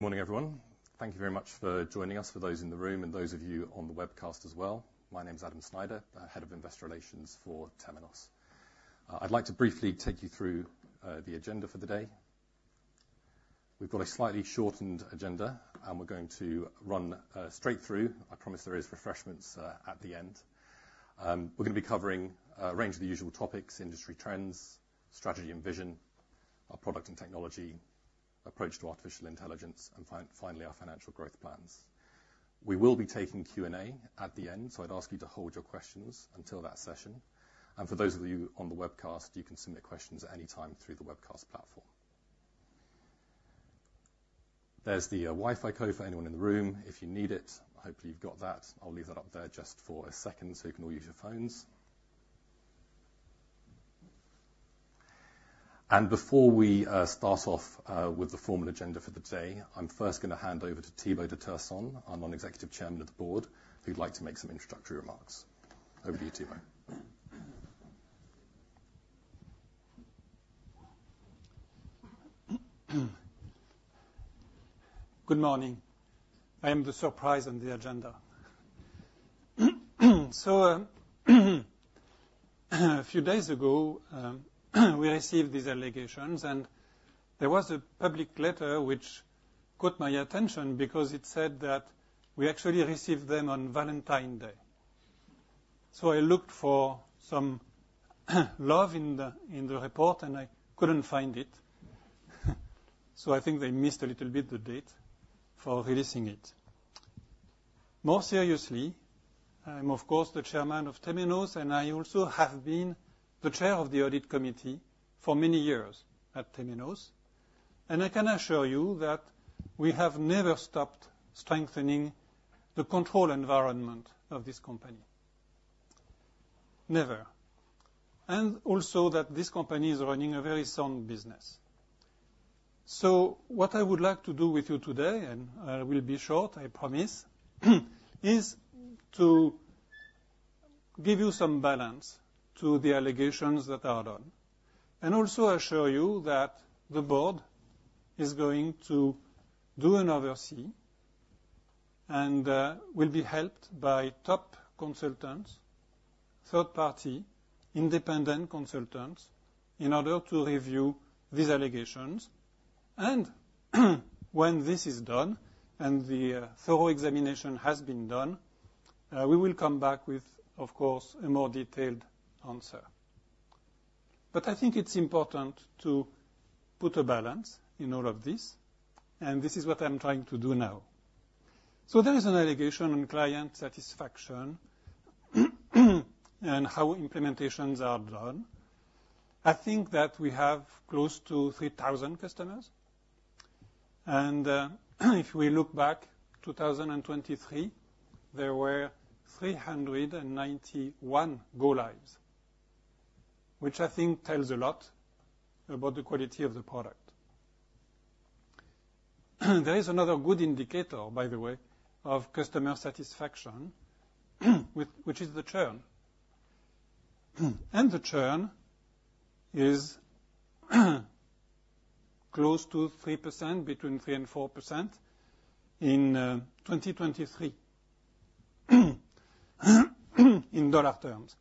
Morning, everyone. Thank you very much for joining us, for those in the room and those of you on the webcast as well. My name's Adam Snyder, Head of Investor Relations for Temenos. I'd like to briefly take you through the agenda for the day. We've got a slightly shortened agenda, and we're going to run straight through. I promise there is refreshments at the end. We're gonna be covering a range of the usual topics: industry trends, strategy and vision, our product and technology, approach to artificial intelligence, and finally our financial growth plans. We will be taking Q&A at the end, so I'd ask you to hold your questions until that session. For those of you on the webcast, you can submit questions at any time through the webcast platform. There's the Wi-Fi code for anyone in the room if you need it. Hopefully you've got that. I'll leave that up there just for a second so you can all use your phones. And before we start off with the formal agenda for the day, I'm first gonna hand over to Thibault de Tersant, our Non-Executive Chairman of the Board, who'd like to make some introductory remarks. Over to you, Thibault. Good morning. I am the surprise on the agenda. So, a few days ago, we received these allegations, and there was a public letter which caught my attention because it said that we actually received them on Valentine's Day. So I looked for some love in the report, and I couldn't find it. So I think they missed a little bit the date for releasing it. More seriously, I'm, of course, the chairman of Temenos, and I also have been the Chair of the Audit Committee for many years at Temenos. And I can assure you that we have never stopped strengthening the control environment of this company. Never. And also that this company is running a very sound business. So what I would like to do with you today, and I will be short, I promise, is to give you some balance to the allegations that are done and also assure you that the board is going to do an oversight and will be helped by top consultants, third-party, independent consultants, in order to review these allegations. When this is done and the thorough examination has been done, we will come back with, of course, a more detailed answer. I think it's important to put a balance in all of this, and this is what I'm trying to do now. So there is an allegation on client satisfaction and how implementations are done. I think that we have close to 3,000 customers. If we look back, 2023, there were 391 go-lives, which I think tells a lot about the quality of the product. There is another good indicator, by the way, of customer satisfaction, which is the churn. The churn is close to 3%, between 3% and 4%, in 2023 in dollar terms.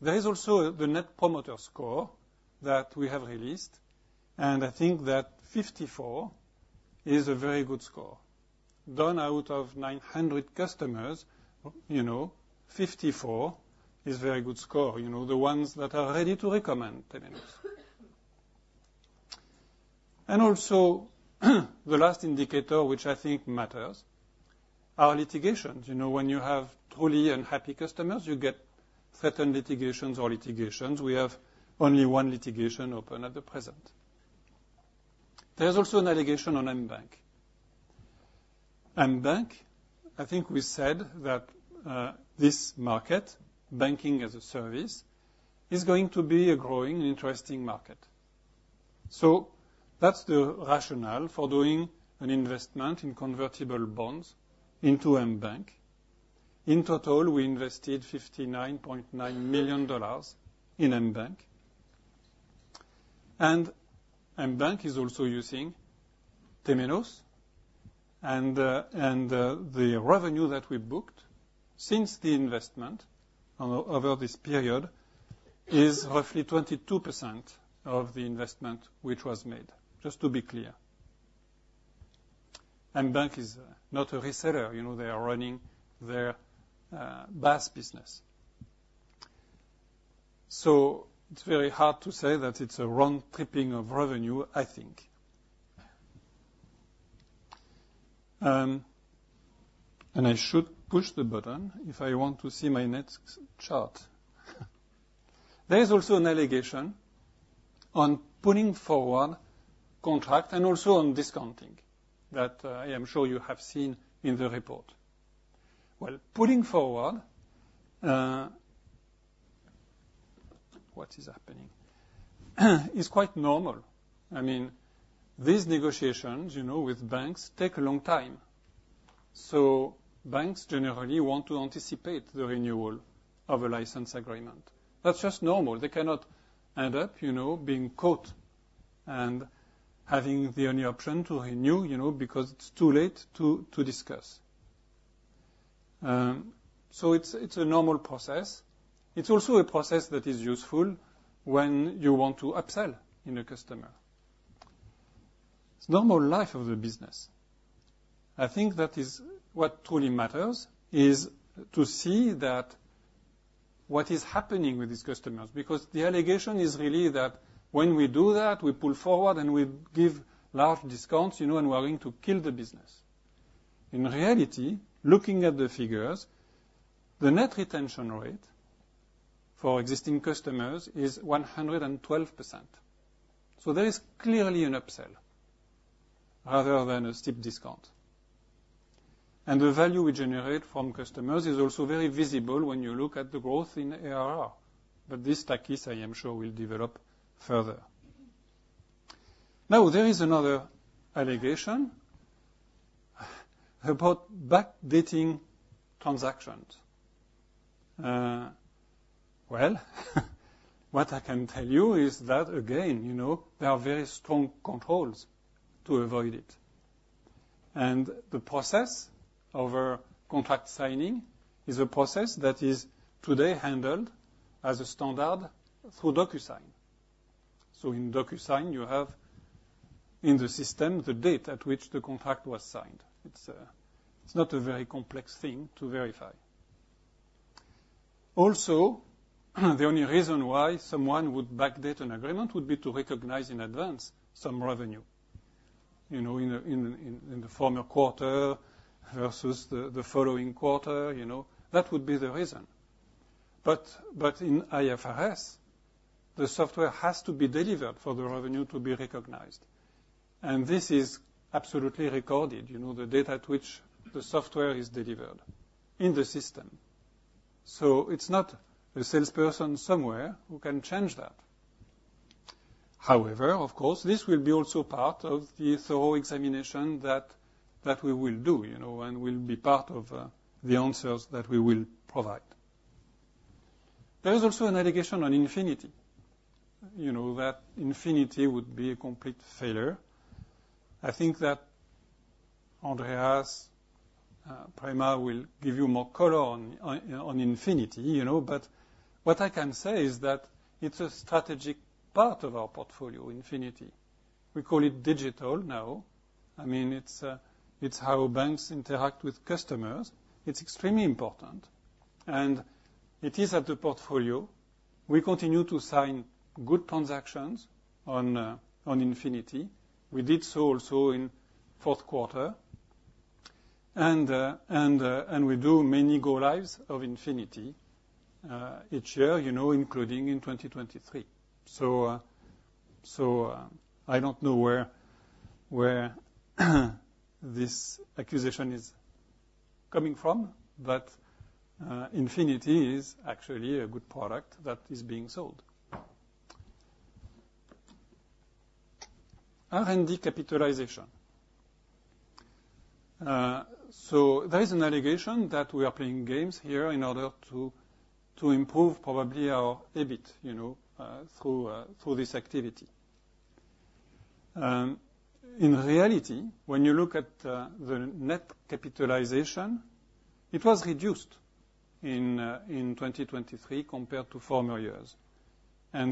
There is also the Net Promoter Score that we have released, and I think that 54 is a very good score. Done out of 900 customers, you know, 54 is a very good score, you know, the ones that are ready to recommend Temenos. Also the last indicator, which I think matters, are litigations. You know, when you have truly unhappy customers, you get threatened litigations or litigations. We have only one litigation open at the present. There's also an allegation on Mbanq. Mbanq, I think we said that, this market, banking as a service, is going to be a growing, interesting market. So that's the rationale for doing an investment in convertible bonds into Mbanq. In total, we invested $59.9 million in Mbanq. And Mbanq is also using Temenos. And the revenue that we booked since the investment over this period is roughly 22% of the investment which was made, just to be clear. Mbanq is not a reseller. You know, they are running their BaaS business. So it's very hard to say that it's a round-tripping of revenue, I think. And I should push the button if I want to see my next chart. There is also an allegation on pulling forward contract and also on discounting that I am sure you have seen in the report. Well, pulling forward, what is happening? It's quite normal. I mean, these negotiations, you know, with banks take a long time. So banks generally want to anticipate the renewal of a license agreement. That's just normal. They cannot end up, you know, being caught and having the only option to renew, you know, because it's too late to discuss. So it's a normal process. It's also a process that is useful when you want to upsell in a customer. It's normal life of the business. I think that is what truly matters is to see that what is happening with these customers because the allegation is really that when we do that, we pull forward and we give large discounts, you know, and we're going to kill the business. In reality, looking at the figures, the net retention rate for existing customers is 112%. So there is clearly an upsell rather than a steep discount. And the value we generate from customers is also very visible when you look at the growth in ARR. But this Takis, I am sure, will develop further. Now, there is another allegation about backdating transactions. Well, what I can tell you is that, again, you know, there are very strong controls to avoid it. And the process over contract signing is a process that is today handled as a standard through DocuSign. So in DocuSign, you have in the system the date at which the contract was signed. It's not a very complex thing to verify. Also, the only reason why someone would backdate an agreement would be to recognize in advance some revenue, you know, in the former quarter versus the following quarter, you know. That would be the reason. But in IFRS, the software has to be delivered for the revenue to be recognized. And this is absolutely recorded, you know, the date at which the software is delivered in the system. It's not a salesperson somewhere who can change that. However, of course, this will be also part of the thorough examination that we will do, you know, and will be part of the answers that we will provide. There is also an allegation on Infinity, you know, that Infinity would be a complete failure. I think that Andreas, Prema will give you more color on Infinity, you know. What I can say is that it's a strategic part of our portfolio, Infinity. We call it digital now. I mean, it's how banks interact with customers. It's extremely important. And it is at the portfolio. We continue to sign good transactions on Infinity. We did so also in fourth quarter. And we do many go-lives of Infinity each year, you know, including in 2023. So, I don't know where this accusation is coming from, but Infinity is actually a good product that is being sold. R&D capitalization. So there is an allegation that we are playing games here in order to improve probably our EBIT, you know, through this activity. In reality, when you look at the net capitalization, it was reduced in 2023 compared to former years.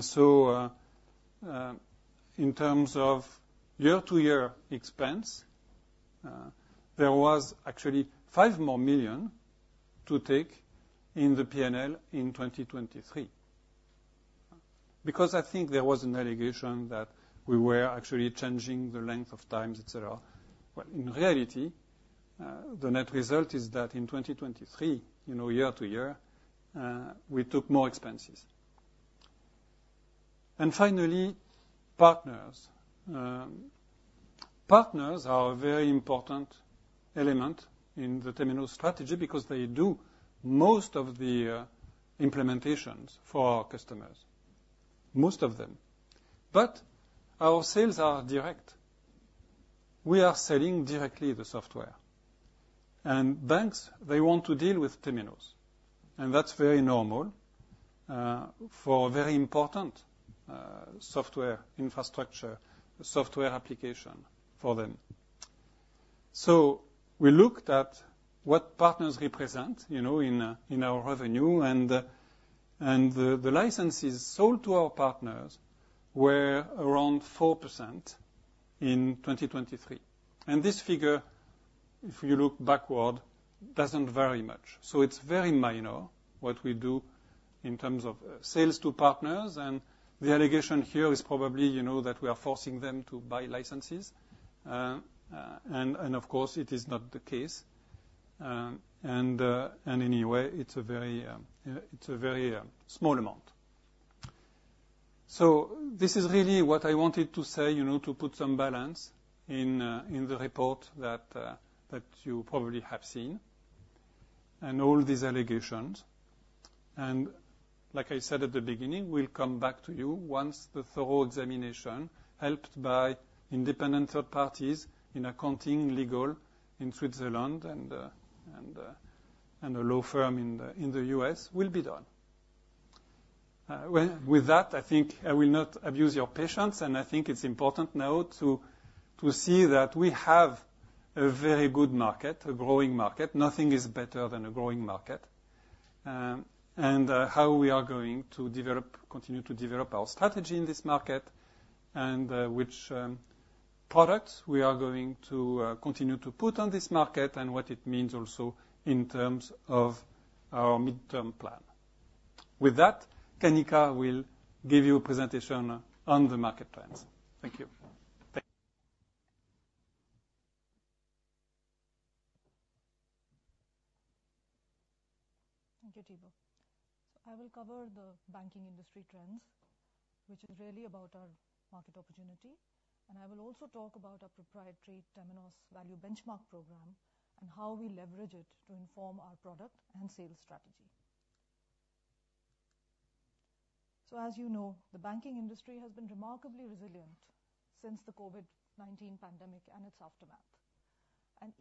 So, in terms of year-to-year expense, there was actually $5 million more to take in the P&L in 2023 because I think there was an allegation that we were actually changing the length of times, etc. Well, in reality, the net result is that in 2023, you know, year-to-year, we took more expenses. And finally, partners. Partners are a very important element in the Temenos strategy because they do most of the implementations for our customers, most of them. But our sales are direct. We are selling directly the software. And banks, they want to deal with Temenos. And that's very normal, for a very important, software infrastructure, software application for them. So we looked at what partners represent, you know, in our revenue. And the licenses sold to our partners were around 4% in 2023. And this figure, if you look backward, doesn't vary much. So it's very minor what we do in terms of sales to partners. And the allegation here is probably, you know, that we are forcing them to buy licenses. And of course, it is not the case. And anyway, it's a very small amount. So this is really what I wanted to say, you know, to put some balance in the report that you probably have seen and all these allegations. And like I said at the beginning, we'll come back to you once the thorough examination helped by independent third parties in accounting, legal in Switzerland and a law firm in the U.S. will be done. With that, I think I will not abuse your patience. And I think it's important now to see that we have a very good market, a growing market. Nothing is better than a growing market, and how we are going to develop continue to develop our strategy in this market and which products we are going to continue to put on this market and what it means also in terms of our midterm plan. With that, Kanika will give you a presentation on the market trends. Thank you. Thank you. Thank you, Thibault. So I will cover the banking industry trends, which is really about our market opportunity. I will also talk about our proprietary Temenos Value Benchmark program and how we leverage it to inform our product and sales strategy. As you know, the banking industry has been remarkably resilient since the COVID-19 pandemic and its aftermath.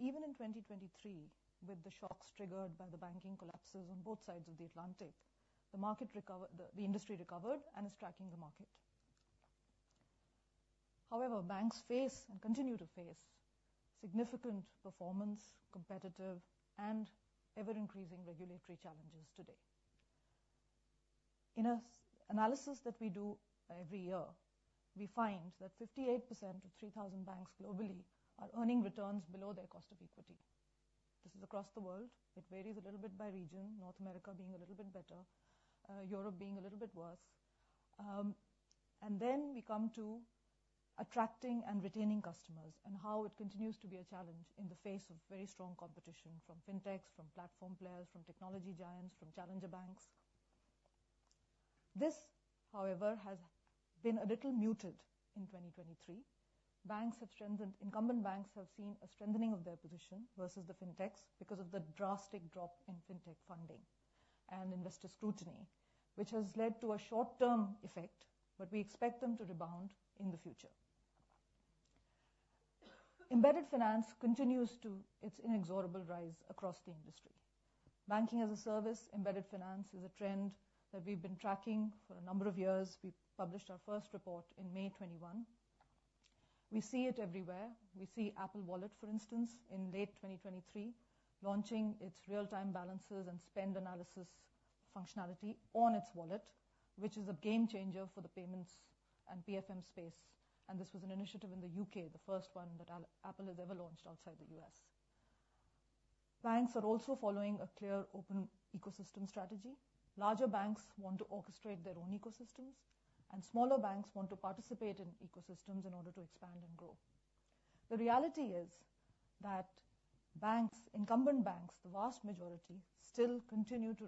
Even in 2023, with the shocks triggered by the banking collapses on both sides of the Atlantic, the market recovered the industry recovered and is tracking the market. However, banks face and continue to face significant performance, competitive, and ever-increasing regulatory challenges today. In an analysis that we do every year, we find that 58% of 3,000 banks globally are earning returns below their cost of equity. This is across the world. It varies a little bit by region, North America being a little bit better, Europe being a little bit worse. Then we come to attracting and retaining customers and how it continues to be a challenge in the face of very strong competition from fintechs, from platform players, from technology giants, from challenger banks. This, however, has been a little muted in 2023. Banks have strengthened. Incumbent banks have seen a strengthening of their position versus the fintechs because of the drastic drop in fintech funding and investor scrutiny, which has led to a short-term effect, but we expect them to rebound in the future. Embedded finance continues to its inexorable rise across the industry. Banking as a service, embedded finance is a trend that we've been tracking for a number of years. We published our first report in May 2021. We see it everywhere. We see Apple Wallet, for instance, in late 2023 launching its real-time balances and spend analysis functionality on its wallet, which is a game changer for the payments and PFM space. This was an initiative in the U.K., the first one that Apple has ever launched outside the U.S. Banks are also following a clear open ecosystem strategy. Larger banks want to orchestrate their own ecosystems. Smaller banks want to participate in ecosystems in order to expand and grow. The reality is that incumbent banks, the vast majority, still continue to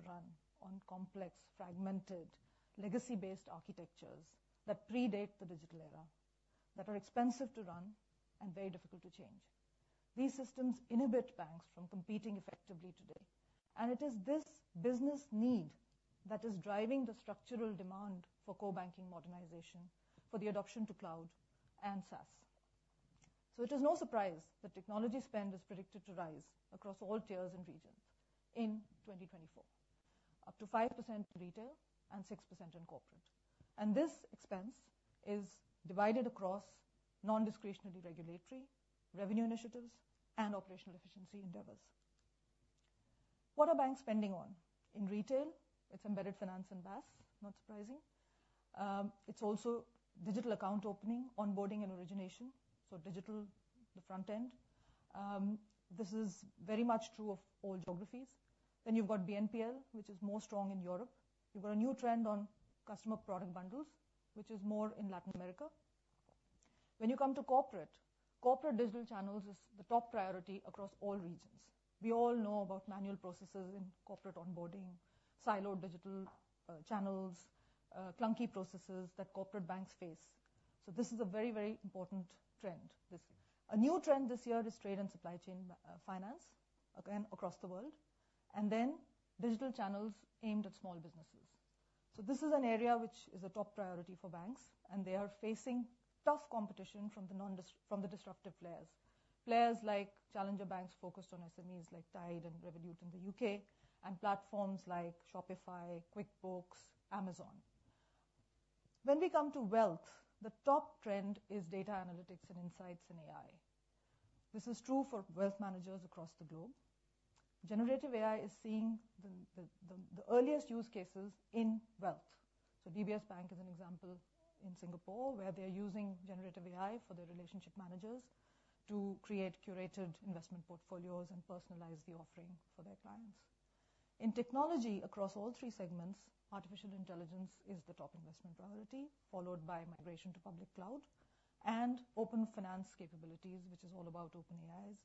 run on complex, fragmented, legacy-based architectures that predate the digital era, that are expensive to run and very difficult to change. These systems inhibit banks from competing effectively today. It is this business need that is driving the structural demand for Core Banking modernization, for the adoption to cloud and SaaS. So it is no surprise that technology spend is predicted to rise across all tiers and regions in 2024, up to 5% in retail and 6% in corporate. This expense is divided across nondiscretionary regulatory, revenue initiatives, and operational efficiency endeavors. What are banks spending on? In retail, it's embedded finance and SaaS, not surprising. It's also digital account opening, onboarding, and origination, so digital the front end. This is very much true of all geographies. Then you've got BNPL, which is more strong in Europe. You've got a new trend on customer product bundles, which is more in Latin America. When you come to corporate, corporate digital channels is the top priority across all regions. We all know about manual processes in corporate onboarding, silos digital channels, clunky processes that corporate banks face. So this is a very, very important trend. This is a new trend this year: trade and supply chain finance, again, across the world, and then digital channels aimed at small businesses. So this is an area which is a top priority for banks. And they are facing tough competition from the disruptive players, players like challenger banks focused on SMEs like Tide and Revolut in the U.K. and platforms like Shopify, QuickBooks, Amazon. When we come to wealth, the top trend is data analytics and insights in AI. This is true for wealth managers across the globe. Generative AI is seeing the earliest use cases in wealth. So DBS Bank is an example in Singapore where they are using generative AI for their relationship managers to create curated investment portfolios and personalize the offering for their clients. In technology across all three segments, artificial intelligence is the top investment priority, followed by migration to public cloud and open finance capabilities, which is all about openAIs,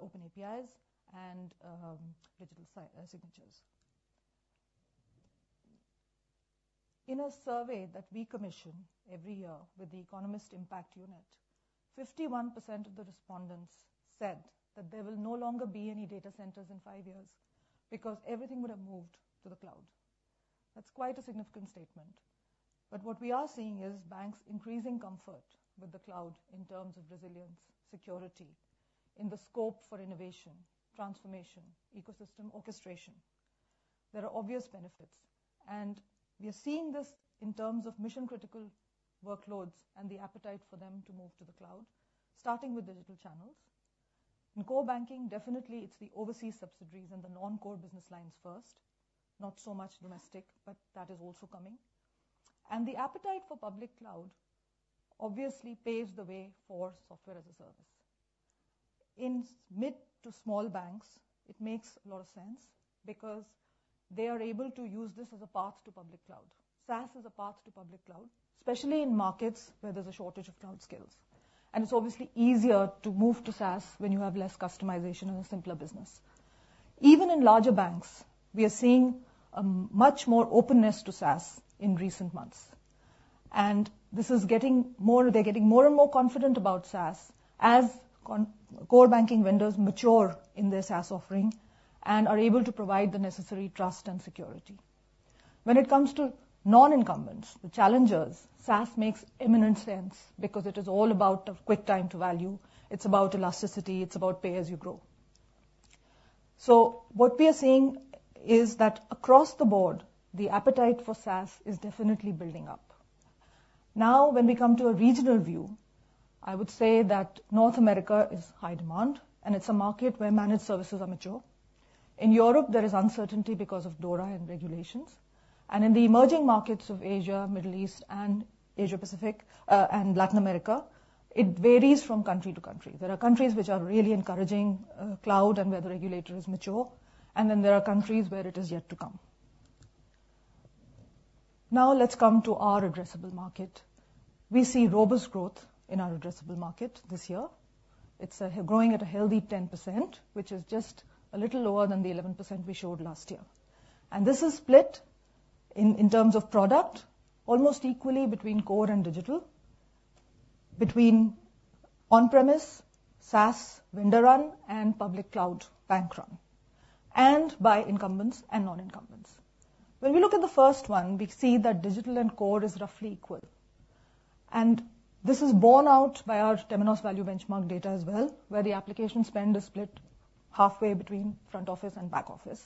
open APIs and digital e-signatures. In a survey that we commission every year with Economist Impact, 51% of the respondents said that there will no longer be any data centers in five years because everything would have moved to the cloud. That's quite a significant statement. But what we are seeing is banks increasing comfort with the cloud in terms of resilience, security, in the scope for innovation, transformation, ecosystem orchestration. There are obvious benefits. And we are seeing this in terms of mission-critical workloads and the appetite for them to move to the cloud, starting with digital channels. In Core Banking, definitely, it's the overseas subsidiaries and the non-core business lines first, not so much domestic, but that is also coming. The appetite for public cloud obviously paves the way for software as a service. In mid to small banks, it makes a lot of sense because they are able to use this as a path to public cloud. SaaS is a path to public cloud, especially in markets where there's a shortage of cloud skills. And it's obviously easier to move to SaaS when you have less customization and a simpler business. Even in larger banks, we are seeing much more openness to SaaS in recent months. And they're getting more and more confident about SaaS as Core Banking vendors mature in their SaaS offering and are able to provide the necessary trust and security. When it comes to non-incumbents, the challengers, SaaS makes imminent sense because it is all about a quick time to value. It's about elasticity. It's about pay as you grow. So what we are seeing is that across the board, the appetite for SaaS is definitely building up. Now, when we come to a regional view, I would say that North America is high demand, and it's a market where managed services are mature. In Europe, there is uncertainty because of DORA and regulations. In the emerging markets of Asia, Middle East, and Asia-Pacific, and Latin America, it varies from country to country. There are countries which are really encouraging cloud and where the regulator is mature. Then there are countries where it is yet to come. Now, let's come to our addressable market. We see robust growth in our addressable market this year. It's growing at a healthy 10%, which is just a little lower than the 11% we showed last year. And this is split in terms of product almost equally between Core and Digital, between on-premise, SaaS vendor run, and public cloud bank run and by incumbents and non-incumbents. When we look at the first one, we see that digital and core is roughly equal. And this is borne out by our Temenos Value Benchmark data as well, where the application spend is split halfway between front office and back office.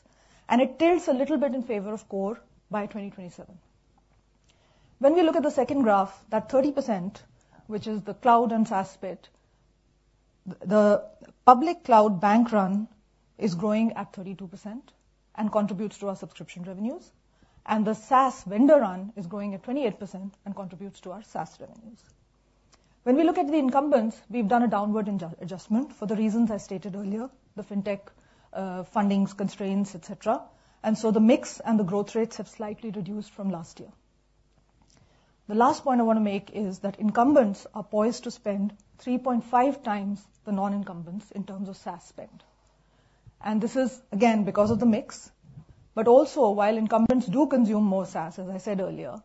And it tilts a little bit in favor of core by 2027. When we look at the second graph, that 30%, which is the cloud and SaaS split, the public cloud bank run is growing at 32% and contributes to our subscription revenues. And the SaaS vendor run is growing at 28% and contributes to our SaaS revenues. When we look at the incumbents, we've done a downward adjustment for the reasons I stated earlier, the fintech, fundings, constraints, etc. So the mix and the growth rates have slightly reduced from last year. The last point I wanna make is that incumbents are poised to spend 3.5x the non-incumbents in terms of SaaS spend. This is, again, because of the mix. But also, while incumbents do consume more SaaS, as I said earlier,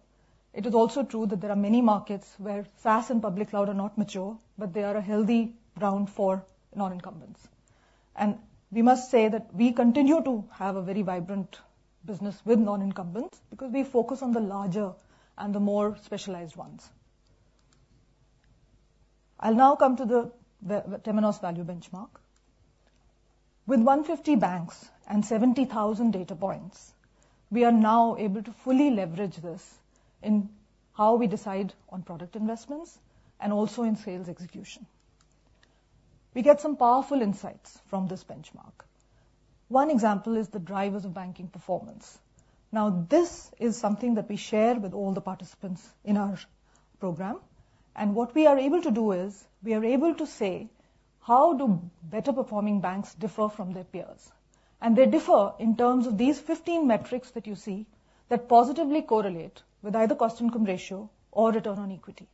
it is also true that there are many markets where SaaS and public cloud are not mature, but they are a healthy ground for non-incumbents. We must say that we continue to have a very vibrant business with non-incumbents because we focus on the larger and the more specialized ones. I'll now come to the Temenos Value Benchmark. With 150 banks and 70,000 data points, we are now able to fully leverage this in how we decide on product investments and also in sales execution. We get some powerful insights from this benchmark. One example is the drivers of banking performance. Now, this is something that we share with all the participants in our program. And what we are able to do is we are able to say, how do better-performing banks differ from their peers? And they differ in terms of these 15 metrics that you see that positively correlate with either cost-income ratio or return on equity.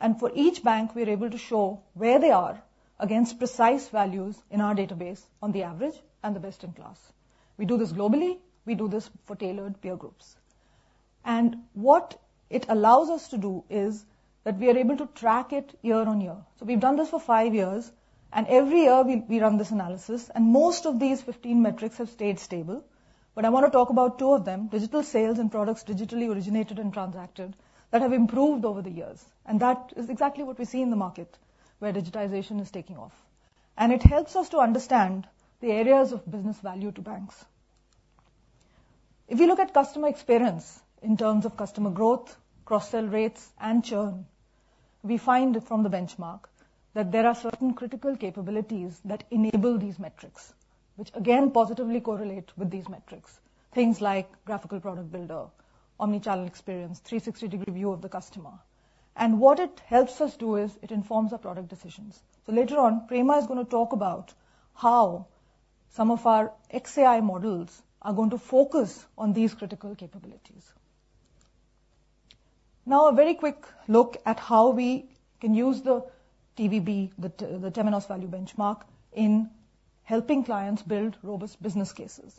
And for each bank, we are able to show where they are against precise values in our database on the average and the best-in-class. We do this globally. We do this for tailored peer groups. What it allows us to do is that we are able to track it year on year. So we've done this for five years. And every year, we, we run this analysis. And most of these 15 metrics have stayed stable. But I wanna talk about two of them, digital sales and products digitally originated and transacted, that have improved over the years. And that is exactly what we see in the market where digitization is taking off. And it helps us to understand the areas of business value to banks. If you look at customer experience in terms of customer growth, cross-sell rates, and churn, we find from the benchmark that there are certain critical capabilities that enable these metrics, which again positively correlate with these metrics, things like graphical product builder, omnichannel experience, 360-degree view of the customer. And what it helps us do is it informs our product decisions. So later on, Prema is gonna talk about how some of our XAI models are going to focus on these critical capabilities. Now, a very quick look at how we can use the TVB, the Temenos Value Benchmark in helping clients build robust business cases.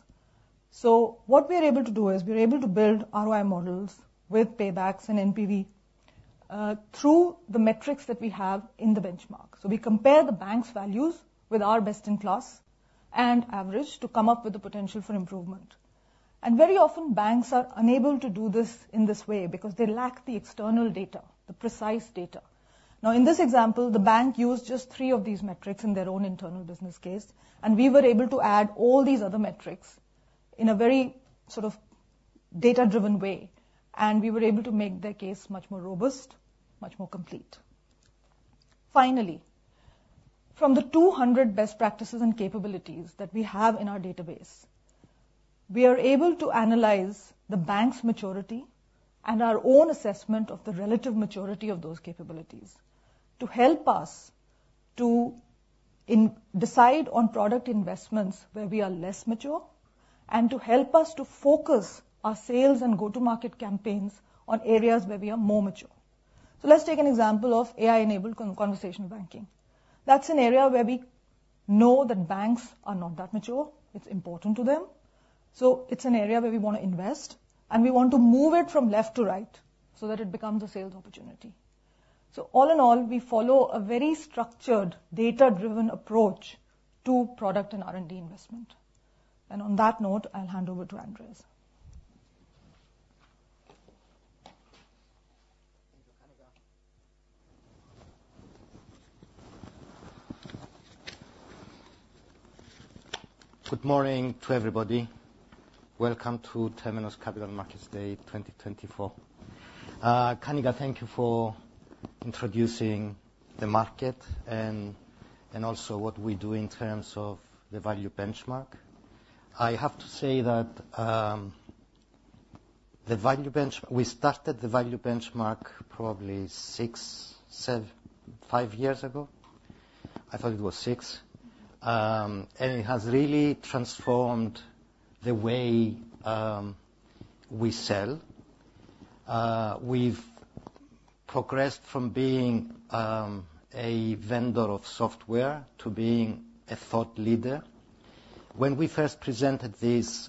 So what we are able to do is we are able to build ROI models with paybacks and NPV, through the metrics that we have in the Benchmark. So we compare the bank's values with our best-in-class and average to come up with the potential for improvement. And very often, banks are unable to do this in this way because they lack the external data, the precise data. Now, in this example, the bank used just three of these metrics in their own internal business case. We were able to add all these other metrics in a very sort of data-driven way. We were able to make their case much more robust, much more complete. Finally, from the 200 best practices and capabilities that we have in our database, we are able to analyze the bank's maturity and our own assessment of the relative maturity of those capabilities to help us decide on product investments where we are less mature and to help us to focus our sales and go-to-market campaigns on areas where we are more mature. So let's take an example of AI-enabled Conversational Banking. That's an area where we know that banks are not that mature. It's important to them. So it's an area where we wanna invest. And we want to move it from left to right so that it becomes a sales opportunity. So all in all, we follow a very structured, data-driven approach to product and R&D investment. And on that note, I'll hand over to Andreas. Good morning to everybody. Welcome to Temenos Capital Markets Day 2024. Kanika, thank you for introducing the market and also what we do in terms of the Value Benchmark. I have to say that the Value Benchmark we started the Value Benchmark probably five years ago. I thought it was six. It has really transformed the way we sell. We've progressed from being a vendor of software to being a thought leader. When we first presented this,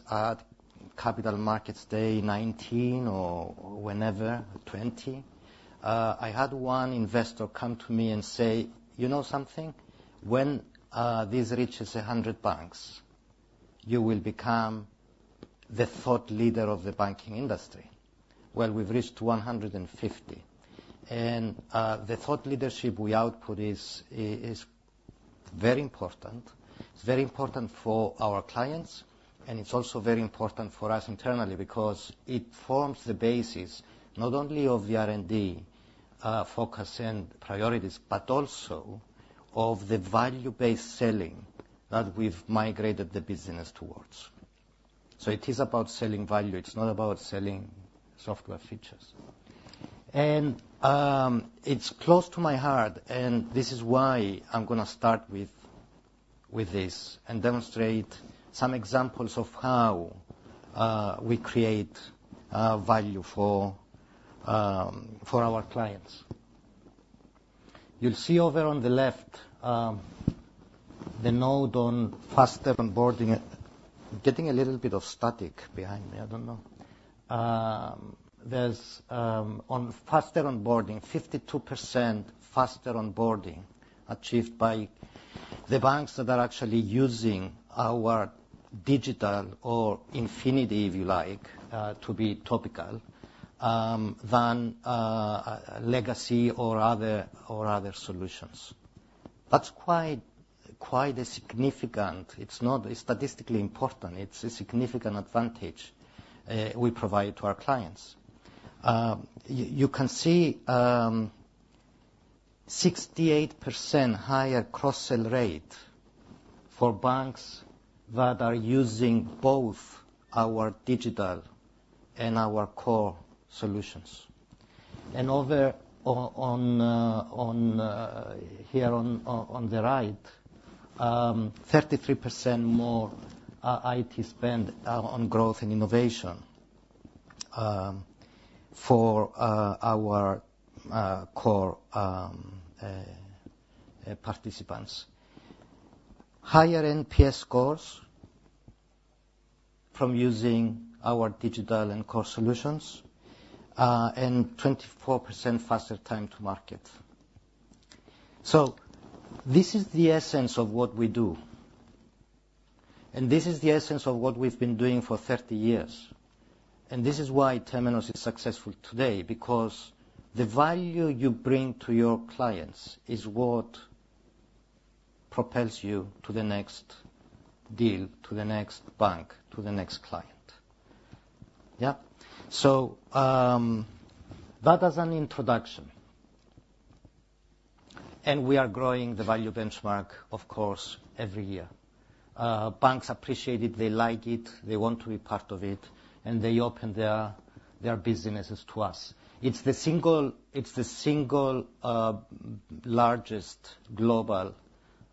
Capital Markets Day 2019 or whenever, 2020, I had one investor come to me and say, "You know something? When this reaches 100 banks, you will become the thought leader of the banking industry." Well, we've reached 150. The thought leadership we output is very important. It's very important for our clients. It's also very important for us internally because it forms the basis not only of the R&D focus and priorities but also of the value-based selling that we've migrated the business towards. So it is about selling value. It's not about selling software features. It's close to my heart. This is why I'm gonna start with this and demonstrate some examples of how we create value for our clients. You'll see over on the left, the node on faster onboarding getting a little bit of static behind me. I don't know. There's on faster onboarding, 52% faster onboarding achieved by the banks that are actually using our digital or Infinity, if you like, to be topical, than legacy or other solutions. That's quite a significant—it's not statistically important. It's a significant advantage we provide to our clients. You can see 68% higher cross-sell rate for banks that are using both our digital and our core solutions. And over on the right, 33% more IT spend on growth and innovation for our core participants, higher NPS scores from using our digital and core solutions, and 24% faster time to market. So this is the essence of what we do. And this is the essence of what we've been doing for 30 years. And this is why Temenos is successful today because the value you bring to your clients is what propels you to the next deal, to the next bank, to the next client. Yep. So that as an introduction. And we are growing the Value Benchmark, of course, every year. Banks appreciate it. They like it. They want to be part of it. And they open their businesses to us. It's the single largest global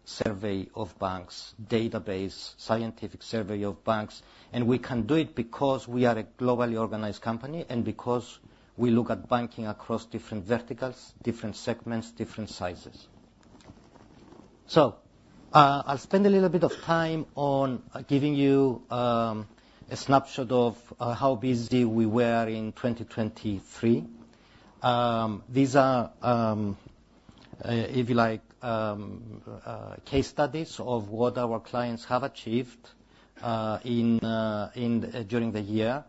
survey of banks, data-based scientific survey of banks. And we can do it because we are a globally organized company and because we look at banking across different verticals, different segments, different sizes. So, I'll spend a little bit of time on giving you a snapshot of how busy we were in 2023. These are, if you like, case studies of what our clients have achieved during the year.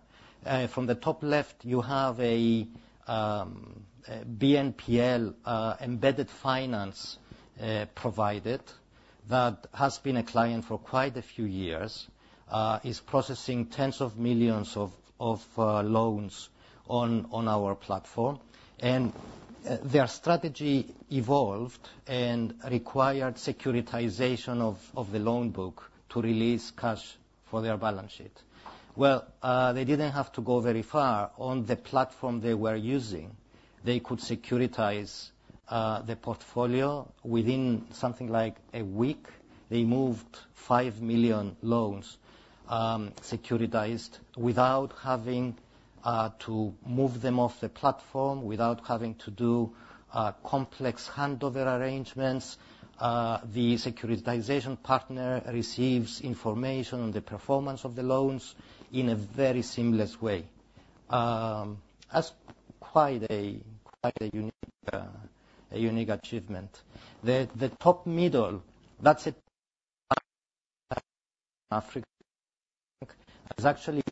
From the top left, you have a BNPL embedded finance provider that has been a client for quite a few years, is processing tens of millions of loans on our platform. And their strategy evolved and required securitization of the loan book to release cash for their balance sheet. Well, they didn't have to go very far. On the platform they were using, they could securitize the portfolio. Within something like a week, they moved 5 million loans, securitized without having to move them off the platform, without having to do complex handover arrangements. The securitization partner receives information on the performance of the loans in a very seamless way. That's quite a unique achievement. The top middle, that's a bank, is actually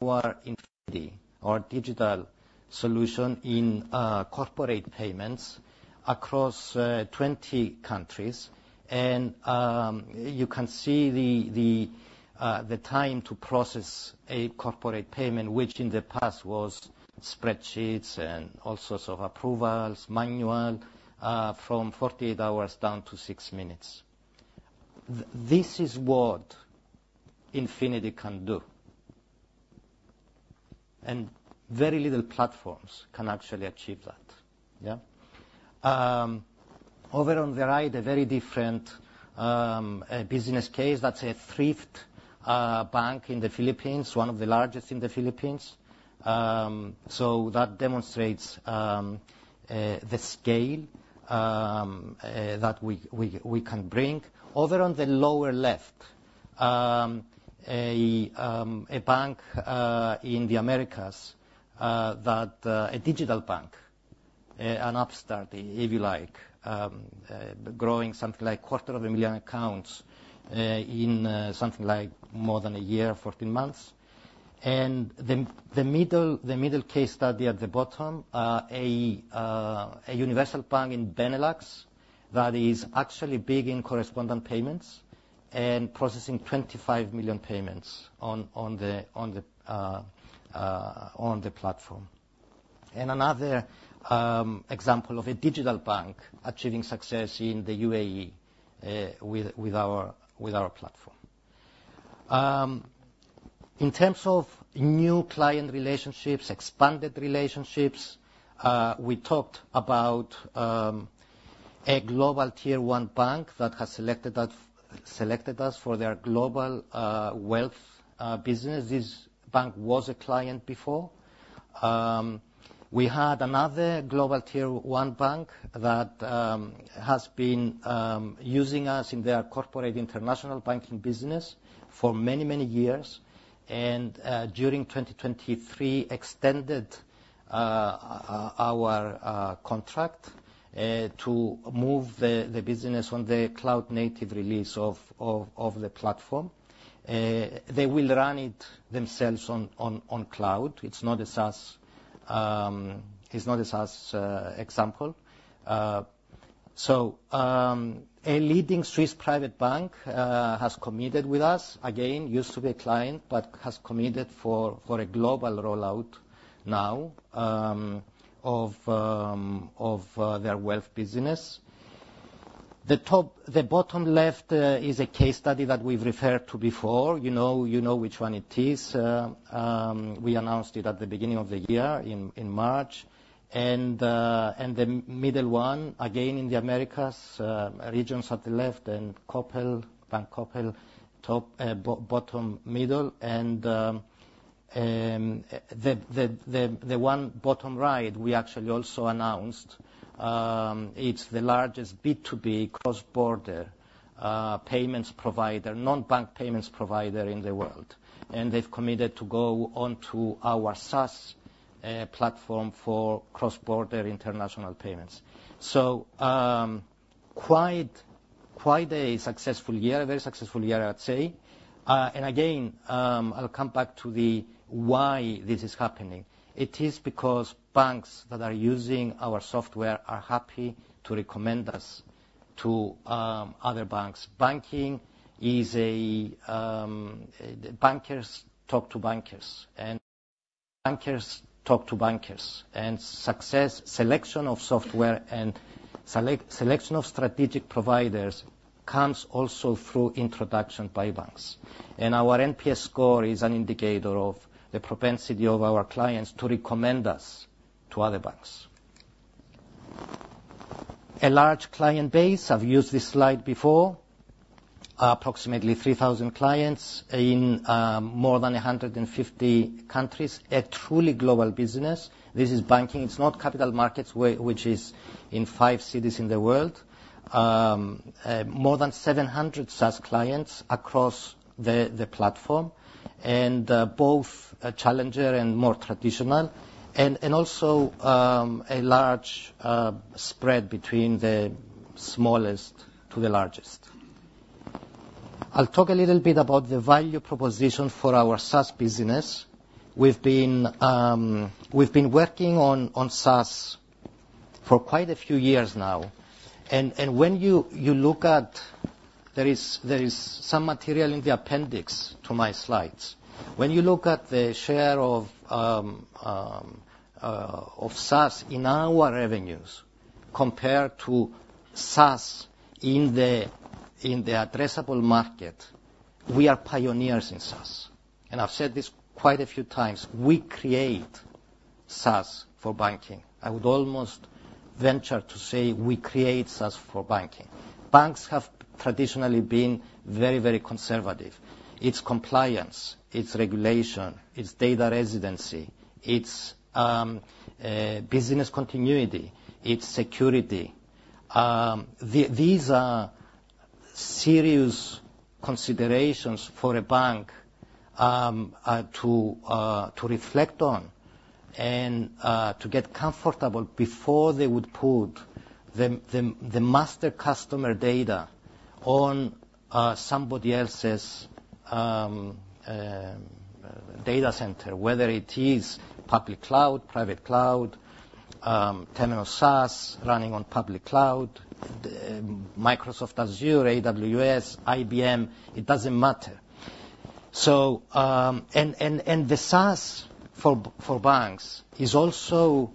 our Infinity, our digital solution in corporate payments across 20 countries. And you can see the time to process a corporate payment, which in the past was spreadsheets and all sorts of approvals, manual, from 48 hours down to six minutes. This is what Infinity can do. And very little platforms can actually achieve that. Yeah? Over on the right, a very different business case. That's a thrift bank in the Philippines, one of the largest in the Philippines. So that demonstrates the scale that we can bring. Over on the lower left, a bank in the Americas, that's a digital bank, an upstart, if you like, growing something like 250,000 accounts in something like more than a year, 14 months. And the middle case study at the bottom, a universal bank in Benelux that is actually big in correspondent payments and processing 25 million payments on the platform. And another example of a digital bank achieving success in the UAE with our platform. In terms of new client relationships, expanded relationships, we talked about a global tier-one bank that has selected us for their global wealth business. This bank was a client before. We had another global tier-one bank that has been using us in their corporate international banking business for many, many years. And during 2023, extended our contract to move the business on the cloud-native release of the platform. They will run it themselves on cloud. It's not a SaaS, it's not a SaaS example. So, a leading Swiss Private Bank has committed with us. Again, used to be a client but has committed for a global rollout now of their wealth business. The top, the bottom left, is a case study that we've referred to before. You know, you know which one it is. We announced it at the beginning of the year in March. And the middle one, again, in the Americas region at the left, then BanCoppel, top, bottom middle. The one bottom right we actually also announced, it's the largest B2B cross-border payments provider, non-bank payments provider in the world. And they've committed to go onto our SaaS platform for cross-border international payments. So, quite a successful year, a very successful year, I'd say. And again, I'll come back to the why this is happening. It is because banks that are using our software are happy to recommend us to other banks. Banking is a, bankers talk to bankers. And bankers talk to bankers. And success selection of software and selection of strategic providers comes also through introduction by banks. And our NPS score is an indicator of the propensity of our clients to recommend us to other banks. A large client base. I've used this slide before. Approximately 3,000 clients in more than 150 countries. A truly global business. This is banking. It's not Capital Markets which is in five cities in the world. More than 700 SaaS clients across the platform. And both challenger and more traditional. And also a large spread between the smallest to the largest. I'll talk a little bit about the value proposition for our SaaS business. We've been working on SaaS for quite a few years now. And when you look at, there is some material in the appendix to my slides. When you look at the share of SaaS in our revenues compared to SaaS in the addressable market, we are pioneers in SaaS. And I've said this quite a few times. We create SaaS for banking. I would almost venture to say we create SaaS for banking. Banks have traditionally been very conservative. It's compliance. It's regulation. It's data residency. It's business continuity. It's security. These are serious considerations for a bank, to reflect on and to get comfortable before they would put the master customer data on somebody else's data center, whether it is public cloud, private cloud, Temenos SaaS running on public cloud, Microsoft Azure, AWS, IBM. It doesn't matter. So the SaaS for banks is also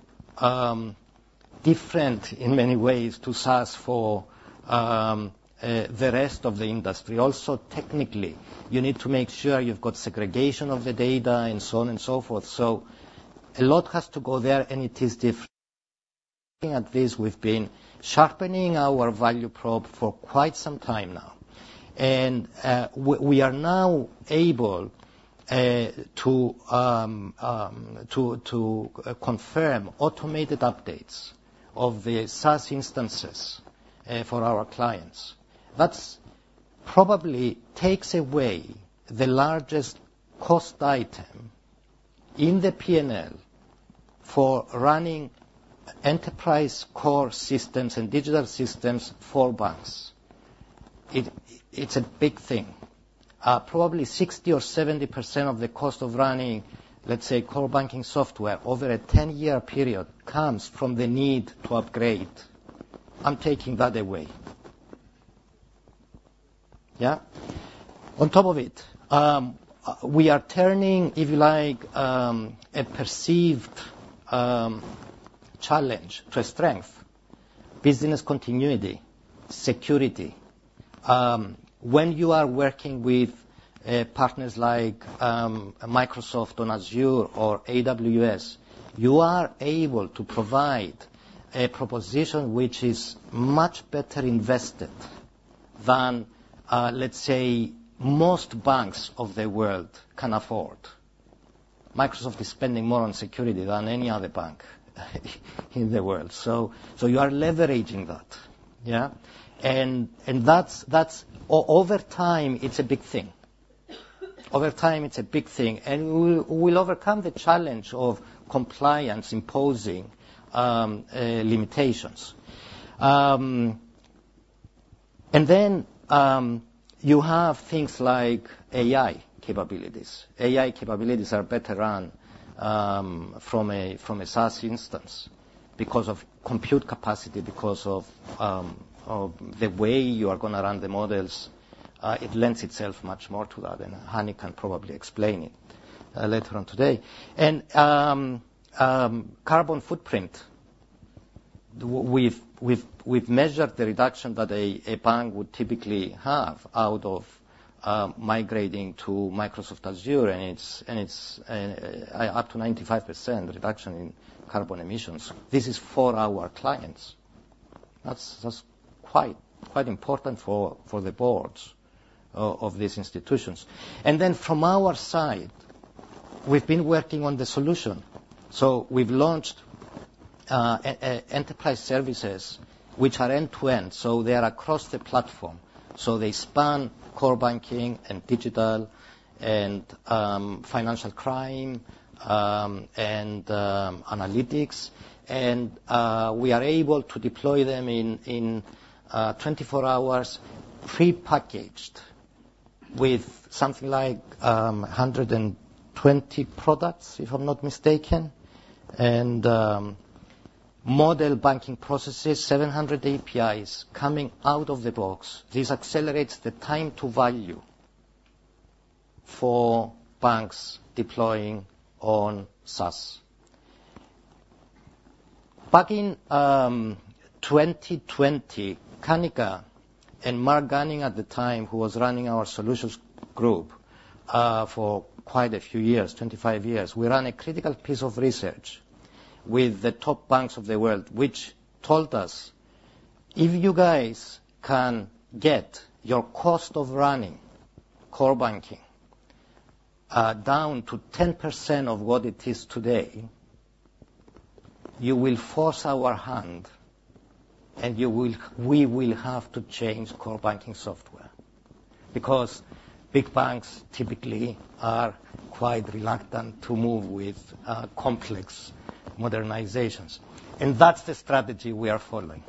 different in many ways to SaaS for the rest of the industry. Also, technically, you need to make sure you've got segregation of the data and so on and so forth. So a lot has to go there. And it is different. Looking at this, we've been sharpening our value prop for quite some time now. We are now able to confirm automated updates of the SaaS instances for our clients. That's probably takes away the largest cost item in the P&L for running enterprise core systems and digital systems for banks. It's a big thing. Probably 60% or 70% of the cost of running, let's say, Core Banking software over a 10-year period comes from the need to upgrade. I'm taking that away. Yeah? On top of it, we are turning, if you like, a perceived challenge to a strength, business continuity, security. When you are working with partners like Microsoft on Azure or AWS, you are able to provide a proposition which is much better invested than, let's say, most banks of the world can afford. Microsoft is spending more on security than any other bank in the world. So you are leveraging that. Yeah? And that's, over time, it's a big thing. Over time, it's a big thing. And we'll overcome the challenge of compliance imposing limitations. And then, you have things like AI capabilities. AI capabilities are better run from a SaaS instance because of compute capacity, because of the way you are gonna run the models. It lends itself much more to that. And Hani can probably explain it later on today. And carbon footprint, we've measured the reduction that a bank would typically have out of migrating to Microsoft Azure. And it's an up to 95% reduction in carbon emissions. This is for our clients. That's quite important for the boards of these institutions. And then from our side, we've been working on the solution. So we've launched Enterprise Services which are end-to-end. So they are across the platform. So they span Core Banking and Digital and Financial Crime, and Analytics. We are able to deploy them in 24 hours prepackaged with something like 120 products, if I'm not mistaken, and model banking processes, 700 APIs coming out of the box. This accelerates the time to value for banks deploying on SaaS. Back in 2020, Kanika and Mark Gunning at the time, who was running our solutions group, for quite a few years, 25 years, we ran a critical piece of research with the top banks of the world which told us, "If you guys can get your cost of running Core Banking down to 10% of what it is today, you will force our hand, and we will have to change Core Banking software because big banks typically are quite reluctant to move with complex modernizations." That's the strategy we are following,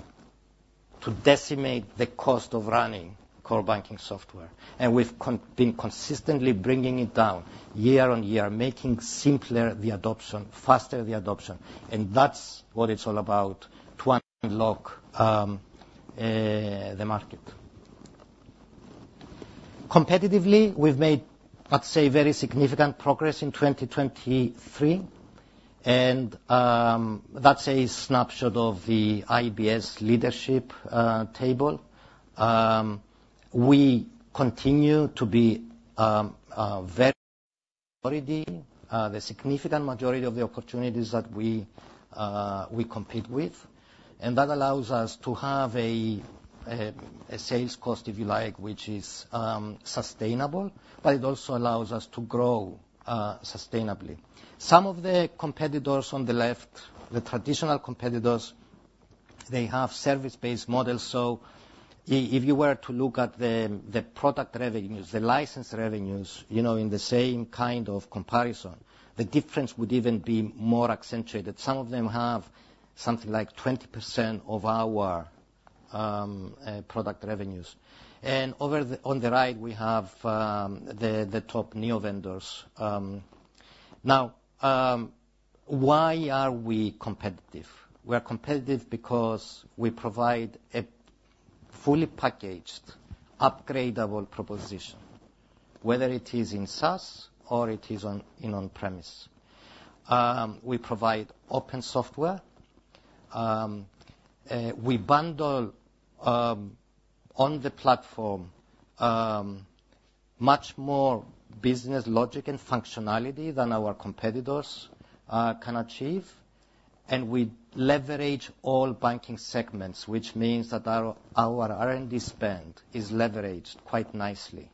to decimate the cost of running Core Banking software. And we've been consistently bringing it down year-on-year, making simpler the adoption, faster the adoption. And that's what it's all about, to unlock the market. Competitively, we've made, let's say, very significant progress in 2023. And that's a snapshot of the IBS leadership table. We continue to be the very majority, the significant majority of the opportunities that we compete with. And that allows us to have a sales cost, if you like, which is sustainable. But it also allows us to grow sustainably. Some of the competitors on the left, the traditional competitors, they have service-based models. So if you were to look at the product revenues, the license revenues, you know, in the same kind of comparison, the difference would even be more accentuated. Some of them have something like 20% of our product revenues. Over on the right, we have the top neo-vendors. Now, why are we competitive? We are competitive because we provide a fully packaged, upgradable proposition, whether it is in SaaS or it is on-premise. We provide open software. We bundle, on the platform, much more business logic and functionality than our competitors, can achieve. We leverage all banking segments, which means that our R&D spend is leveraged quite nicely,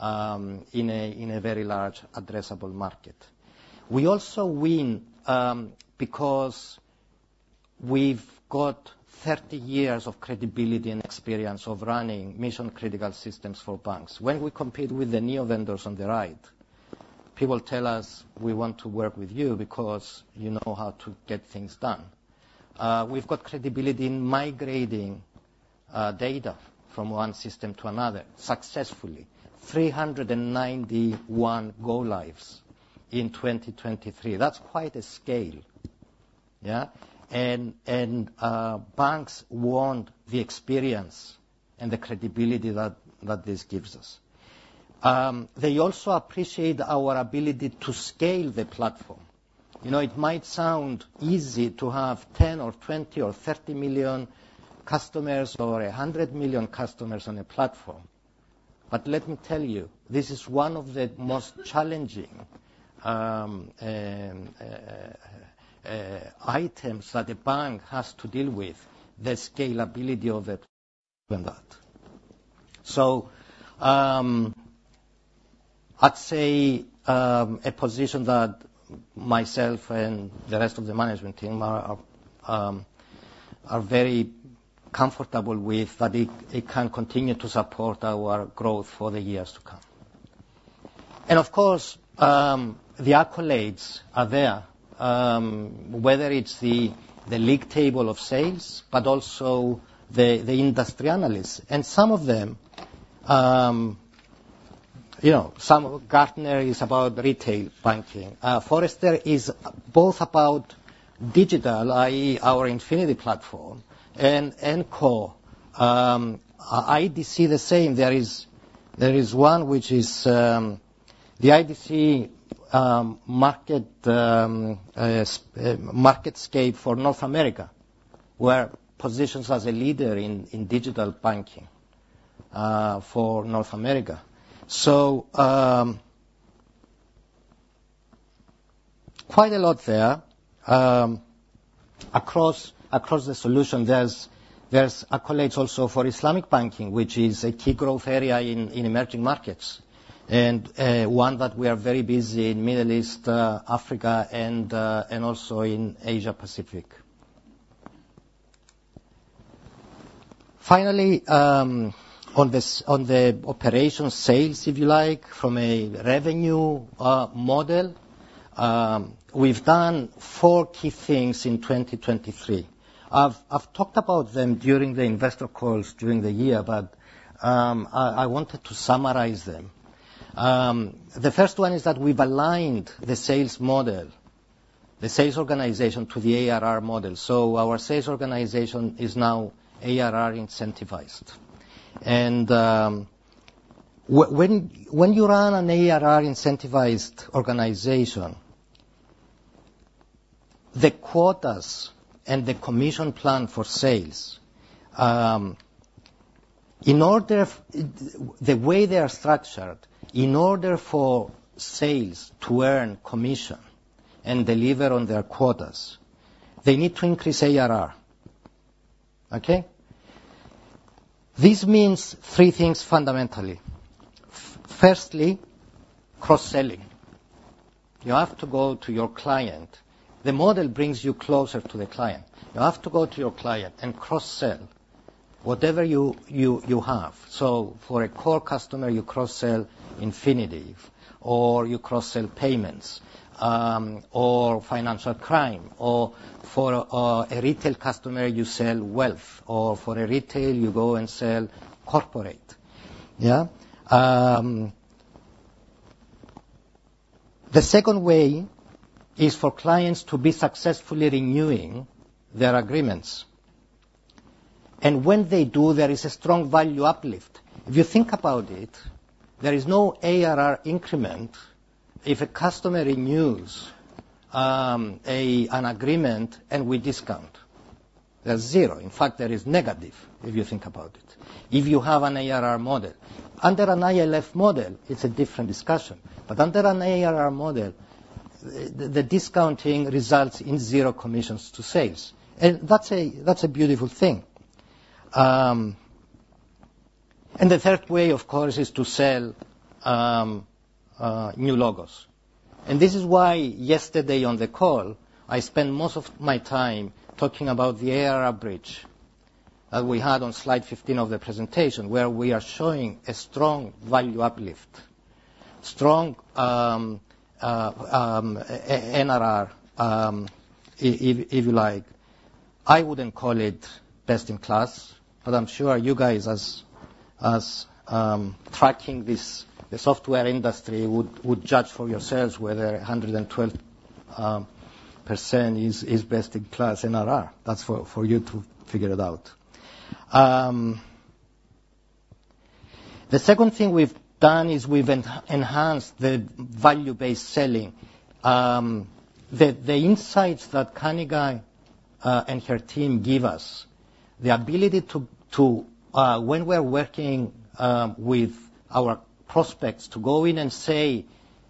in a very large addressable market. We also win, because we've got 30 years of credibility and experience of running mission-critical systems for banks. When we compete with the neo-vendors on the right, people tell us, "We want to work with you because you know how to get things done." We've got credibility in migrating, data from one system to another successfully, 391 go-lives in 2023. That's quite a scale. Yeah? And banks want the experience and the credibility that this gives us. They also appreciate our ability to scale the platform. You know, it might sound easy to have 10 or 20 or 30 million customers or 100 million customers on a platform. But let me tell you, this is one of the most challenging items that a bank has to deal with, the scalability of it and that. So, I'd say a position that myself and the rest of the management team are very comfortable with, that it can continue to support our growth for the years to come. And of course, the accolades are there, whether it's the league table of sales but also the industry analysts. And some of them, you know, some of Gartner is about Retail Banking. Forrester is both about digital, i.e., our Infinity platform and core. IDC, the same. There is one which is the IDC MarketScape for North America. We're positioned as a leader in Digital Banking for North America. So, quite a lot there. Across the solution, there's accolades also for Islamic banking, which is a key growth area in emerging markets and one that we are very busy in Middle East, Africa, and also in Asia-Pacific. Finally, on the operations sales, if you like, from a revenue model, we've done four key things in 2023. I've talked about them during the investor calls during the year. But I wanted to summarize them. The first one is that we've aligned the sales model, the sales organization, to the ARR model. So our sales organization is now ARR incentivized. When you run an ARR incentivized organization, the quotas and the commission plan for sales, in order for the way they are structured, in order for sales to earn commission and deliver on their quotas, they need to increase ARR. Okay? This means three things fundamentally. Firstly, cross-selling. You have to go to your client. The model brings you closer to the client. You have to go to your client and cross-sell whatever you have. So for a core customer, you cross-sell Infinity, or you cross-sell payments, or financial crime. Or for a retail customer, you sell wealth. Or for a retail, you go and sell corporate. Yeah? The second way is for clients to be successfully renewing their agreements. And when they do, there is a strong value uplift. If you think about it, there is no ARR increment if a customer renews an agreement and we discount. There's zero. In fact, there is negative, if you think about it, if you have an ARR model. Under an ILF model, it's a different discussion. But under an ARR model, the discounting results in zero commissions to sales. And that's a beautiful thing. And the third way, of course, is to sell new logos. And this is why yesterday on the call, I spent most of my time talking about the ARR bridge that we had on slide 15 of the presentation where we are showing a strong value uplift, strong NRR, if you like. I wouldn't call it best-in-class. But I'm sure you guys, as tracking this, the software industry, would judge for yourselves whether 112% is best-in-class NRR. That's for you to figure it out. The second thing we've done is we've enhanced the value-based selling. The insights that Kanika and her team give us, the ability to, when we're working with our prospects to go in and say,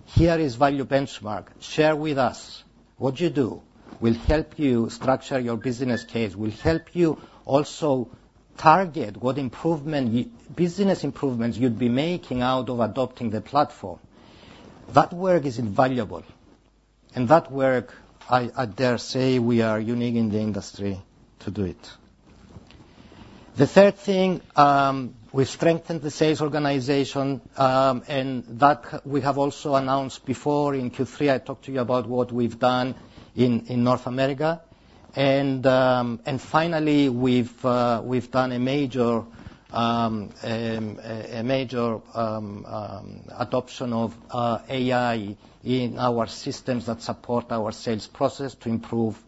"Here is Value Benchmark. Share with us what you do. We'll help you structure your business case. We'll help you also target what business improvements you'd be making out of adopting the platform." That work is invaluable. And that work, I dare say, we are unique in the industry to do it. The third thing, we've strengthened the sales organization, and that we have also announced before in Q3. I talked to you about what we've done in North America. And finally, we've done a major adoption of AI in our systems that support our sales process to improve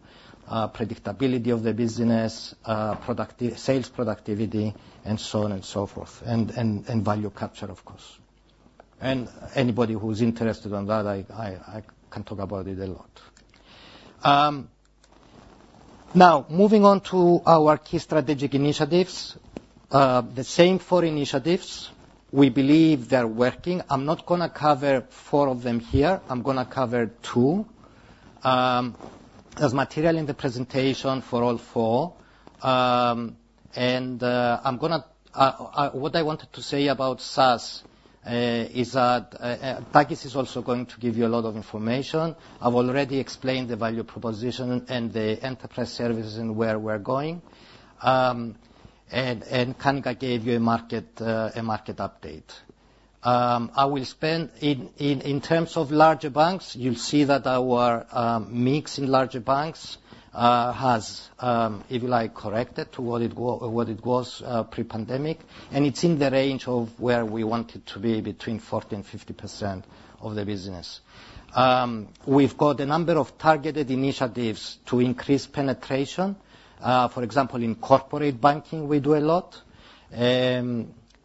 predictability of the business, productivity, sales productivity, and so on and so forth, and value capture, of course. And anybody who's interested in that, I can talk about it a lot. Now, moving on to our key strategic initiatives, the same four initiatives we believe are working. I'm not gonna cover all four of them here. I'm gonna cover two as material in the presentation for all four. And what I wanted to say about SaaS is that Takis is also going to give you a lot of information. I've already explained the value proposition and the Enterprise Services and where we're going. And Kanika gave you a market update. I will spend, in terms of larger banks, you'll see that our mix in larger banks has, if you like, corrected to what it was pre-pandemic. And it's in the range of where we wanted to be between 40%-50% of the business. We've got a number of targeted initiatives to increase penetration. For example, in Corporate Banking, we do a lot.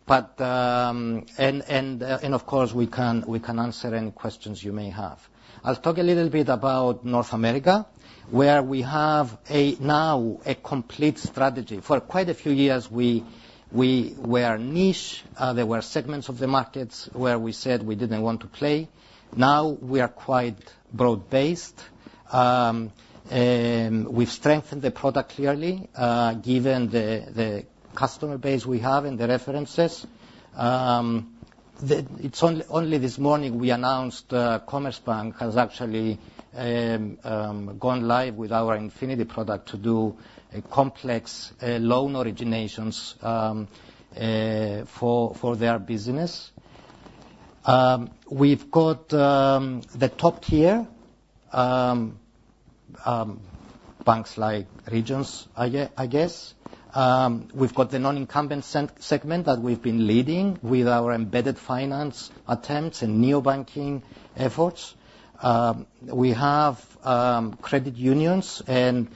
But of course, we can answer any questions you may have. I'll talk a little bit about North America where we have now a complete strategy. For quite a few years, we were niche. There were segments of the markets where we said we didn't want to play. Now, we are quite broad-based. We've strengthened the product clearly, given the customer base we have and the references. It's only this morning we announced, Commerzbank has actually gone live with our Infinity product to do complex loan originations for their business. We've got the top-tier banks like Regions, I guess. We've got the non-incumbent segment that we've been leading with our embedded finance attempts and neo banking efforts. We have credit unions and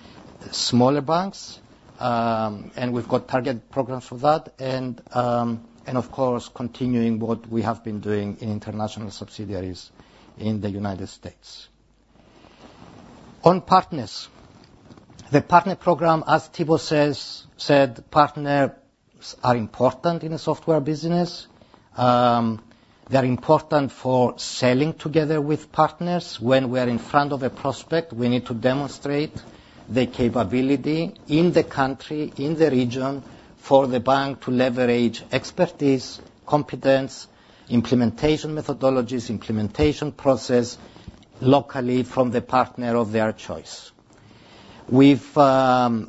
smaller banks, and we've got targeted programs for that. And of course, continuing what we have been doing in international subsidiaries in the United States. On partners, the partner program, as Thibault said, partners are important in the software business. They're important for selling together with partners. When we are in front of a prospect, we need to demonstrate their capability in the country, in the region, for the bank to leverage expertise, competence, implementation methodologies, implementation process locally from the partner of their choice. We've been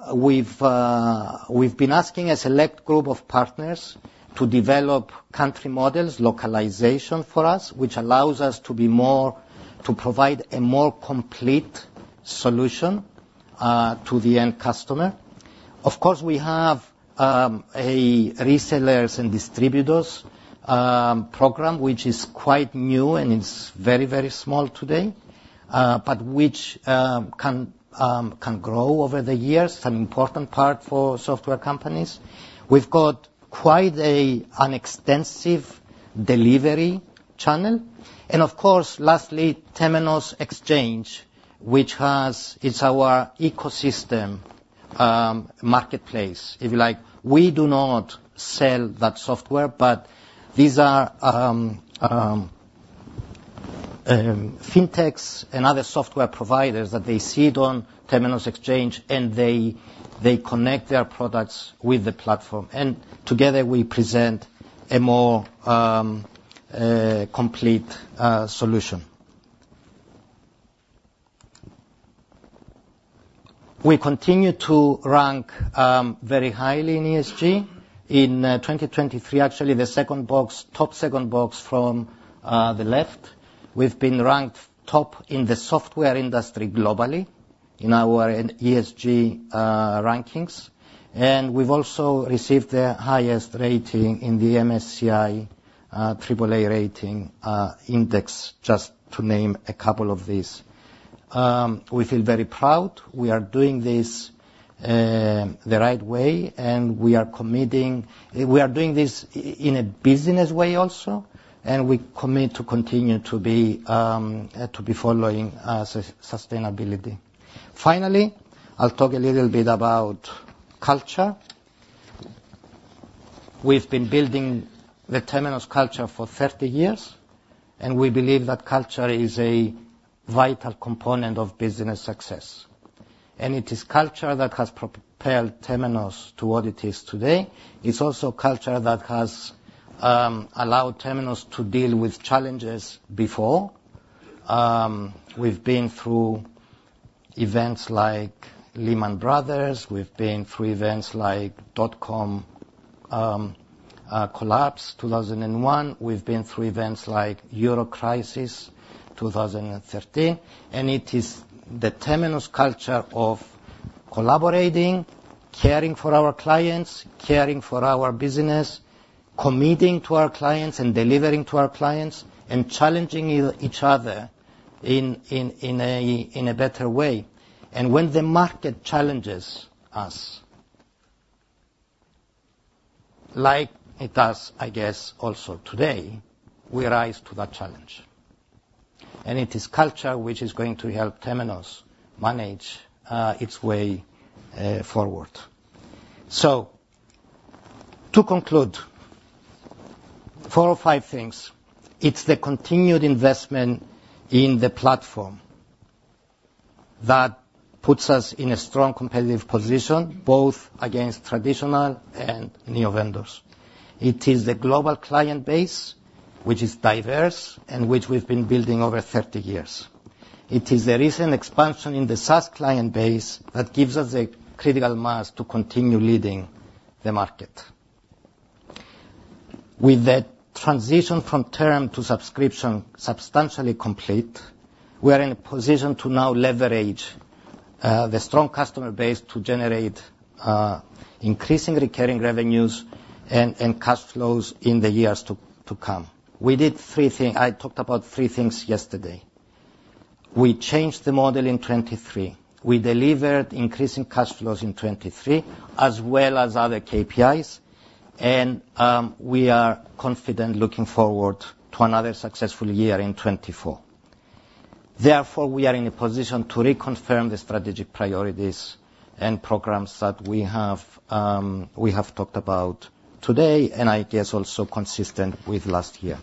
asking a select group of partners to develop country models, localization for us, which allows us to provide a more complete solution to the end customer. Of course, we have a resellers and distributors program which is quite new and is very, very small today, but which can grow over the years, an important part for software companies. We've got quite an extensive delivery channel. And of course, lastly, Temenos Exchange, which is our ecosystem marketplace, if you like. We do not sell that software. But these are fintechs and other software providers that they sell on Temenos Exchange. And they connect their products with the platform. And together, we present a more complete solution. We continue to rank very highly in ESG. In 2023, actually, the second box, top second box from the left, we've been ranked top in the software industry globally in our ESG rankings. And we've also received the highest rating in the MSCI AAA rating index, just to name a couple of these. We feel very proud. We are doing this the right way. And we are committing we are doing this in a business way also. And we commit to continue to be, to be following as a sustainability. Finally, I'll talk a little bit about culture. We've been building the Temenos culture for 30 years. And we believe that culture is a vital component of business success. And it is culture that has propelled Temenos to what it is today. It's also culture that has allowed Temenos to deal with challenges before. We've been through events like Lehman Brothers. We've been through events like dot-com collapse 2001. We've been through events like euro crisis 2013. And it is the Temenos culture of collaborating, caring for our clients, caring for our business, committing to our clients and delivering to our clients, and challenging each other in a better way. And when the market challenges us, like it does, I guess, also today, we rise to that challenge. And it is culture which is going to help Temenos manage its way forward. So to conclude, four or five things, it's the continued investment in the platform that puts us in a strong competitive position both against traditional and neo-vendors. It is the global client base which is diverse and which we've been building over 30 years. It is the recent expansion in the SaaS client base that gives us the critical mass to continue leading the market. With that transition from term to subscription substantially complete, we are in a position to now leverage the strong customer base to generate increasing recurring revenues and cash flows in the years to come. We did three thing I talked about three things yesterday. We changed the model in 2023. We delivered increasing cash flows in 2023 as well as other KPIs. And we are confident looking forward to another successful year in 2024. Therefore, we are in a position to reconfirm the strategic priorities and programs that we have talked about today and, I guess, also consistent with last year.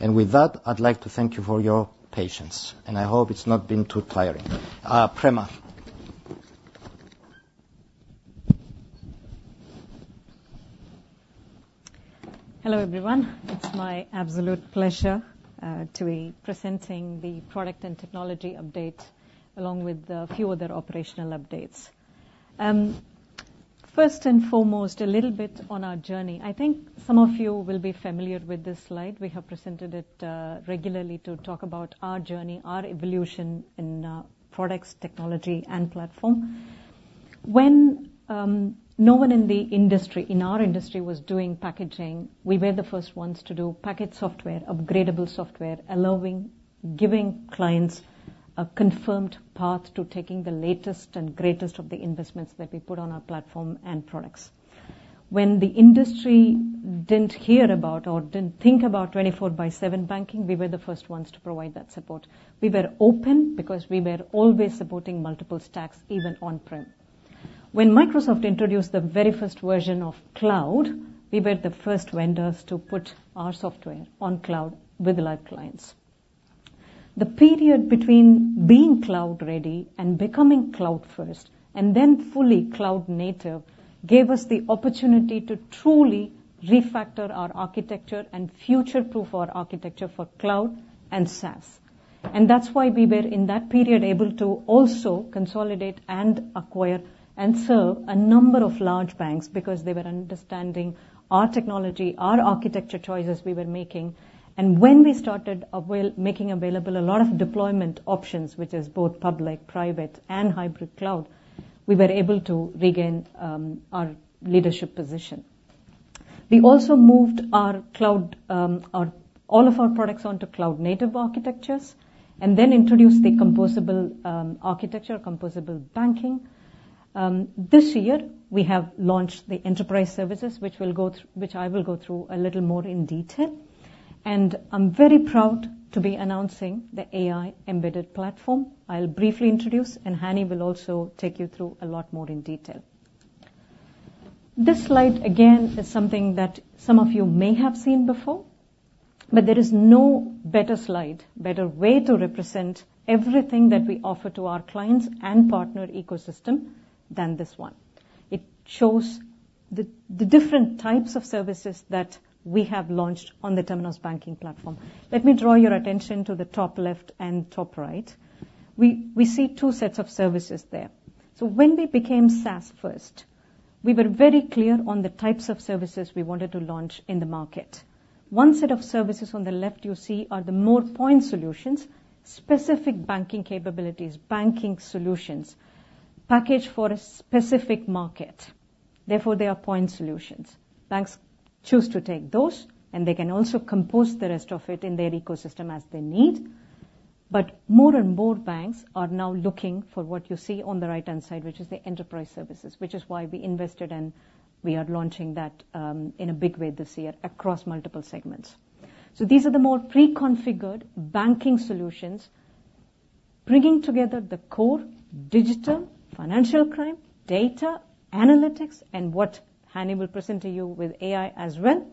And with that, I'd like to thank you for your patience. And I hope it's not been too tiring. Prema. Hello, everyone. It's my absolute pleasure to be presenting the product and technology update along with a few other operational updates. First and foremost, a little bit on our journey. I think some of you will be familiar with this slide. We have presented it regularly to talk about our journey, our evolution in products, technology, and platform. When no one in the industry in our industry was doing packaging, we were the first ones to do package software, upgradable software, allowing giving clients a confirmed path to taking the latest and greatest of the investments that we put on our platform and products. When the industry didn't hear about or didn't think about 24/7 banking, we were the first ones to provide that support. We were open because we were always supporting multiple stacks even on-prem. When Microsoft introduced the very first version of cloud, we were the first vendors to put our software on cloud with live clients. The period between being cloud-ready and becoming cloud-first and then fully cloud-native gave us the opportunity to truly refactor our architecture and future-proof our architecture for cloud and SaaS. That's why we were, in that period, able to also consolidate and acquire and serve a number of large banks because they were understanding our technology, our architecture choices we were making. When we started as well making available a lot of deployment options, which is both public, private, and hybrid cloud, we were able to regain our leadership position. We also moved to cloud all of our products onto cloud-native architectures and then introduced the composable architecture, Composable Banking. This year, we have launched the Enterprise Services which will go through which I will go through a little more in detail. I'm very proud to be announcing the AI embedded platform. I'll briefly introduce. Hani will also take you through a lot more in detail. This slide, again, is something that some of you may have seen before. There is no better slide, better way to represent everything that we offer to our clients and partner ecosystem than this one. It shows the different types of services that we have launched on the Temenos Banking Platform. Let me draw your attention to the top left and top right. We see two sets of services there. When we became SaaS-first, we were very clear on the types of services we wanted to launch in the market. One set of services on the left you see are the more point solutions, specific banking capabilities, Banking Solutions, packaged for a specific market. Therefore, they are point solutions. Banks choose to take those. And they can also compose the rest of it in their ecosystem as they need. But more and more banks are now looking for what you see on the right-hand side, which is the Enterprise Services, which is why we invested and we are launching that, in a big way this year across multiple segments. So these are the more preconfigured Banking Solutions bringing together the Core, Digital, Financial Crime, Data, Analytics, and what Hani will present to you with AI as well.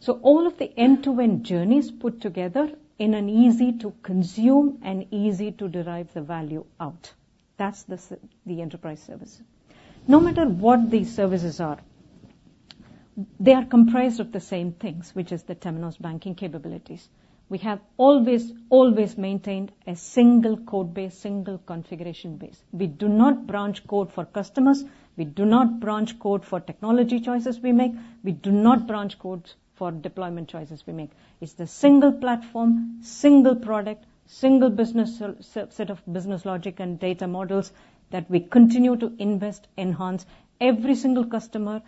So all of the end-to-end journeys put together in an easy-to-consume and easy-to-derive the value out. That's the Enterprise Service. No matter what these services are, they are comprised of the same things, which is the Temenos Banking Capabilities. We have always, always maintained a single code base, single configuration base. We do not branch code for customers. We do not branch code for technology choices we make. We do not branch codes for deployment choices we make. It's the single platform, single product, single business set of business logic and data models that we continue to invest, enhance every single customer.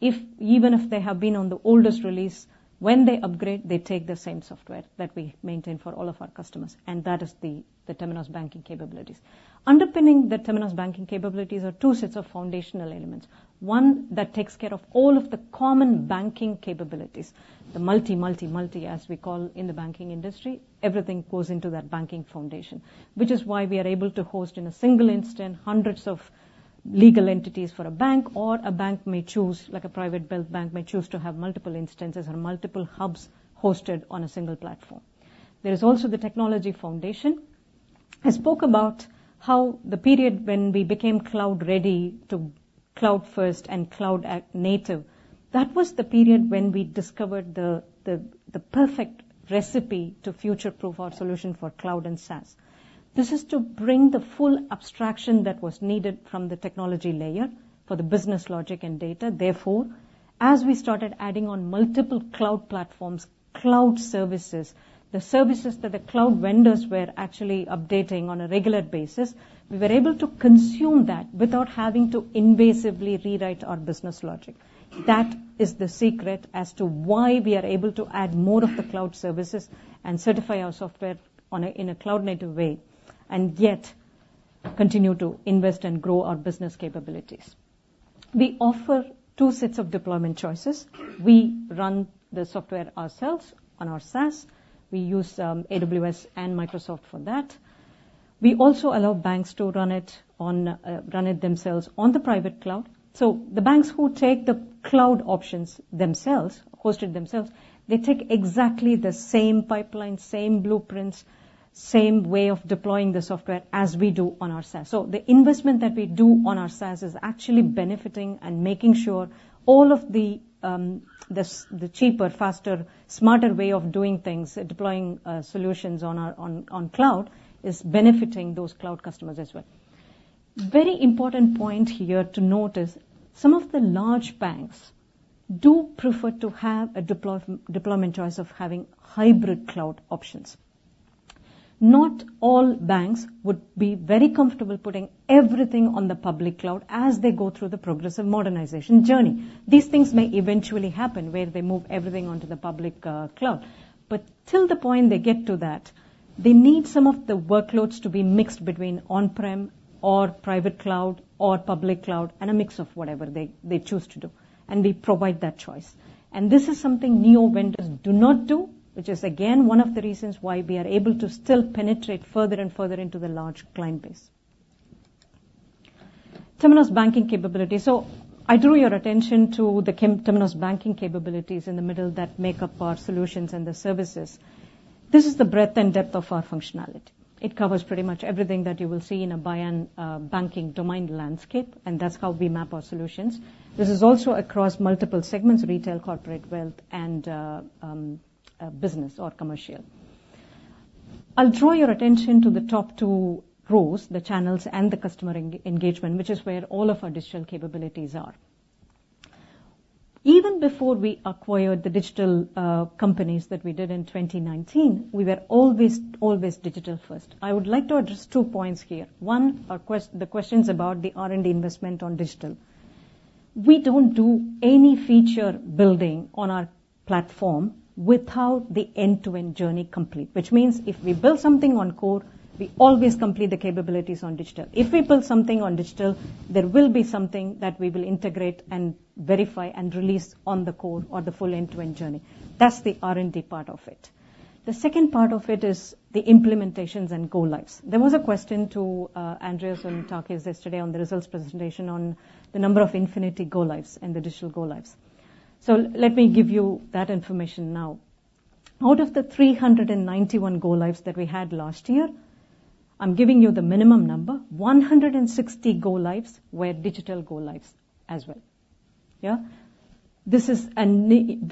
Even if they have been on the oldest release, when they upgrade, they take the same software that we maintain for all of our customers. And that is the, the Temenos Banking Capabilities. Underpinning the Temenos Banking Capabilities are two sets of foundational elements. One that takes care of all of the common banking capabilities, the multi, as we call in the banking industry, everything goes into that banking foundation, which is why we are able to host in a single instance hundreds of legal entities for a bank. Or a bank may choose, like a private-built bank, may choose to have multiple instances or multiple hubs hosted on a single platform. There is also the technology foundation. I spoke about how the period when we became cloud-ready to cloud-first and cloud-native, that was the period when we discovered the perfect recipe to future-proof our solution for cloud and SaaS. This is to bring the full abstraction that was needed from the technology layer for the business logic and data. Therefore, as we started adding on multiple cloud platforms, cloud services, the services that the cloud vendors were actually updating on a regular basis, we were able to consume that without having to invasively rewrite our business logic. That is the secret as to why we are able to add more of the cloud services and certify our software on a in a cloud-native way and yet continue to invest and grow our business capabilities. We offer two sets of deployment choices. We run the software ourselves on our SaaS. We use AWS and Microsoft for that. We also allow banks to run it on, run it themselves on the private cloud. So the banks who take the cloud options themselves, host it themselves, they take exactly the same pipeline, same blueprints, same way of deploying the software as we do on our SaaS. So the investment that we do on our SaaS is actually benefiting and making sure all of the cheaper, faster, smarter way of doing things, deploying solutions on our cloud is benefiting those cloud customers as well. Very important point here to notice. Some of the large banks do prefer to have a deployment choice of having hybrid cloud options. Not all banks would be very comfortable putting everything on the public cloud as they go through the progressive modernization journey. These things may eventually happen where they move everything onto the public cloud. But till the point they get to that, they need some of the workloads to be mixed between on-prem or private cloud or public cloud and a mix of whatever they choose to do. And we provide that choice. And this is something neo-vendors do not do, which is, again, one of the reasons why we are able to still penetrate further and further into the large client base. Temenos Banking Capabilities. So I drew your attention to the key Temenos Banking Capabilities in the middle that make up our solutions and the services. This is the breadth and depth of our functionality. It covers pretty much everything that you will see in a buy-and-build banking domain landscape. And that's how we map our solutions. This is also across multiple segments, retail, corporate, wealth, and business or commercial. I'll draw your attention to the top two rows, the channels and the customer engagement, which is where all of our digital capabilities are. Even before we acquired the digital companies that we did in 2019, we were always, always digital-first. I would like to address two points here. One, to address the questions about the R&D investment on digital. We don't do any feature building on our platform without the end-to-end journey complete, which means if we build something on core, we always complete the capabilities on digital. If we build something on digital, there will be something that we will integrate and verify and release on the core or the full end-to-end journey. That's the R&D part of it. The second part of it is the implementations and go-lives. There was a question to Andreas and Takis yesterday on the results presentation on the number of Infinity go-lives and the digital go-lives. So let me give you that information now. Out of the 391 go-lives that we had last year, I'm giving you the minimum number, 160 go-lives were digital go-lives as well, yeah? This is a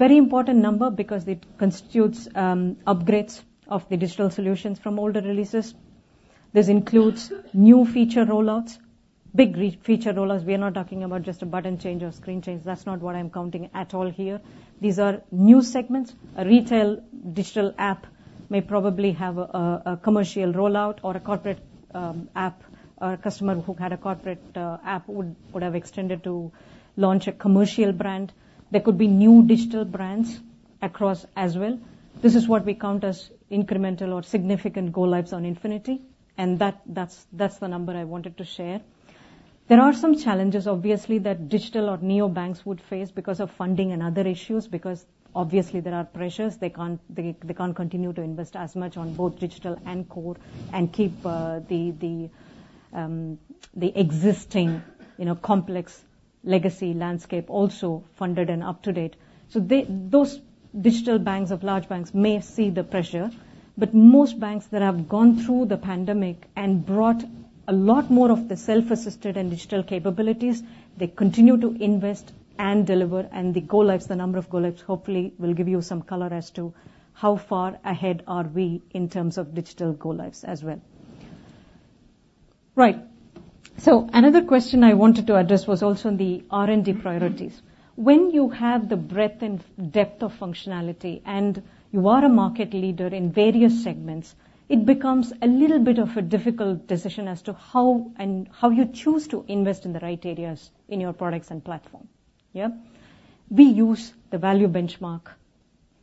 very important number because it constitutes upgrades of the digital solutions from older releases. This includes new feature rollouts, big feature rollouts. We are not talking about just a button change or screen change. That's not what I'm counting at all here. These are new segments. A retail digital app may probably have a commercial rollout or a corporate app. Our customer who had a corporate app would have extended to launch a commercial brand. There could be new digital brands across as well. This is what we count as incremental or significant go-lives on Infinity. And that's the number I wanted to share. There are some challenges, obviously, that digital or neo banks would face because of funding and other issues because, obviously, there are pressures. They can't continue to invest as much on both digital and core and keep the existing, you know, complex legacy landscape also funded and up-to-date. So those digital banks of large banks may see the pressure. But most banks that have gone through the pandemic and brought a lot more of the self-assisted and digital capabilities, they continue to invest and deliver. And the go-lives, the number of go-lives, hopefully, will give you some color as to how far ahead are we in terms of digital go-lives as well. Right. So another question I wanted to address was also in the R&D priorities. When you have the breadth and depth of functionality and you are a market leader in various segments, it becomes a little bit of a difficult decision as to how and how you choose to invest in the right areas in your products and platform, yeah? We use the Value Benchmark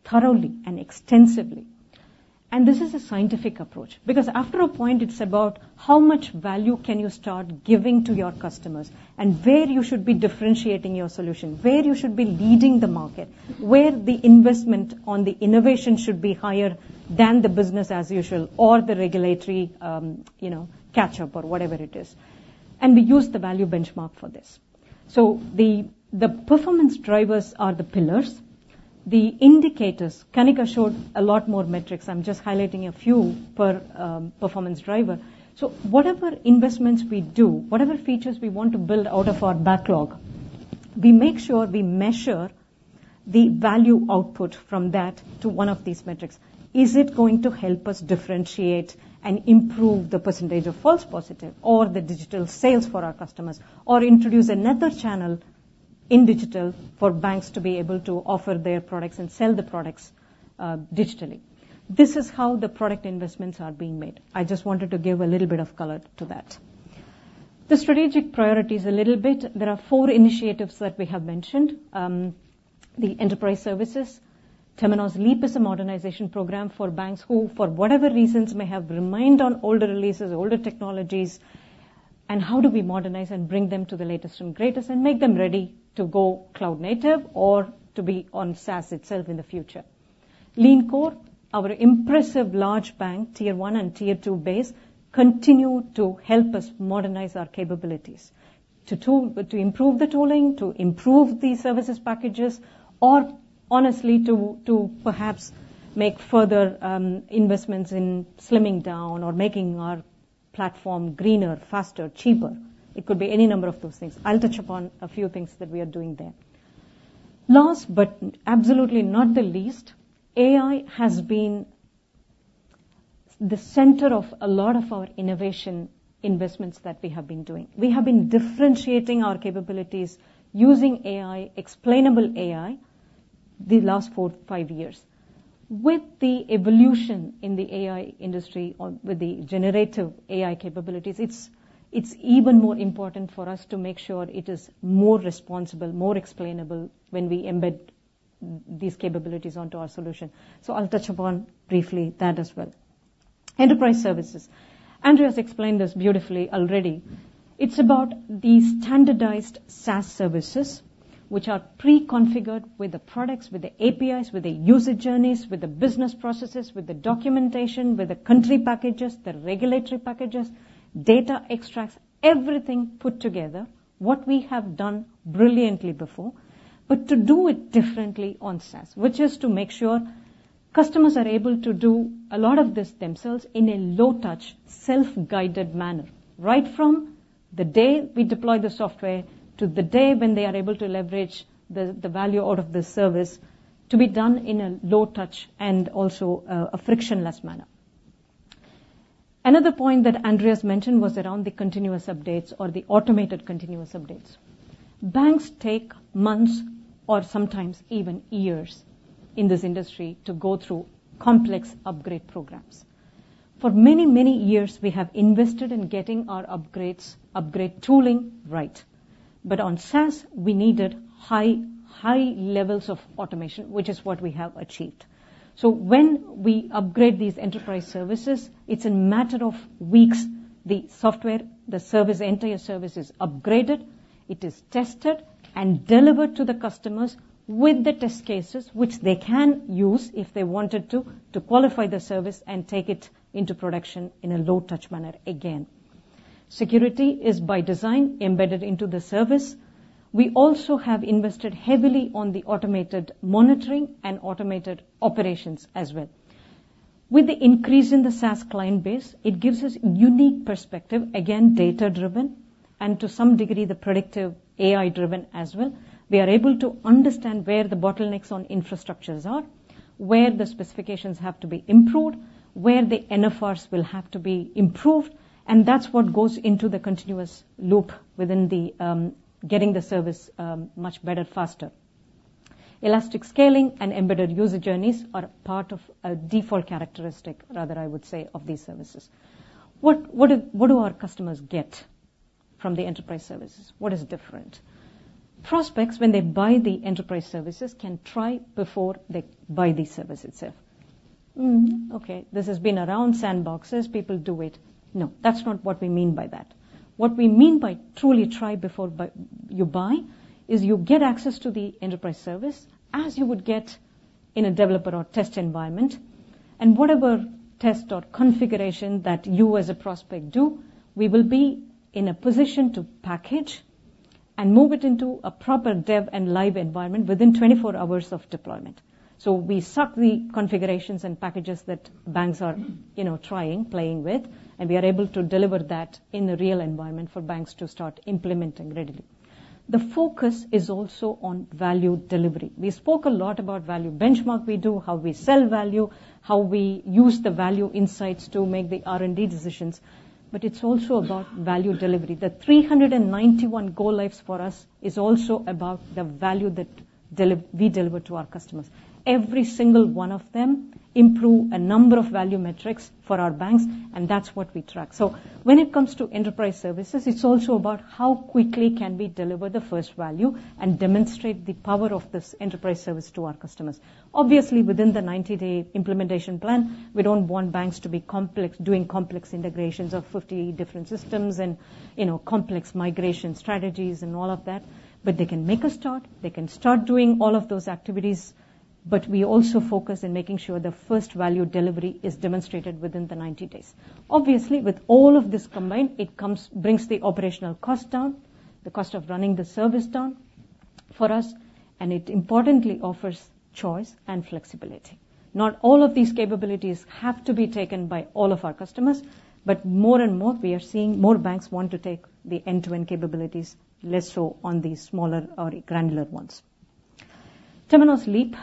thoroughly and extensively. And this is a scientific approach because after a point, it's about how much value can you start giving to your customers and where you should be differentiating your solution, where you should be leading the market, where the investment on the innovation should be higher than the business as usual or the regulatory, you know, catch-up or whatever it is. And we use the Value Benchmark for this. So the performance drivers are the pillars. The indicators. Kanika showed a lot more metrics. I'm just highlighting a few per performance driver. So whatever investments we do, whatever features we want to build out of our backlog, we make sure we measure the value output from that to one of these metrics. Is it going to help us differentiate and improve the percentage of false positive or the digital sales for our customers or introduce another channel in digital for banks to be able to offer their products and sell the products, digitally? This is how the product investments are being made. I just wanted to give a little bit of color to that. The strategic priorities a little bit. There are four initiatives that we have mentioned, the Enterprise Services, Temenos Leap as a modernization program for banks who, for whatever reasons, may have remained on older releases, older technologies. How do we modernize and bring them to the latest and greatest and make them ready to go cloud-native or to be on SaaS itself in the future? Lean Core, our impressive large bank, Tier 1 and Tier 2 base, continue to help us modernize our capabilities to tool to improve the tooling, to improve the services packages, or honestly to, to perhaps make further, investments in slimming down or making our platform greener, faster, cheaper. It could be any number of those things. I'll touch upon a few things that we are doing there. Last but absolutely not the least, AI has been the center of a lot of our innovation investments that we have been doing. We have been differentiating our capabilities using AI, explainable AI, the last four to five years. With the evolution in the AI industry or with the generative AI capabilities, it's even more important for us to make sure it is more responsible, more explainable when we embed these capabilities onto our solution. So I'll touch upon briefly that as well. Enterprise services. Andreas explained this beautifully already. It's about the standardized SaaS services, which are preconfigured with the products, with the APIs, with the usage journeys, with the business processes, with the documentation, with the country packages, the regulatory packages, data extracts, everything put together, what we have done brilliantly before, but to do it differently on SaaS, which is to make sure customers are able to do a lot of this themselves in a low-touch, self-guided manner, right from the day we deploy the software to the day when they are able to leverage the value out of the service to be done in a low-touch and also, a frictionless manner. Another point that Andreas mentioned was around the continuous updates or the automated continuous updates. Banks take months or sometimes even years in this industry to go through complex upgrade programs. For many, many years, we have invested in getting our upgrades, upgrade tooling right. But on SaaS, we needed high, high levels of automation, which is what we have achieved. So when we upgrade these Enterprise Services, it's a matter of weeks. The software, the service entire service is upgraded. It is tested and delivered to the customers with the test cases, which they can use if they wanted to, to qualify the service and take it into production in a low-touch manner again. Security is by design embedded into the service. We also have invested heavily on the automated monitoring and automated operations as well. With the increase in the SaaS client base, it gives us unique perspective, again data-driven and to some degree the predictive AI-driven as well. We are able to understand where the bottlenecks on infrastructures are, where the specifications have to be improved, where the NFRs will have to be improved. And that's what goes into the continuous loop within the, getting the service, much better, faster. Elastic scaling and embedded user journeys are part of a default characteristic, rather I would say, of these services. What do our customers get from the Enterprise Services? What is different? Prospects, when they buy the Enterprise Services, can try before they buy the service itself. Okay. This has been around sandboxes. People do it. No, that's not what we mean by that. What we mean by truly try before you buy is you get access to the Enterprise Service as you would get in a developer or test environment. Whatever test or configuration that you as a prospect do, we will be in a position to package and move it into a proper dev and live environment within 24 hours of deployment. So we suck the configurations and packages that banks are, you know, trying, playing with. And we are able to deliver that in the real environment for banks to start implementing readily. The focus is also on value delivery. We spoke a lot about Value Benchmark we do, how we sell value, how we use the value insights to make the R&D decisions. But it's also about value delivery. The 391 go-lives for us is also about the value that we deliver to our customers. Every single one of them improve a number of value metrics for our banks. And that's what we track. So when it comes to Enterprise Services, it's also about how quickly can we deliver the first value and demonstrate the power of this Enterprise Service to our customers. Obviously, within the 90-day implementation plan, we don't want banks to be complex doing complex integrations of 50 different systems and, you know, complex migration strategies and all of that. But they can make a start. They can start doing all of those activities. But we also focus in making sure the first value delivery is demonstrated within the 90 days. Obviously, with all of this combined, it brings the operational cost down, the cost of running the service down for us. And it importantly offers choice and flexibility. Not all of these capabilities have to be taken by all of our customers. But more and more, we are seeing more banks want to take the end-to-end capabilities, less so on the smaller or granular ones. Temenos Leap,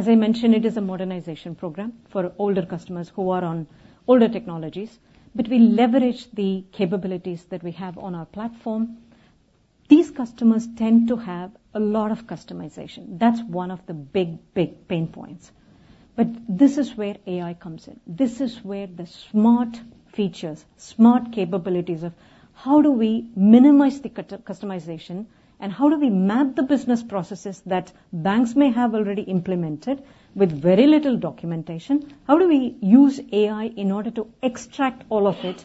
as I mentioned, it is a modernization program for older customers who are on older technologies. But we leverage the capabilities that we have on our platform. These customers tend to have a lot of customization. That's one of the big, big pain points. But this is where AI comes in. This is where the smart features, smart capabilities of how do we minimize the cut customization and how do we map the business processes that banks may have already implemented with very little documentation? How do we use AI in order to extract all of it,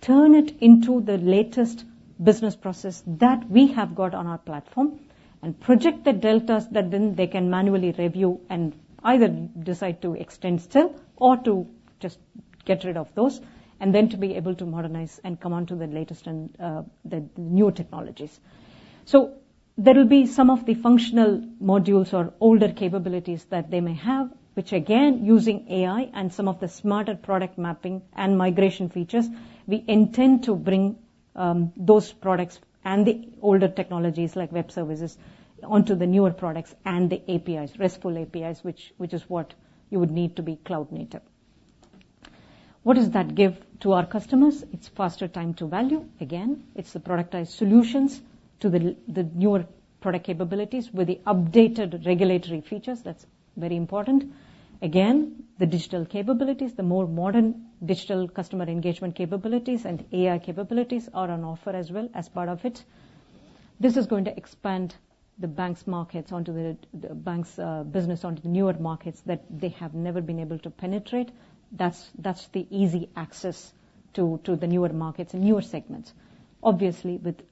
turn it into the latest business process that we have got on our platform, and project the deltas that then they can manually review and either decide to extend still or to just get rid of those and then to be able to modernize and come onto the latest and the new technologies? So there will be some of the functional modules or older capabilities that they may have, which again, using AI and some of the smarter product mapping and migration features, we intend to bring those products and the older technologies like web services onto the newer products and the APIs, RESTful APIs, which is what you would need to be cloud-native. What does that give to our customers? It's faster time to value. Again, it's the productized solutions to the newer product capabilities with the updated regulatory features. That's very important. Again, the digital capabilities, the more modern digital customer engagement capabilities and AI capabilities are on offer as well as part of it. This is going to expand the banks' markets onto the banks' business onto the newer markets that they have never been able to penetrate. That's the easy access to the newer markets and newer segments, obviously with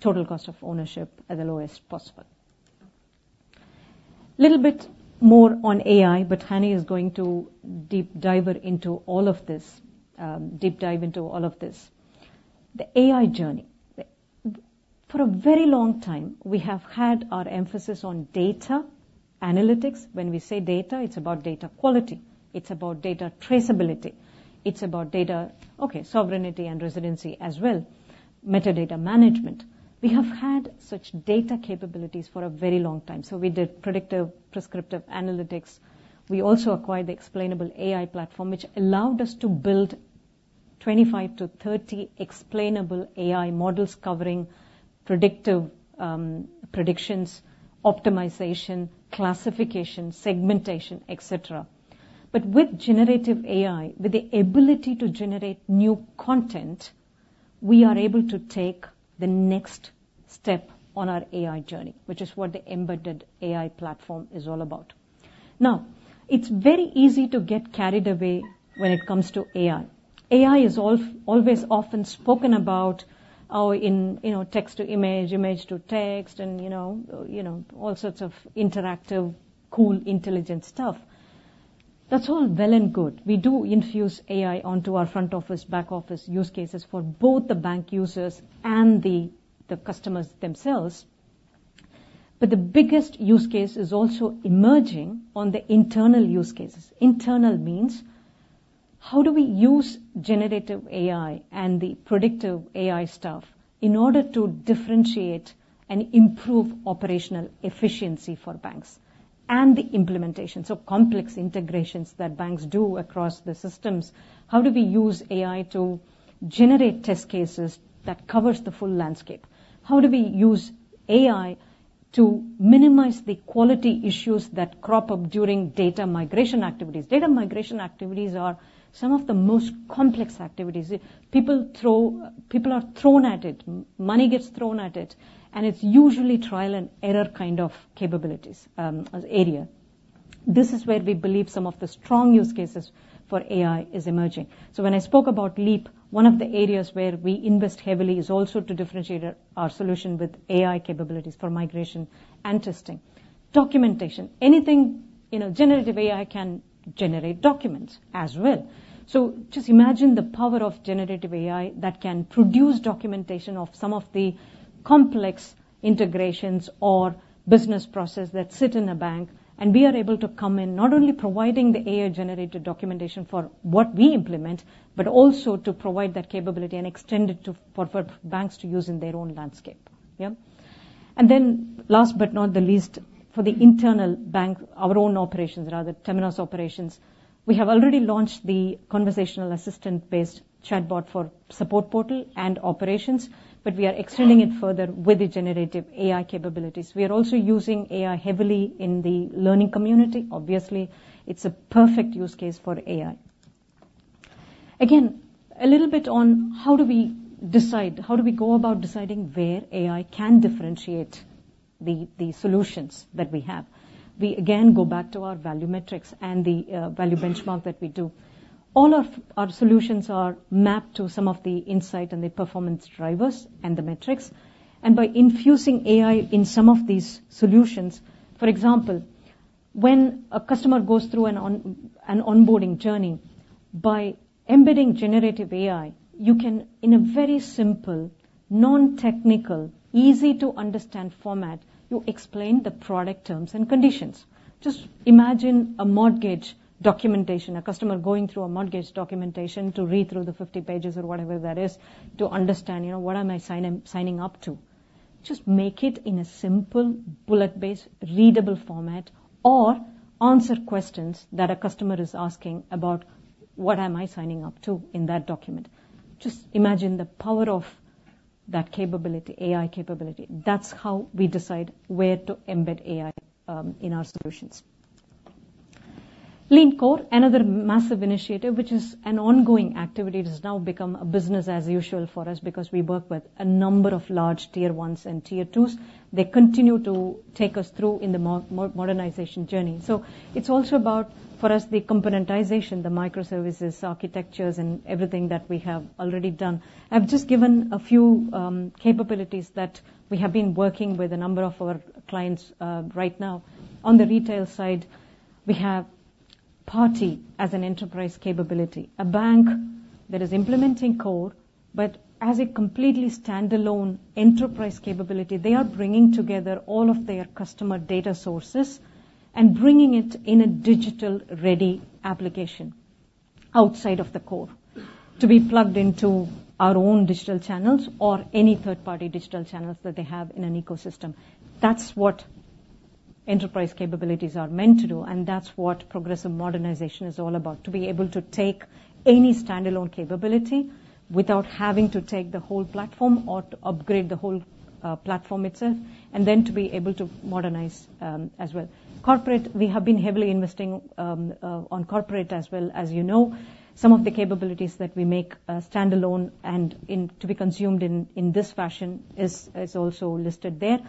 total cost of ownership at the lowest possible. A little bit more on AI. But Hani is going to deep dive into all of this. The AI journey. For a very long time, we have had our emphasis on data analytics. When we say data, it's about data quality. It's about data traceability. It's about data, okay, sovereignty and residency as well, metadata management. We have had such data capabilities for a very long time. So we did predictive prescriptive analytics. We also acquired the explainable AI platform, which allowed us to build 25-30 explainable AI models covering predictive, predictions, optimization, classification, segmentation, etc. But with generative AI, with the ability to generate new content, we are able to take the next step on our AI journey, which is what the embedded AI platform is all about. Now, it's very easy to get carried away when it comes to AI. AI is all always often spoken about or in, you know, text to image, image to text, and, you know, you know, all sorts of interactive cool intelligent stuff. That's all well and good. We do infuse AI onto our front office, back office use cases for both the bank users and the customers themselves. But the biggest use case is also emerging on the internal use cases. Internal means how do we use generative AI and the predictive AI stuff in order to differentiate and improve operational efficiency for banks and the implementation, so complex integrations that banks do across the systems? How do we use AI to generate test cases that covers the full landscape? How do we use AI to minimize the quality issues that crop up during data migration activities? Data migration activities are some of the most complex activities. People are thrown at it. Money gets thrown at it. And it's usually trial and error kind of capabilities, area. This is where we believe some of the strong use cases for AI is emerging. So when I spoke about Leap, one of the areas where we invest heavily is also to differentiate our solution with AI capabilities for migration and testing. Documentation. Anything, you know, generative AI can generate documents as well. So just imagine the power of generative AI that can produce documentation of some of the complex integrations or business process that sit in a bank. And we are able to come in not only providing the AI-generated documentation for what we implement but also to provide that capability and extend it to for, for banks to use in their own landscape, yeah? And then last but not the least, for the internal bank, our own operations, rather Temenos operations, we have already launched the conversational assistant-based chatbot for support portal and operations. But we are extending it further with the generative AI capabilities. We are also using AI heavily in the learning community. Obviously, it's a perfect use case for AI. Again, a little bit on how do we decide how do we go about deciding where AI can differentiate the solutions that we have? We again go back to our value metrics and the Value Benchmark that we do. All of our solutions are mapped to some of the insight and the performance drivers and the metrics. By infusing AI in some of these solutions, for example, when a customer goes through an onboarding journey, by embedding generative AI, you can, in a very simple, non-technical, easy-to-understand format, you explain the product terms and conditions. Just imagine a mortgage documentation, a customer going through a mortgage documentation to read through the 50 pages or whatever that is to understand, you know, what am I signing up to? Just make it in a simple, bullet-based, readable format or answer questions that a customer is asking about what am I signing up to in that document. Just imagine the power of that capability, AI capability. That's how we decide where to embed AI in our solutions. Lean Core, another massive initiative, which is an ongoing activity, it has now become a business as usual for us because we work with a number of large Tier 1s and Tier 2s. They continue to take us through in the modernization journey. So it's also about, for us, the componentization, the microservices architectures, and everything that we have already done. I've just given a few capabilities that we have been working with a number of our clients right now. On the retail side, we have party as an enterprise capability, a bank that is implementing core but as a completely standalone enterprise capability. They are bringing together all of their customer data sources and bringing it in a digital-ready application outside of the core to be plugged into our own digital channels or any third-party digital channels that they have in an ecosystem. That's what enterprise capabilities are meant to do. And that's what progressive modernization is all about, to be able to take any standalone capability without having to take the whole platform or to upgrade the whole platform itself and then to be able to modernize, as well. Corporate, we have been heavily investing on corporate as well as you know. Some of the capabilities that we make standalone and in to be consumed in this fashion is also listed there.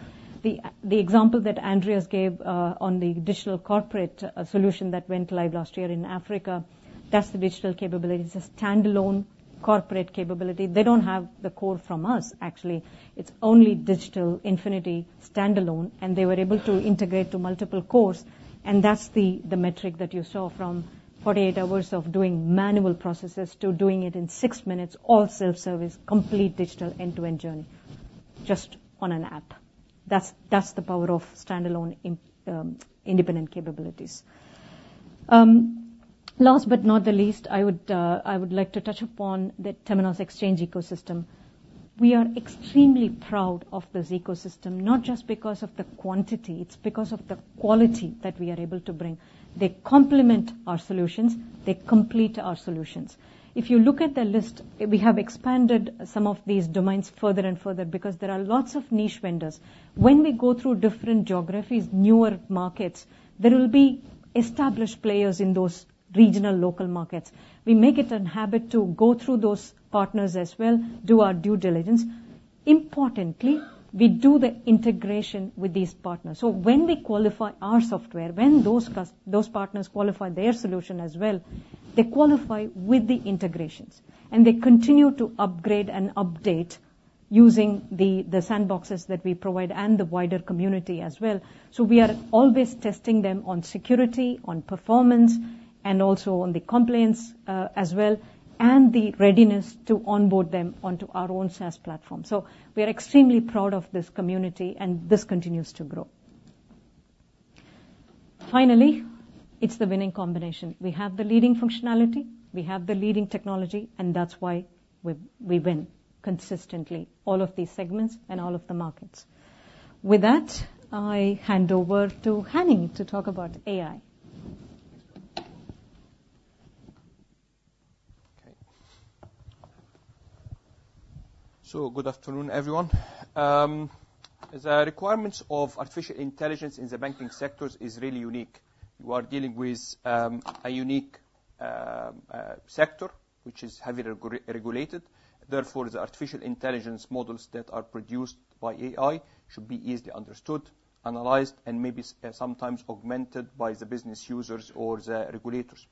The example that Andreas gave on the digital-corporate solution that went live last year in Africa, that's the digital capability. It's a standalone corporate capability. They don't have the core from us, actually. It's only digital Infinity standalone. And they were able to integrate to multiple cores. And that's the metric that you saw from 48 hours of doing manual processes to doing it in six minutes, all self-service, complete digital end-to-end journey just on an app. That's the power of standalone, independent capabilities. Last but not least, I would like to touch upon the Temenos Exchange ecosystem. We are extremely proud of this ecosystem, not just because of the quantity. It's because of the quality that we are able to bring. They complement our solutions. They complete our solutions. If you look at the list, we have expanded some of these domains further and further because there are lots of niche vendors. When we go through different geographies, newer markets, there will be established players in those regional, local markets. We make it a habit to go through those partners as well, do our due diligence. Importantly, we do the integration with these partners. So when we qualify our software, when those partners qualify their solution as well, they qualify with the integrations. And they continue to upgrade and update using the sandboxes that we provide and the wider community as well. So we are always testing them on security, on performance, and also on the compliance as well and the readiness to onboard them onto our own SaaS platform. So we are extremely proud of this community. And this continues to grow. Finally, it's the winning combination. We have the leading functionality. We have the leading technology and that's why we win consistently all of these segments and all of the markets. With that, I hand over to Hani to talk about AI. Okay. So good afternoon, everyone. The requirements of artificial intelligence in the banking sectors is really unique. You are dealing with a unique sector which is heavily regulated. Therefore, the artificial intelligence models that are produced by AI should be easily understood, analyzed, and maybe sometimes augmented by the business users or the regulators.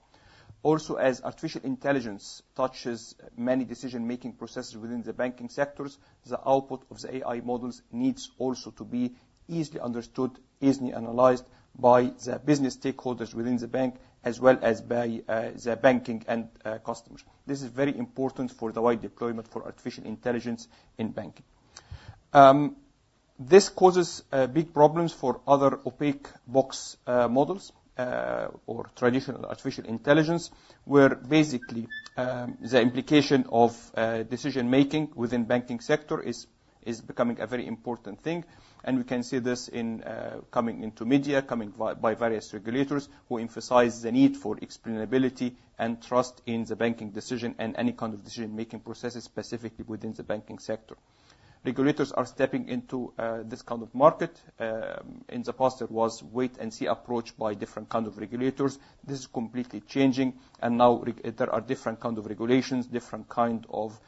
Also, as artificial intelligence touches many decision-making processes within the banking sectors, the output of the AI models needs also to be easily understood, easily analyzed by the business stakeholders within the bank as well as by the banking and customers. This is very important for the wide deployment for artificial intelligence in banking. This causes big problems for other black box models or traditional artificial intelligence where basically the implications of decision-making within banking sector is becoming a very important thing. We can see this in the media coming via various regulators who emphasize the need for explainability and trust in the banking decision and any kind of decision-making processes specifically within the banking sector. Regulators are stepping into this kind of market. In the past, there was wait-and-see approach by different kind of regulators. This is completely changing. And now there are different kind of regulations, different kind of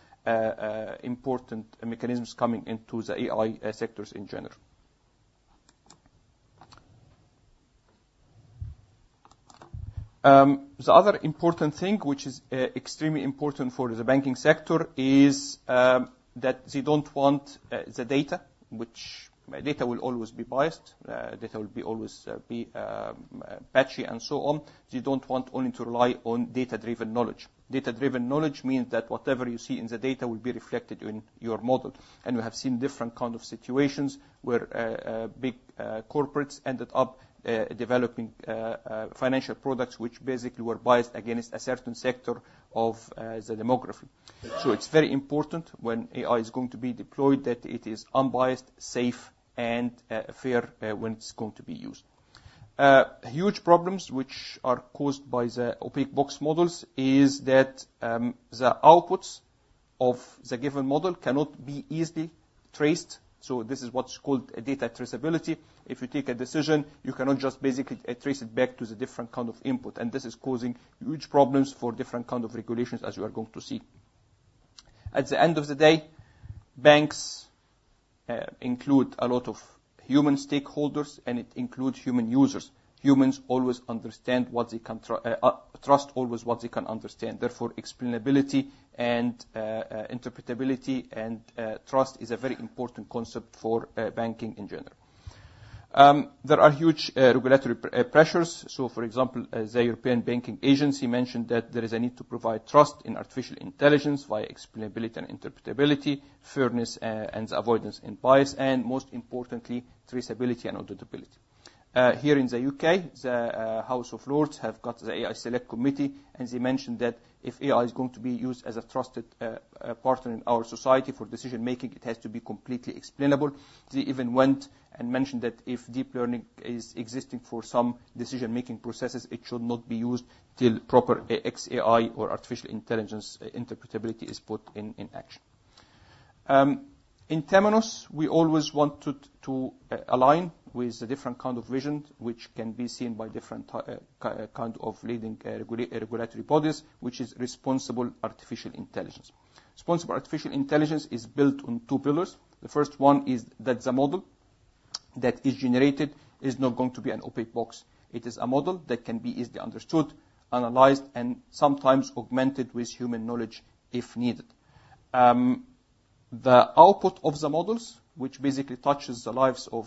important mechanisms coming into the AI sectors in general. The other important thing which is extremely important for the banking sector is that they don't want the data, which any data will always be biased, data will always be patchy and so on. They don't want only to rely on data-driven knowledge. Data-driven knowledge means that whatever you see in the data will be reflected in your model. We have seen different kind of situations where big corporates ended up developing financial products which basically were biased against a certain sector of the demography. So it's very important when AI is going to be deployed that it is unbiased, safe, and fair when it's going to be used. Huge problems which are caused by the opaque box models is that the outputs of the given model cannot be easily traced. So this is what's called data traceability. If you take a decision, you cannot just basically trace it back to the different kind of input. And this is causing huge problems for different kind of regulations as you are going to see. At the end of the day, banks include a lot of human stakeholders. And it includes human users. Humans always understand what they can trust always what they can understand. Therefore, explainability and interpretability and trust is a very important concept for banking in general. There are huge regulatory pressures. So, for example, the European Banking Agency mentioned that there is a need to provide trust in artificial intelligence via explainability and interpretability, fairness, and avoidance and bias, and most importantly, traceability and auditability. Here in the U.K., the House of Lords have got the AI Select Committee. And they mentioned that if AI is going to be used as a trusted partner in our society for decision-making, it has to be completely explainable. They even went and mentioned that if deep learning is existing for some decision-making processes, it should not be used till proper XAI or artificial intelligence interpretability is put in action. In Temenos, we always wanted to align with the different kinds of visions which can be seen by different types of leading regulatory bodies which are responsible for artificial intelligence. Responsible artificial intelligence is built on two pillars. The first one is that the model that is generated is not going to be an opaque box. It is a model that can be easily understood, analyzed, and sometimes augmented with human knowledge if needed. The output of the models which basically touches the lives of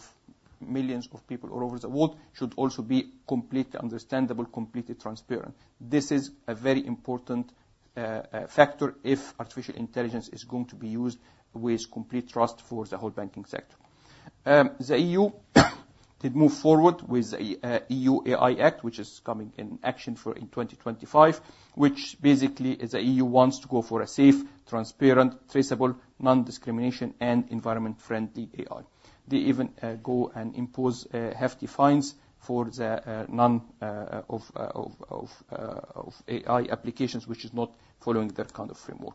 millions of people all over the world should also be completely understandable, completely transparent. This is a very important factor if artificial intelligence is going to be used with complete trust for the whole banking sector. The EU did move forward with the EU AI Act, which is coming into action in 2025, which basically is the EU wants to go for a safe, transparent, traceable, non-discriminatory, and environmentally friendly AI. They even go and impose hefty fines for the non-compliance of AI applications which is not following their kind of framework.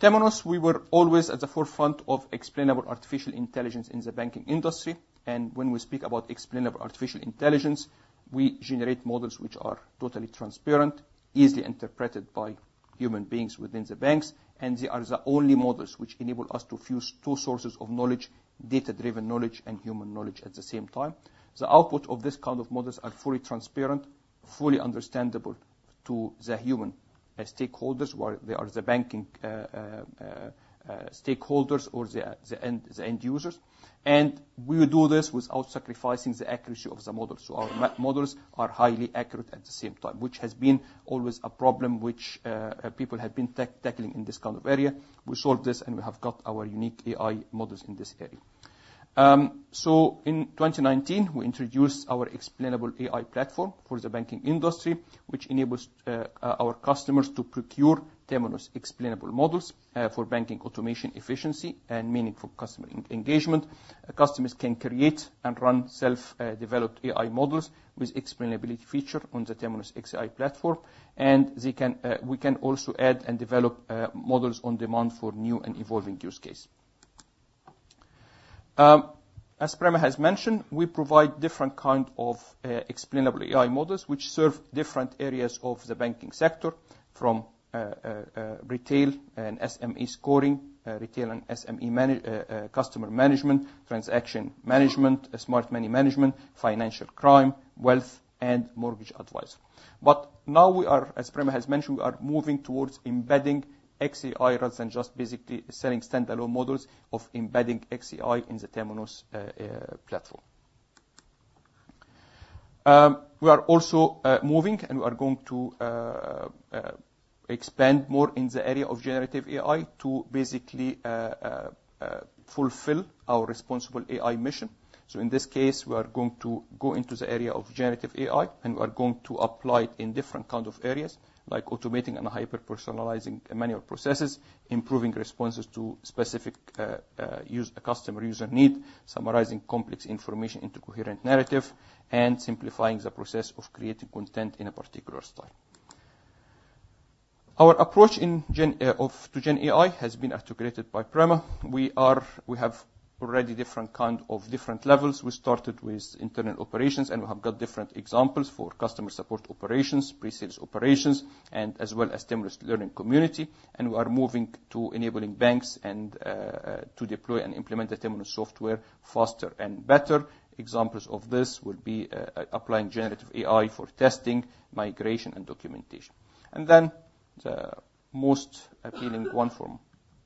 Temenos, we were always at the forefront of explainable artificial intelligence in the banking industry. And when we speak about explainable artificial intelligence, we generate models which are totally transparent, easily interpreted by human beings within the banks. And they are the only models which enable us to fuse two sources of knowledge, data-driven knowledge, and human knowledge at the same time. The output of this kind of models are fully transparent, fully understandable to the human stakeholders while they are the banking stakeholders or the end users. We do this without sacrificing the accuracy of the models. So our AI models are highly accurate at the same time, which has always been a problem which people have been tackling in this kind of area. We solved this. We have got our unique AI models in this area. In 2019, we introduced our explainable AI platform for the banking industry which enables our customers to procure Temenos explainable models for banking automation efficiency and meaningful customer engagement. Customers can create and run self-developed AI models with explainability feature on the Temenos XAI Platform. They can; we can also add and develop models on demand for new and evolving use cases. As Prema has mentioned, we provide different kind of explainable AI models which serve different areas of the banking sector from retail and SME scoring, retail and SME manage, customer management, transaction management, smart money management, financial crime, wealth, and mortgage advisor. But now we are, as Prema has mentioned, we are moving towards embedding XAI rather than just basically selling standalone models of embedding XAI in the Temenos platform. We are also moving. We are going to expand more in the area of generative AI to basically fulfill our responsible AI mission. So in this case, we are going to go into the area of generative AI. We are going to apply it in different kind of areas like automating and hyper-personalizing manual processes, improving responses to specific use a customer user need, summarizing complex information into coherent narrative, and simplifying the process of creating content in a particular style. Our approach to GenAI has been articulated by Prema. We have already different kind of different levels. We started with internal operations. We have got different examples for customer support operations, pre-sales operations, and as well as Temenos Learning Community. We are moving to enabling banks to deploy and implement the Temenos software faster and better. Examples of this will be applying generative AI for testing, migration, and documentation. Then the most appealing one from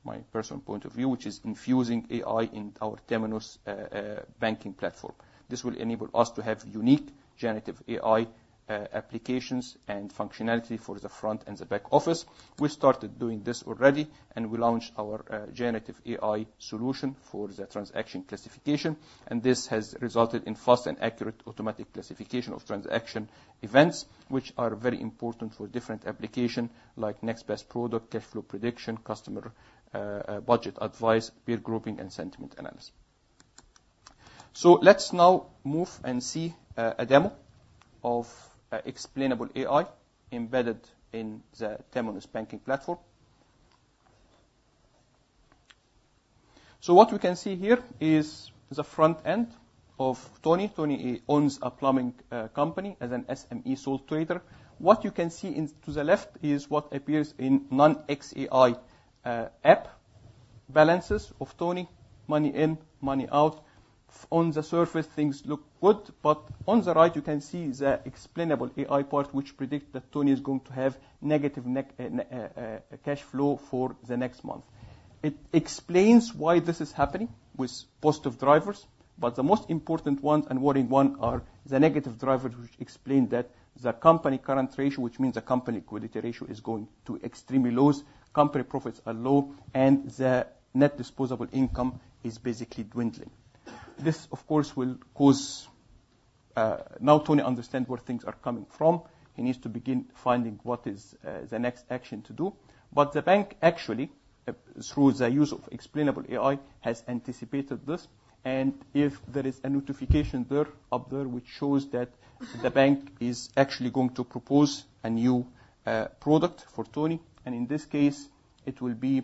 my personal point of view, which is infusing AI in our Temenos Banking Platform. This will enable us to have unique generative AI applications and functionality for the front and the back office. We started doing this already. We launched our generative AI solution for the transaction classification. This has resulted in fast and accurate automatic classification of transaction events which are very important for different applications like next best product, cash flow prediction, customer budget advice, peer grouping, and sentiment analysis. Let's now move and see a demo of explainable AI embedded in the Temenos Banking Platform. What we can see here is the front end of Tony. He owns a plumbing company as an SME sole trader. What you can see to the left is what appears in non-XAI app: balances of Tony, money in, money out. On the surface, things look good. But on the right, you can see the explainable AI part which predicts that Tony is going to have negative net cash flow for the next month. It explains why this is happening with positive drivers. But the most important one and worrying one are the negative drivers which explain that the company current ratio, which means the company equity ratio, is going to extremely low. Company profits are low. And the net disposable income is basically dwindling. This, of course, will cause now Tony understands where things are coming from. He needs to begin finding what is the next action to do. But the bank actually, through the use of explainable AI, has anticipated this. And if there is a notification there up there which shows that the bank is actually going to propose a new product for Tony. And in this case, it will be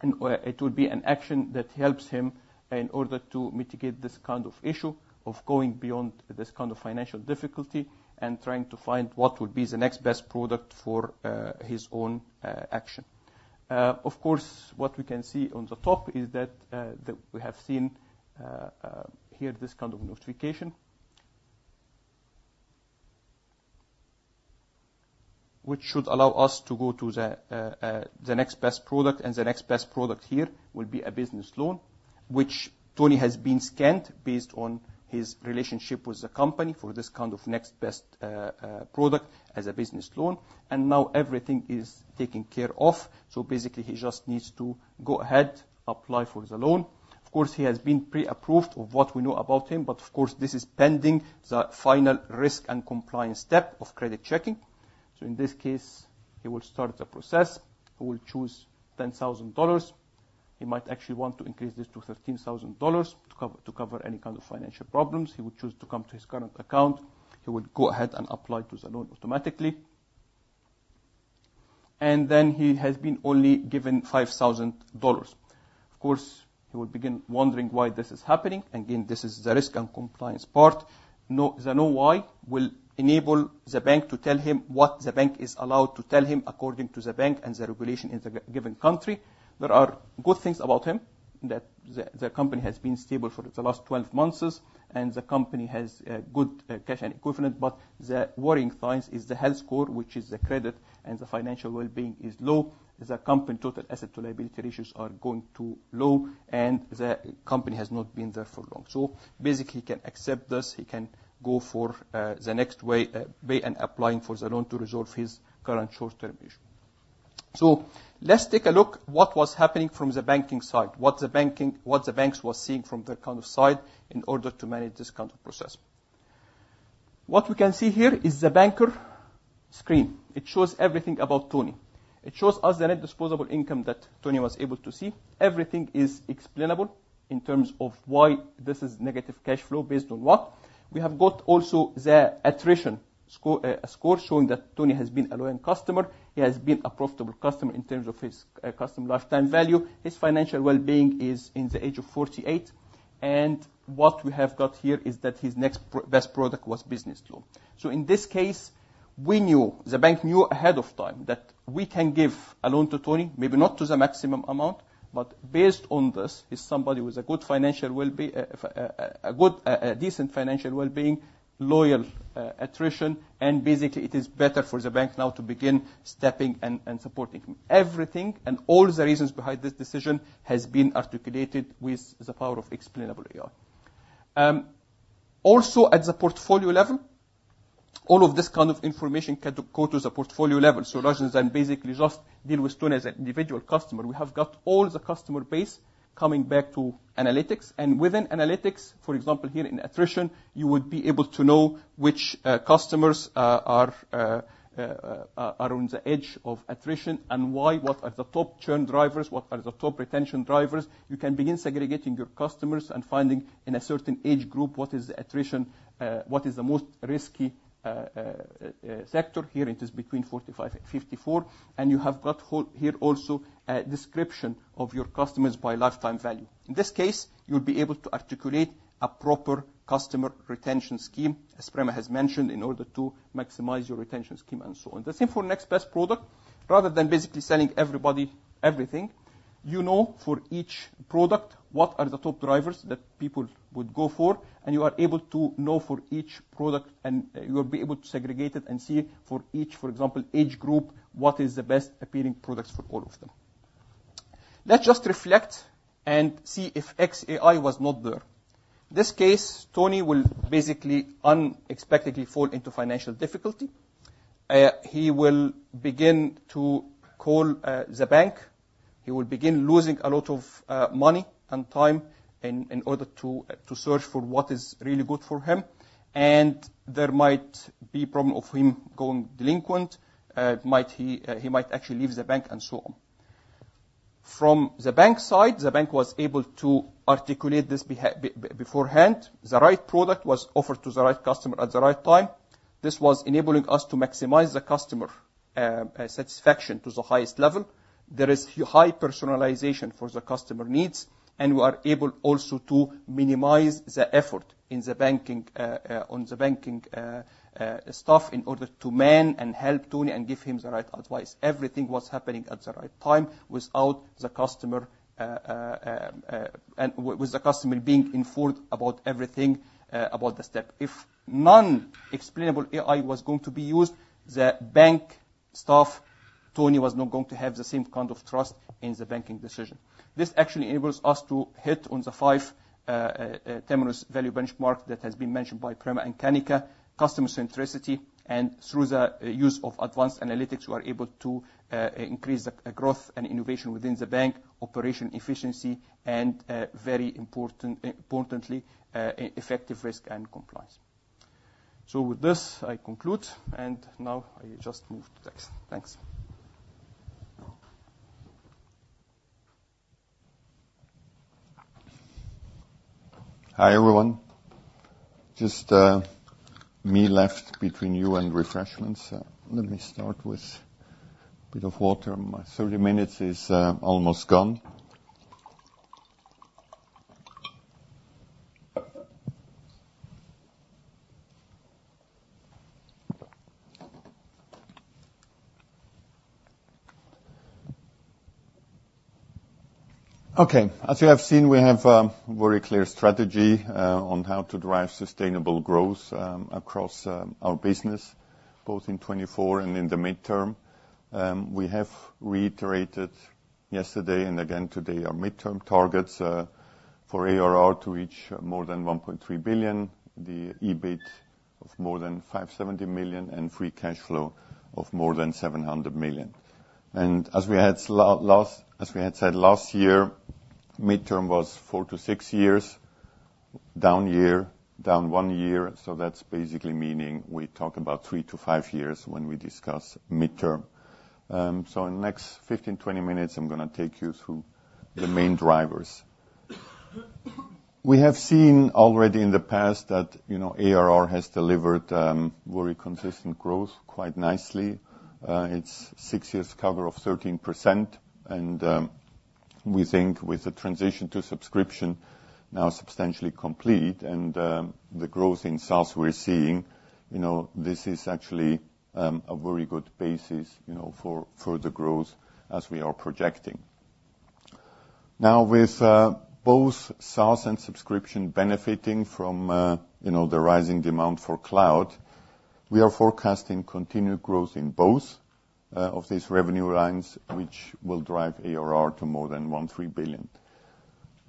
an action that helps him in order to mitigate this kind of issue of going beyond this kind of financial difficulty and trying to find what will be the next best product for his own action. Of course, what we can see on the top is that we have seen here this kind of notification which should allow us to go to the next best product. And the next best product here will be a business loan which Tony has been scanned based on his relationship with the company for this kind of next best product as a business loan. And now everything is taken care of. So basically, he just needs to go ahead, apply for the loan. Of course, he has been pre-approved of what we know about him. But of course, this is pending the final risk and compliance step of credit checking. So in this case, he will start the process. He will choose $10,000. He might actually want to increase this to $13,000 to cover any kind of financial problems. He would choose to come to his current account. He would go ahead and apply to the loan automatically. And then he has been only given $5,000. Of course, he will begin wondering why this is happening. Again, this is the risk and compliance part. Now the Know Why will enable the bank to tell him what the bank is allowed to tell him according to the bank and the regulation in the given country. There are good things about him, that the company has been stable for the last 12 months. And the company has good cash and equivalent. But the worrying signs is the health score, which is the credit. The financial well-being is low. The company total asset to liability ratios are going too low. The company has not been there for long. Basically, he can accept this. He can go for, the next way, pay and applying for the loan to resolve his current short-term issue. So let's take a look what was happening from the banking side, what the banks was seeing from their kind of side in order to manage this kind of process. What we can see here is the banker screen. It shows everything about Tony. It shows us the net disposable income that Tony was able to see. Everything is explainable in terms of why this is negative cash flow based on what. We have got also the attrition score showing that Tony has been a loyal customer. He has been a profitable customer in terms of his customer lifetime value. His financial well-being is in the age of 48. And what we have got here is that his next best product was business loan. So in this case, we knew the bank knew ahead of time that we can give a loan to Tony, maybe not to the maximum amount. But based on this, he's somebody with a good financial well-being, a good, decent financial well-being, loyal, attrition. And basically, it is better for the bank now to begin stepping and supporting him. Everything and all the reasons behind this decision has been articulated with the power of explainable AI. Also at the portfolio level, all of this kind of information can go to the portfolio level. So rather than basically just deal with Tony as an individual customer. We have got all the customer base coming back to analytics. And within analytics, for example, here in attrition, you would be able to know which customers are on the edge of attrition and why, what are the top churn drivers, what are the top retention drivers. You can begin segregating your customers and finding in a certain age group what is the attrition, what is the most risky sector. Here it is between 45 and 54. And you have got how here also, description of your customers by lifetime value. In this case, you'll be able to articulate a proper customer retention scheme, as Prema has mentioned, in order to maximize your retention scheme and so on. The same for next best product. Rather than basically selling everybody everything, you know for each product what are the top drivers that people would go for. And you are able to know for each product. And, you'll be able to segregate it and see for each, for example, age group what is the best appearing products for all of them. Let's just reflect and see if XAI was not there. In this case, Tony will basically unexpectedly fall into financial difficulty. He will begin to call the bank. He will begin losing a lot of money and time in order to search for what is really good for him. And there might be a problem of him going delinquent. He might actually leave the bank and so on. From the bank side, the bank was able to articulate this beforehand. The right product was offered to the right customer at the right time. This was enabling us to maximize the customer satisfaction to the highest level. There is huge high personalization for the customer needs. And we are able also to minimize the effort in the banking on the banking staff in order to manage and help Tony and give him the right advice. Everything was happening at the right time without the customer, and with the customer being informed about everything, about the step. If non-explainable AI was going to be used, the bank staff, Tony was not going to have the same kind of trust in the banking decision. This actually enables us to hit on the five Temenos Value Benchmark that has been mentioned by Prema and Kanika: customer centricity. And through the use of advanced analytics, we are able to increase the growth and innovation within the bank, operational efficiency, and very importantly, effective risk and compliance. So with this, I conclude. And now I just move to next. Thanks. Hi, everyone. Just me left between you and refreshments. Let me start with a bit of water. My 30 minutes is almost gone. Okay. As you have seen, we have very clear strategy on how to drive sustainable growth across our business, both in 2024 and in the midterm. We have reiterated yesterday and again today our midterm targets for ARR to reach more than $1.3 billion, the EBIT of more than $570 million, and free cash flow of more than $700 million. And as we had said last as we had said last year, midterm was four to six years, down year, down one year. So that's basically meaning we talk about three to five years when we discuss midterm. So in the next 15-20 minutes, I'm going to take you through the main drivers. We have seen already in the past that, you know, ARR has delivered very consistent growth quite nicely. It's six year CAGR of 13%. We think with the transition to subscription now substantially complete and the growth in SaaS we're seeing, you know, this is actually a very good basis, you know, for the growth as we are projecting. Now with both SaaS and subscription benefiting from, you know, the rising demand for cloud, we are forecasting continued growth in both of these revenue lines, which will drive ARR to more than $1.3 billion.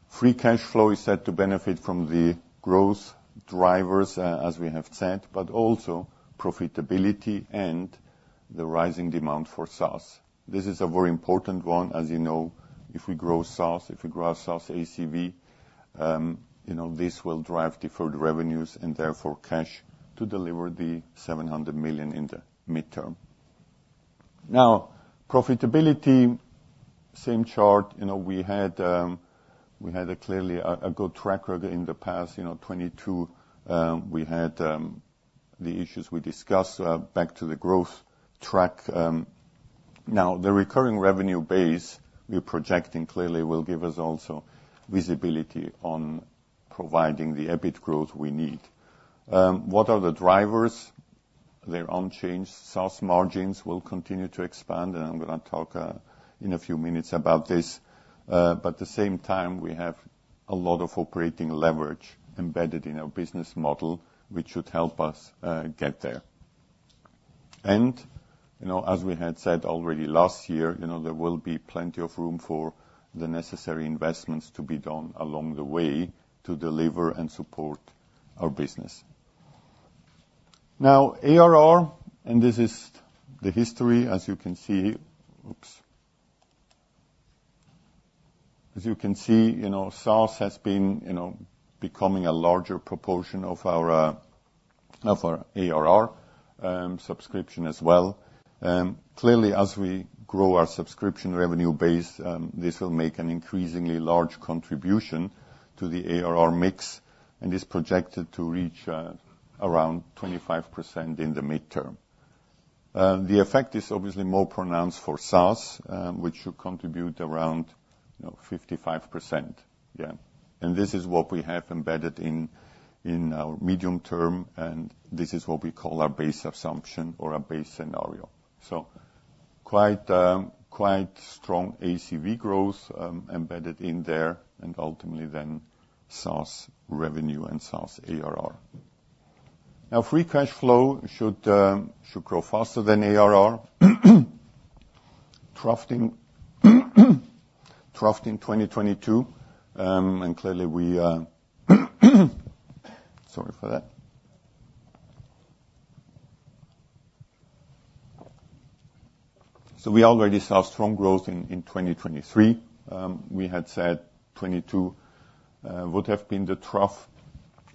Free cash flow is said to benefit from the growth drivers, as we have said, but also profitability and the rising demand for SaaS. This is a very important one. As you know, if we grow SaaS, if we grow our SaaS ACV, you know, this will drive deferred revenues and therefore cash to deliver the $700 million in the midterm. Now profitability, same chart. You know, we had clearly a good track record in the past, you know, 2022. We had the issues we discussed, back to the growth track. Now the recurring revenue base we're projecting clearly will give us also visibility on providing the EBIT growth we need. What are the drivers? They're unchanged. SaaS margins will continue to expand. And I'm going to talk, in a few minutes about this. But at the same time, we have a lot of operating leverage embedded in our business model, which should help us get there. You know, as we had said already last year, you know, there will be plenty of room for the necessary investments to be done along the way to deliver and support our business. Now ARR, and this is the history, as you can see oops. As you can see, you know, SaaS has been, you know, becoming a larger proportion of our, of our ARR, subscription as well. Clearly, as we grow our subscription revenue base, this will make an increasingly large contribution to the ARR mix. It's projected to reach around 25% in the midterm. The effect is obviously more pronounced for SaaS, which should contribute around, you know, 55%. Yeah. This is what we have embedded in, in our medium term. This is what we call our base assumption or our base scenario. So quite, quite strong ACV growth, embedded in there. Ultimately then, SaaS revenue and SaaS ARR. Now free cash flow should grow faster than ARR. Trough in 2022, and clearly we, sorry for that. So we already saw strong growth in 2023. We had said 2022 would have been the trough.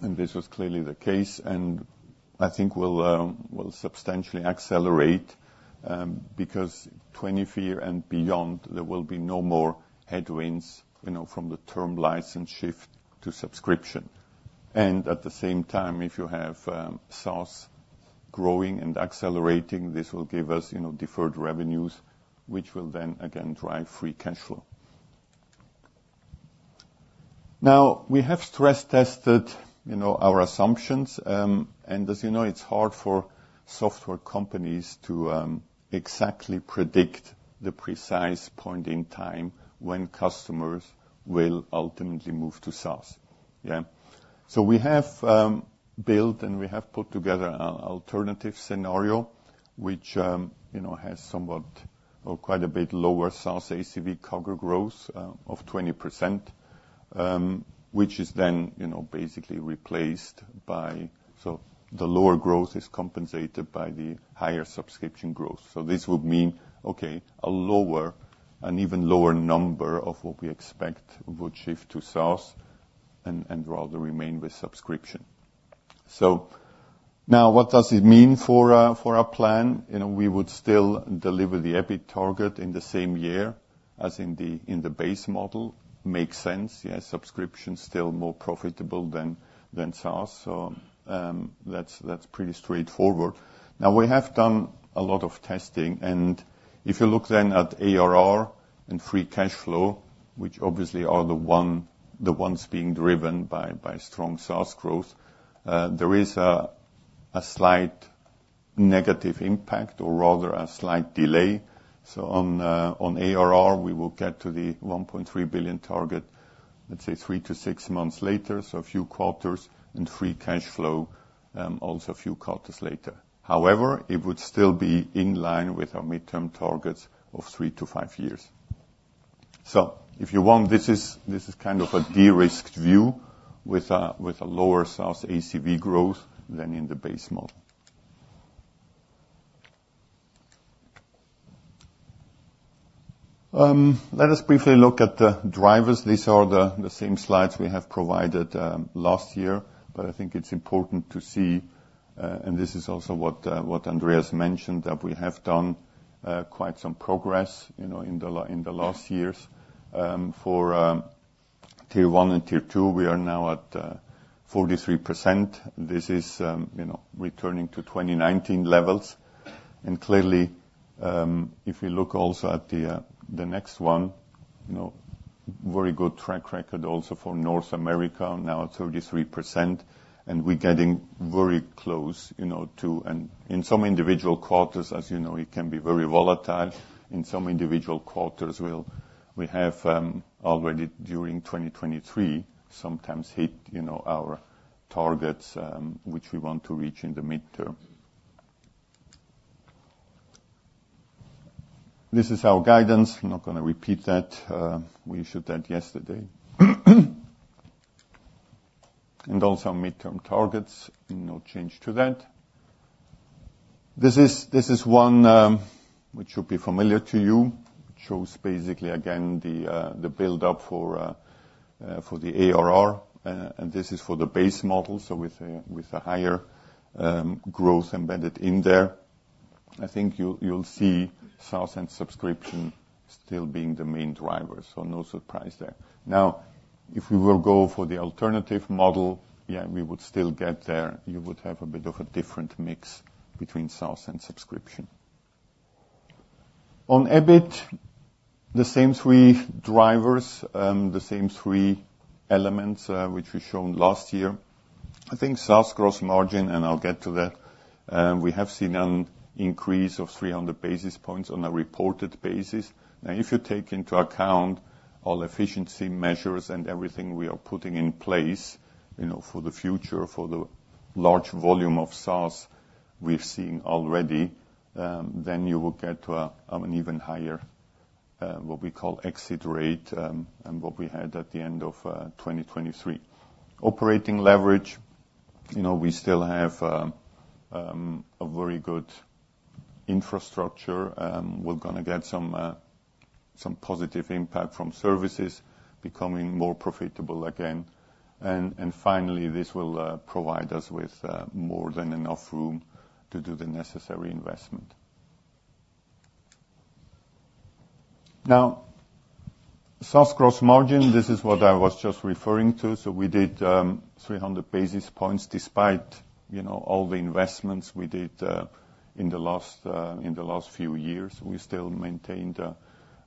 And this was clearly the case. And I think it will substantially accelerate, because 2024 and beyond, there will be no more headwinds, you know, from the term license shift to subscription. And at the same time, if you have SaaS growing and accelerating, this will give us, you know, deferred revenues, which will then again drive free cash flow. Now we have stress-tested, you know, our assumptions. And as you know, it's hard for software companies to exactly predict the precise point in time when customers will ultimately move to SaaS. Yeah. So we have built and we have put together an alternative scenario, which, you know, has somewhat or quite a bit lower SaaS ACV quarter growth of 20%, which is then, you know, basically replaced by so the lower growth is compensated by the higher subscription growth. So this would mean, okay, a lower, an even lower number of what we expect would shift to SaaS and rather remain with subscription. So now what does it mean for our plan? You know, we would still deliver the EBIT target in the same year as in the base model. Makes sense. Yeah. Subscription still more profitable than SaaS. So, that's pretty straightforward. Now we have done a lot of testing. If you look then at ARR and free cash flow, which obviously are the ones being driven by strong SaaS growth, there is a slight negative impact or rather a slight delay. So on ARR, we will get to the $1.3 billion target, let's say, three to six months later, so a few quarters. And free cash flow, also a few quarters later. However, it would still be in line with our midterm targets of three to five years. So if you want, this is kind of a de-risked view with a lower SaaS ACV growth than in the base model. Let us briefly look at the drivers. These are the same slides we have provided last year. But I think it's important to see, and this is also what Andreas mentioned, that we have done quite some progress, you know, in the last years. For Tier 1 and Tier 2, we are now at 43%. This is, you know, returning to 2019 levels. And clearly, if we look also at the next one, you know, very good track record also for North America, now at 33%. And we're getting very close, you know, to and in some individual quarters, as you know, it can be very volatile. In some individual quarters, we have already during 2023, sometimes hit, you know, our targets, which we want to reach in the midterm. This is our guidance. I'm not going to repeat that. We issued that yesterday. And also midterm targets. No change to that. This is one, which should be familiar to you. It shows basically, again, the buildup for the ARR. This is for the base model, so with a higher growth embedded in there. I think you'll see SaaS and subscription still being the main drivers. So no surprise there. Now if we will go for the alternative model, yeah, we would still get there. You would have a bit of a different mix between SaaS and subscription. On EBIT, the same three drivers, the same three elements, which we showed last year. I think SaaS gross margin, and I'll get to that, we have seen an increase of 300 basis points on a reported basis. Now if you take into account all efficiency measures and everything we are putting in place, you know, for the future, for the large volume of SaaS we're seeing already, then you will get to an even higher, what we call exit rate, and what we had at the end of 2023. Operating leverage, you know, we still have a very good infrastructure. We're going to get some positive impact from services becoming more profitable again. And finally, this will provide us with more than enough room to do the necessary investment. Now SaaS gross margin, this is what I was just referring to. So we did 300 basis points despite, you know, all the investments we did in the last few years. We still maintained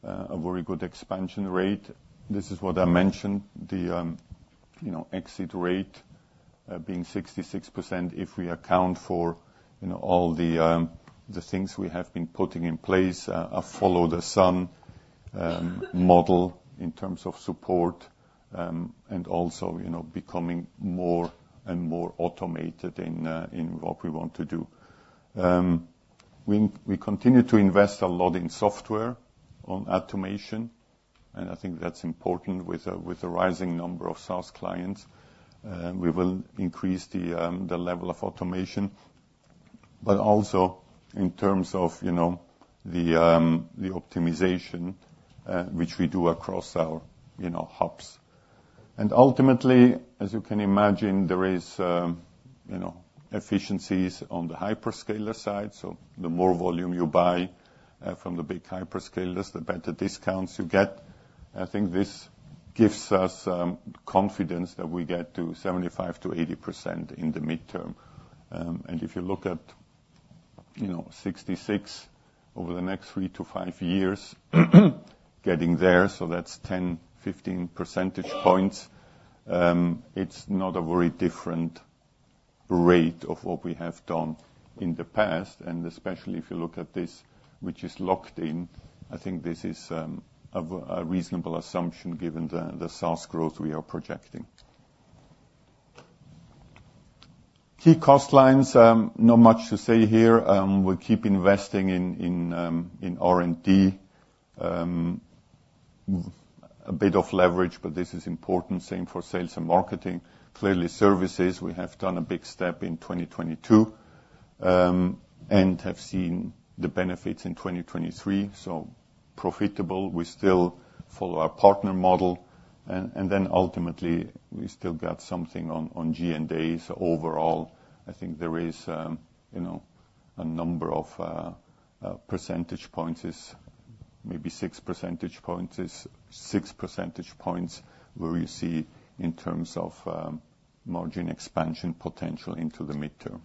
a very good expansion rate. This is what I mentioned, you know, exit rate being 66% if we account for, you know, all the things we have been putting in place, a follow the sun model in terms of support, and also, you know, becoming more and more automated in what we want to do. We continue to invest a lot in software on automation. And I think that's important with a rising number of SaaS clients. We will increase the level of automation. But also in terms of, you know, the optimization which we do across our, you know, hubs. And ultimately, as you can imagine, there is, you know, efficiencies on the hyperscaler side. So the more volume you buy from the big hyperscalers, the better discounts you get. I think this gives us confidence that we get to 75%-80% in the midterm. And if you look at, you know, 66 over the next three to five years, getting there, so that's 10-15 percentage points, it's not a very different rate of what we have done in the past. And especially if you look at this, which is locked in, I think this is a reasonable assumption given the SaaS growth we are projecting. Key cost lines, not much to say here. We'll keep investing in R&D, a bit of leverage, but this is important, same for sales and marketing. Clearly services, we have done a big step in 2022, and have seen the benefits in 2023. So profitable. We still follow our partner model. And then ultimately, we still got something on G&A. So overall, I think there is, you know, a number of percentage points, maybe 6 percentage points, where you see in terms of margin expansion potential into the midterm.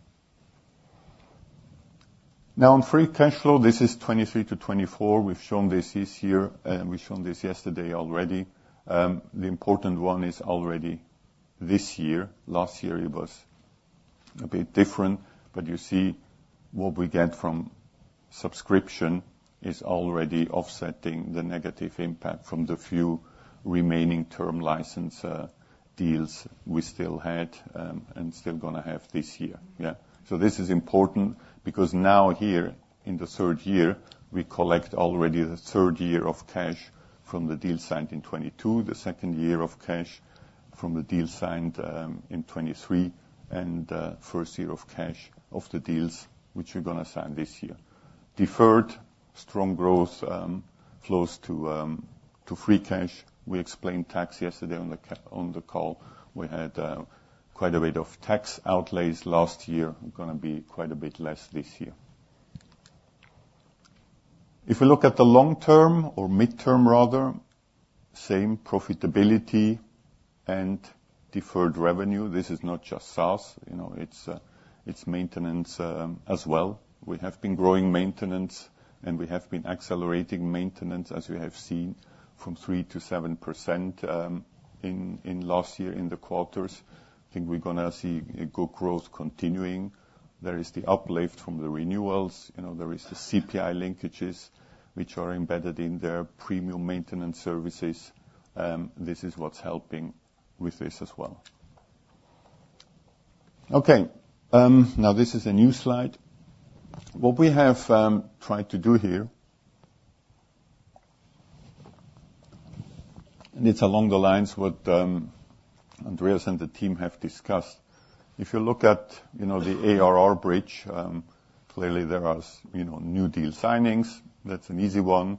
Now on free cash flow, this is 2023 to 2024. We've shown this this year. We've shown this yesterday already. The important one is already this year. Last year it was a bit different. But you see what we get from subscription is already offsetting the negative impact from the few remaining term license deals we still had, and still going to have this year. Yeah. So this is important because now here in the third year, we collect already the third year of cash from the deal signed in 2022, the second year of cash from the deal signed in 2023, and the first year of cash of the deals, which we're going to sign this year. Deferred strong growth flows to free cash. We explained tax yesterday on the call. We had quite a bit of tax outlays last year. Going to be quite a bit less this year. If we look at the long term or midterm, rather, same profitability and deferred revenue. This is not just SaaS, you know. It's maintenance, as well. We have been growing maintenance. And we have been accelerating maintenance, as you have seen, from 3%-7% in last year in the quarters. I think we're going to see a good growth continuing. There is the uplift from the renewals. You know, there is the CPI linkages, which are embedded in their premium maintenance services. This is what's helping with this as well. Okay. Now this is a new slide. What we have tried to do here, and it's along the lines what Andreas and the team have discussed, if you look at, you know, the ARR bridge, clearly there are, you know, new deal signings. That's an easy one.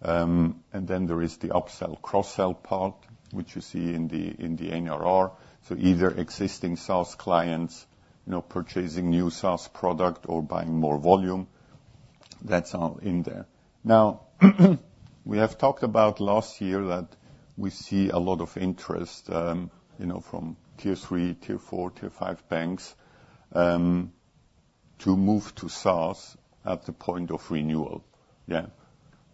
And then there is the upsell cross-sell part, which you see in the NRR. So either existing SaaS clients, you know, purchasing new SaaS product or buying more volume, that's all in there. Now we have talked about last year that we see a lot of interest, you know, from Tier 3, Tier 4, Tier 5 banks, to move to SaaS at the point of renewal. Yeah.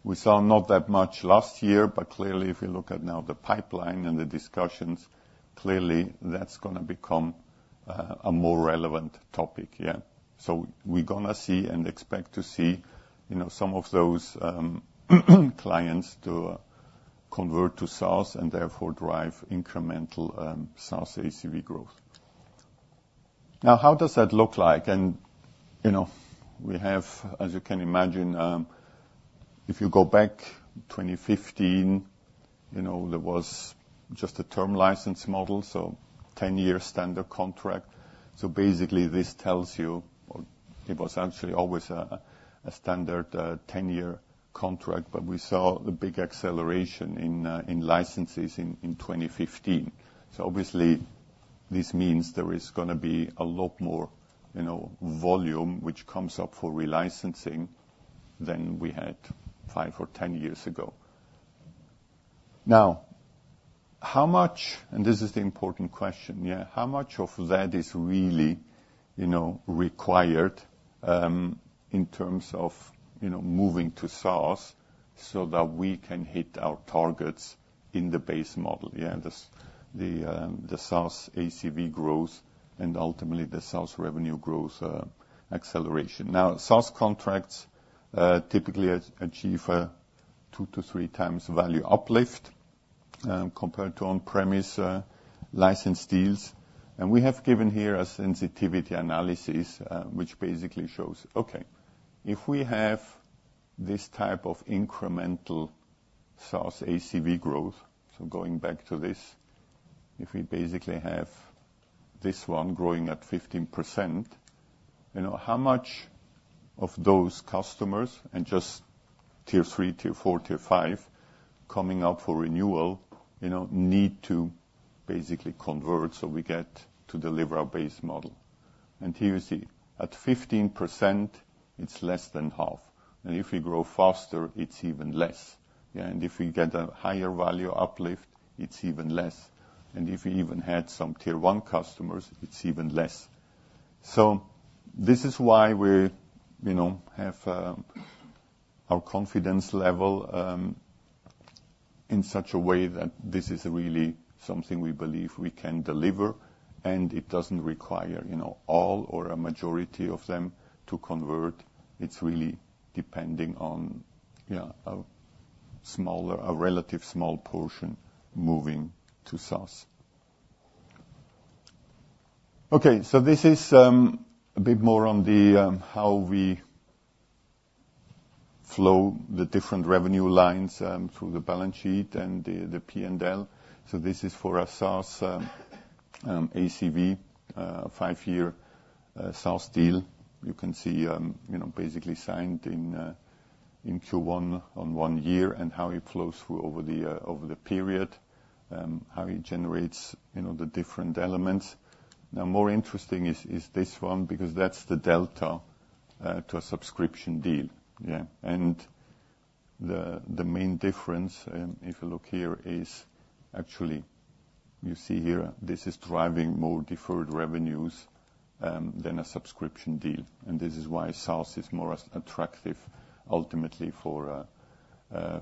We saw not that much last year, but clearly if you look at now the pipeline and the discussions, clearly that's going to become a more relevant topic. Yeah. So we're going to see and expect to see, you know, some of those clients to convert to SaaS and therefore drive incremental SaaS ACV growth. Now how does that look like? And, you know, we have, as you can imagine, if you go back to 2015, you know, there was just a term license model, so 10-year standard contract. So basically this tells you or it was actually always a standard 10-year contract, but we saw the big acceleration in licenses in 2015. So obviously this means there is going to be a lot more, you know, volume, which comes up for relicensing than we had five or 10 years ago. Now how much and this is the important question, yeah, how much of that is really, you know, required, in terms of, you know, moving to SaaS so that we can hit our targets in the base model? Yeah. The SaaS ACV growth and ultimately the SaaS revenue growth acceleration. Now SaaS contracts typically achieve a 2x to 3x value uplift, compared to on-premise license deals. We have given here a sensitivity analysis, which basically shows, okay, if we have this type of incremental SaaS ACV growth, so going back to this, if we basically have this one growing at 15%, you know, how much of those customers and just Tier 3, Tier 4, Tier 5 coming up for renewal, you know, need to basically convert so we get to deliver our base model? Here you see, at 15%, it's less than half. If we grow faster, it's even less. Yeah. If we get a higher value uplift, it's even less. If we even had some Tier 1 customers, it's even less. So this is why we, you know, have, our confidence level, in such a way that this is really something we believe we can deliver. It doesn't require, you know, all or a majority of them to convert. It's really depending on, yeah, a smaller, a relative small portion moving to SaaS. Okay. So this is, a bit more on the, how we flow the different revenue lines, through the balance sheet and the P&L. So this is for a SaaS, ACV, five-year, SaaS deal. You can see, you know, basically signed in, in Q1 on one year and how it flows through over the, over the period, how it generates, you know, the different elements. Now more interesting is this one because that's the delta, to a subscription deal. Yeah. And the main difference, if you look here, is actually you see here this is driving more deferred revenues, than a subscription deal. And this is why SaaS is more attractive ultimately for,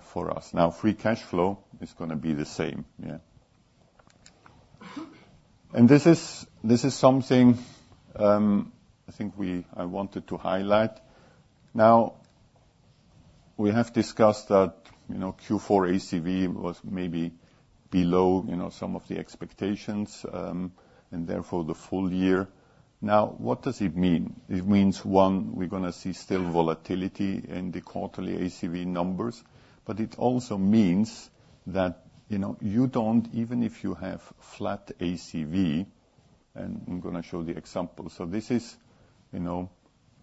for us. Now free cash flow is going to be the same. Yeah. This is something I wanted to highlight. Now we have discussed that, you know, Q4 ACV was maybe below, you know, some of the expectations, and therefore the full year. Now what does it mean? It means, one, we're going to see still volatility in the quarterly ACV numbers. But it also means that, you know, you don't even if you have flat ACV and I'm going to show the example. So this is, you know,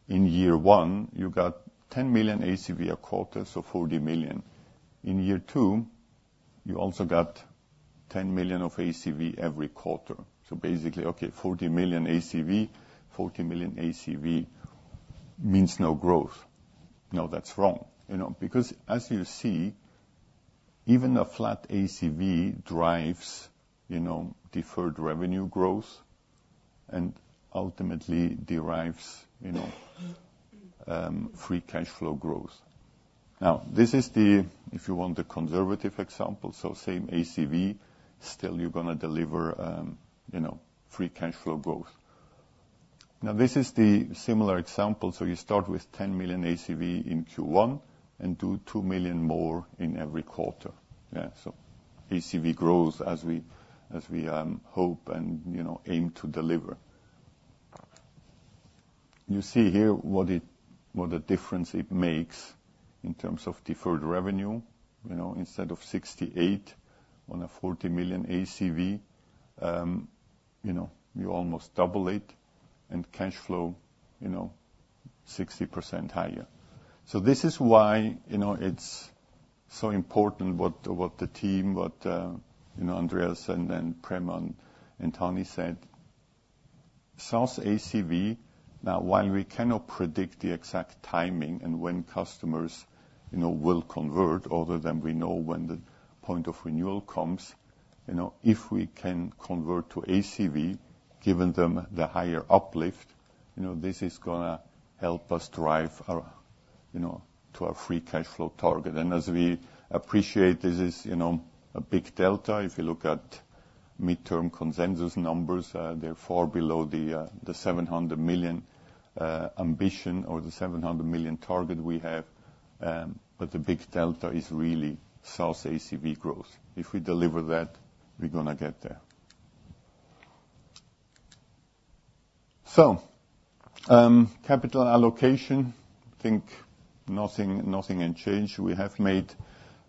in year one, you got $10 million ACV a quarter, so $40 million. In year two, you also got $10 million of ACV every quarter. So basically, okay, $40 million ACV, $40 million ACV means no growth. No, that's wrong, you know, because as you see, even a flat ACV drives, you know, deferred revenue growth and ultimately derives, you know, free cash flow growth. Now this is the if you want the conservative example, so same ACV, still you're going to deliver, you know, free cash flow growth. Now this is the similar example. So you start with $10 million ACV in Q1 and do $2 million more in every quarter. Yeah. So ACV grows as we hope and, you know, aim to deliver. You see here what the difference it makes in terms of deferred revenue, you know, instead of $68 million on a $40 million ACV, you know, you almost double it and cash flow, you know, 60% higher. So this is why, you know, it's so important what the team, you know, Andreas and then Prema and Tony said, SaaS ACV, now while we cannot predict the exact timing and when customers, you know, will convert other than we know when the point of renewal comes, you know, if we can convert to ACV given them the higher uplift, you know, this is going to help us drive our, you know, to our free cash flow target. And as we appreciate, this is, you know, a big delta. If you look at midterm consensus numbers, they're far below the $700 million ambition or the $700 million target we have, but the big delta is really SaaS ACV growth. If we deliver that, we're going to get there. So, capital allocation, I think nothing has changed. We have made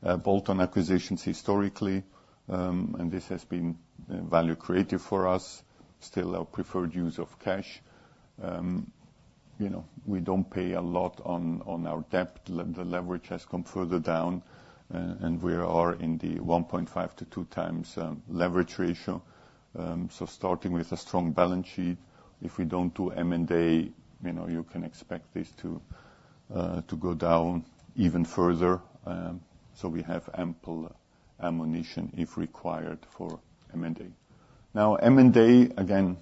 bolt-on acquisitions historically, and this has been value-accretive for us. Still our preferred use of cash. You know, we don't pay a lot on our debt. The leverage has come further down, and we are in the 1.5x to 2x leverage ratio. So starting with a strong balance sheet, if we don't do M&A, you know, you can expect this to go down even further. So we have ample ammunition if required for M&A. Now M&A, atgain,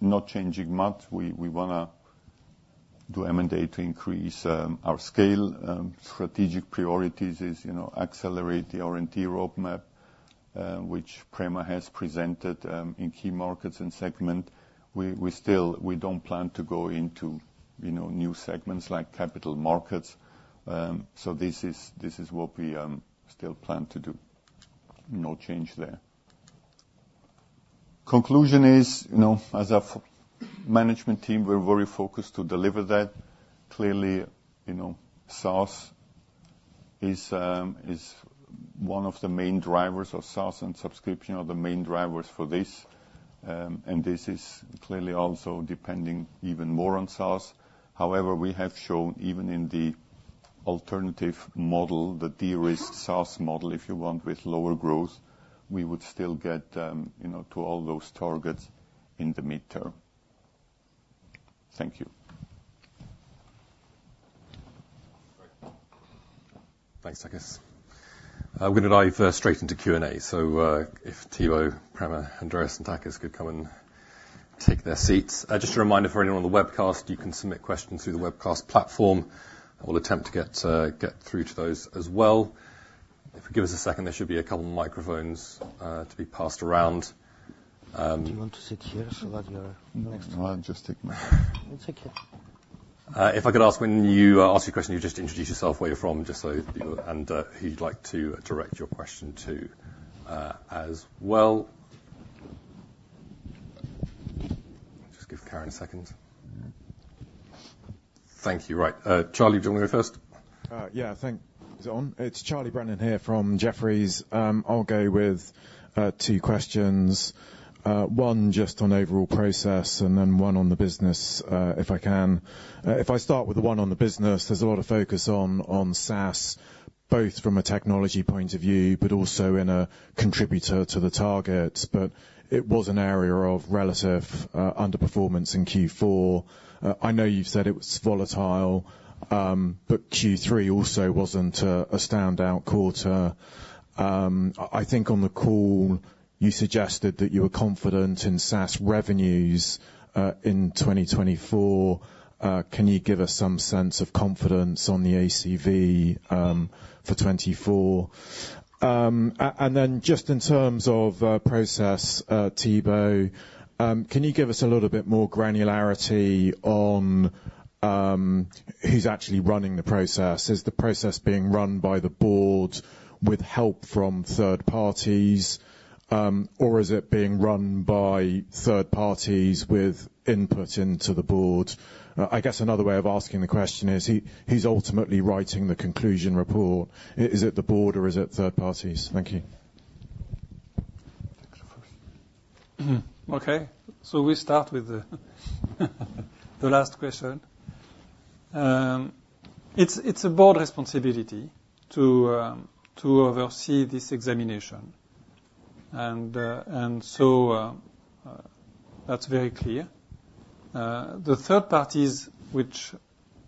not changing much. We want to do M&A to increase our scale. Strategic priorities is, you know, accelerate the R&D roadmap, which Prema has presented, in key markets and segments. We still don't plan to go into, you know, new segments like Capital Markets. So this is what we still plan to do. No change there. Conclusion is, you know, as a management team, we're very focused to deliver that. Clearly, you know, SaaS is, is one of the main drivers of SaaS and subscription are the main drivers for this. And this is clearly also depending even more on SaaS. However, we have shown even in the alternative model, the de-risk SaaS model, if you want, with lower growth, we would still get, you know, to all those targets in the midterm. Thank you. Great. Thanks, Takis. We're going to dive straight into Q&A. So, if Thibault, Prema, Andreas, and Takis could come and take their seats. Just a reminder for anyone on the webcast, you can submit questions through the webcast platform. I will attempt to get, get through to those as well. If you give us a second, there should be a couple of microphones to be passed around. Do you want to sit here so that you're next? No, I'll just take my seat. It's okay. If I could ask, when you ask your question, you just introduce yourself where you're from just so that you and who you'd like to direct your question to, as well. Just give Karen a second. Thank you. Right. Charlie, do you want to go first? Yeah. Thanks. Is it on? It's Charlie Brennan here from Jefferies. I'll go with two questions. One just on overall process and then one on the business, if I can. If I start with the one on the business, there's a lot of focus on on SaaS, both from a technology point of view, but also in a contributor to the targets. But it was an area of relative underperformance in Q4. I know you've said it was volatile, but Q3 also wasn't a standout quarter. I think on the call, you suggested that you were confident in SaaS revenues in 2024. Can you give us some sense of confidence on the ACV for 2024? And then just in terms of process, Thibault, can you give us a little bit more granularity on who's actually running the process? Is the process being run by the board with help from third parties, or is it being run by third parties with input into the board? I guess another way of asking the question is who's ultimately writing the conclusion report? Is it the board or is it third parties? Thank you. Thanks first. Okay. So we start with the last question. It's a board responsibility to oversee this examination. And so, that's very clear. The third parties, which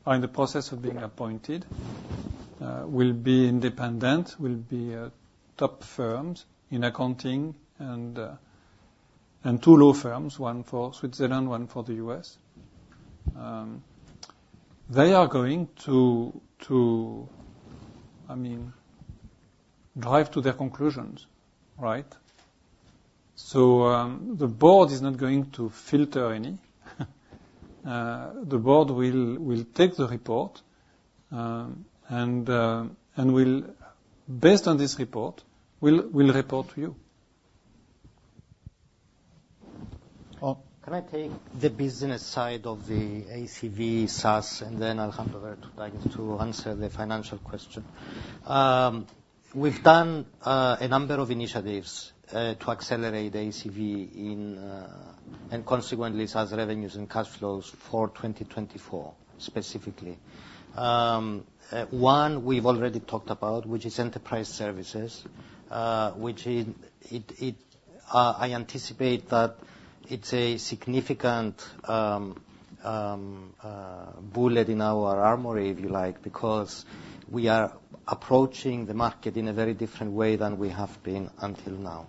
are in the process of being appointed, will be independent, will be top firms in accounting and two law firms, one for Switzerland, one for the U.S. They are going to, I mean, drive to their conclusions, right? So, the board is not going to filter any. The board will take the report, and will, based on this report, will report to you. Well, can I take the business side of the ACV, SaaS, and then I'll hand over to Takis to answer the financial question. We've done a number of initiatives to accelerate ACV and consequently SaaS revenues and cash flows for 2024 specifically. One we've already talked about, which is Enterprise Services, which is it, I anticipate that it's a significant bullet in our armory, if you like, because we are approaching the market in a very different way than we have been until now.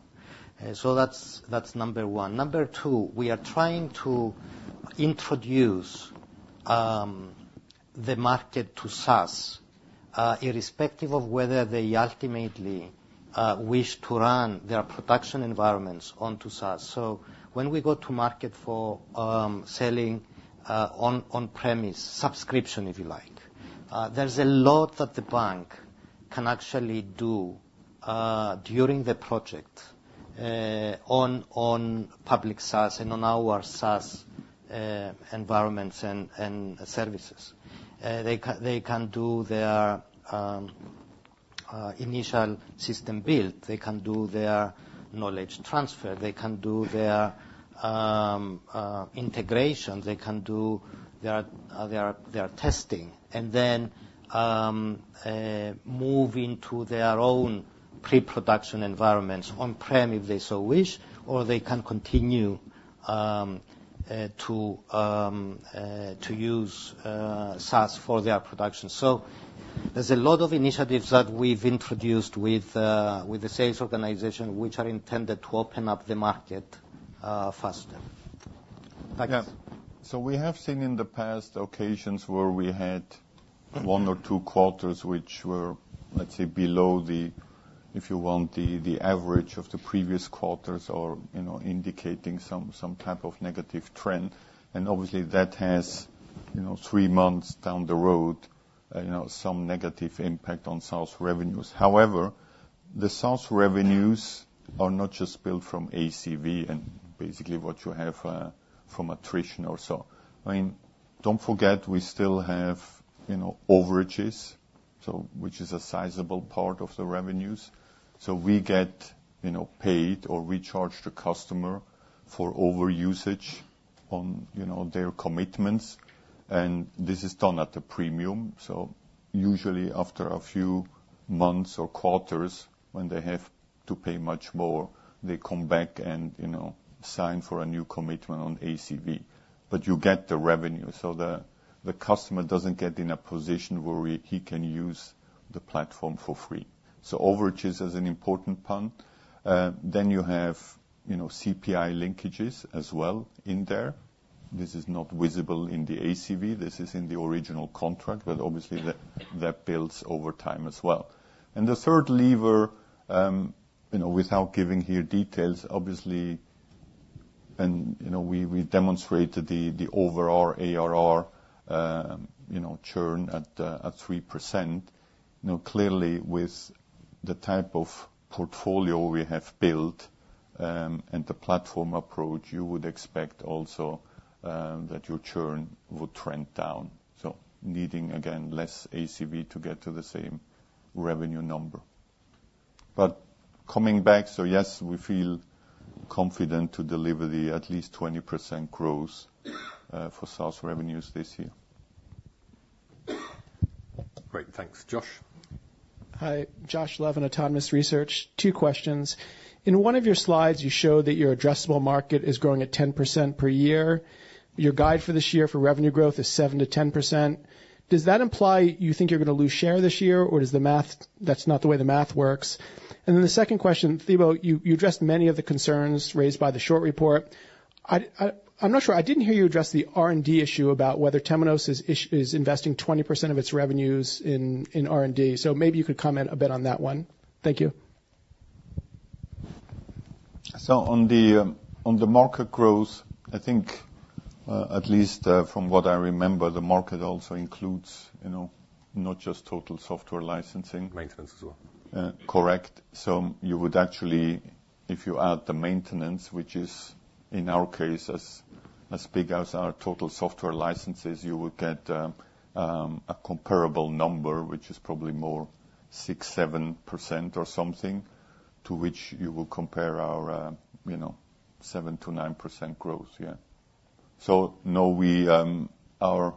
So that's number one. Number two, we are trying to introduce the market to SaaS, irrespective of whether they ultimately wish to run their production environments onto SaaS. So when we go to market for selling on-premise subscription, if you like, there's a lot that the bank can actually do during the project on public SaaS and on our SaaS environments and services. They can do their initial system build. They can do their knowledge transfer. They can do their integration. They can do their testing and then move into their own pre-production environments on-prem if they so wish, or they can continue to use SaaS for their production. So there's a lot of initiatives that we've introduced with the sales organization, which are intended to open up the market faster. Takis. Yeah. So we have seen in the past occasions where we had one or two quarters which were, let's say, below the, if you want, the average of the previous quarters or, you know, indicating some type of negative trend. And obviously, that has, you know, three months down the road, you know, some negative impact on SaaS revenues. However, the SaaS revenues are not just built from ACV and basically what you have from attrition or so. I mean, don't forget we still have, you know, overages, so which is a sizable part of the revenues. So we get, you know, paid or recharged the customer for overusage on, you know, their commitments. And this is done at a premium. So usually, after a few months or quarters, when they have to pay much more, they come back and, you know, sign for a new commitment on ACV. But you get the revenue. So the customer doesn't get in a position where he can use the platform for free. So overages is an important point. Then you have, you know, CPI linkages as well in there. This is not visible in the ACV. This is in the original contract, but obviously, that builds over time as well. The third lever, you know, without giving here details, obviously, and, you know, we demonstrated the overall ARR, you know, churn at 3%. You know, clearly, with the type of portfolio we have built, and the platform approach, you would expect also, that your churn would trend down. So needing, again, less ACV to get to the same revenue number. But coming back, so yes, we feel confident to deliver at least 20% growth for SaaS revenues this year. Great. Thanks. Josh? Hi. Josh Levin, Autonomous Research. Two questions. In one of your slides, you show that your addressable market is growing at 10% per year. Your guide for this year for revenue growth is 7%-10%. Does that imply you think you're going to lose share this year, or is the math that's not the way the math works? And then the second question, Thibault, you addressed many of the concerns raised by the short report. I'm not sure. I didn't hear you address the R&D issue about whether Temenos is investing 20% of its revenues in R&D. So maybe you could comment a bit on that one. Thank you. So on the market growth, I think, at least, from what I remember, the market also includes, you know, not just total software licensing. Maintenance as well. Correct. So you would actually, if you add the maintenance, which is in our case, as big as our total software licenses, you would get a comparable number, which is probably more 6%-7% or something, to which you will compare our, you know, 7%-9% growth. Yeah. So no, we, our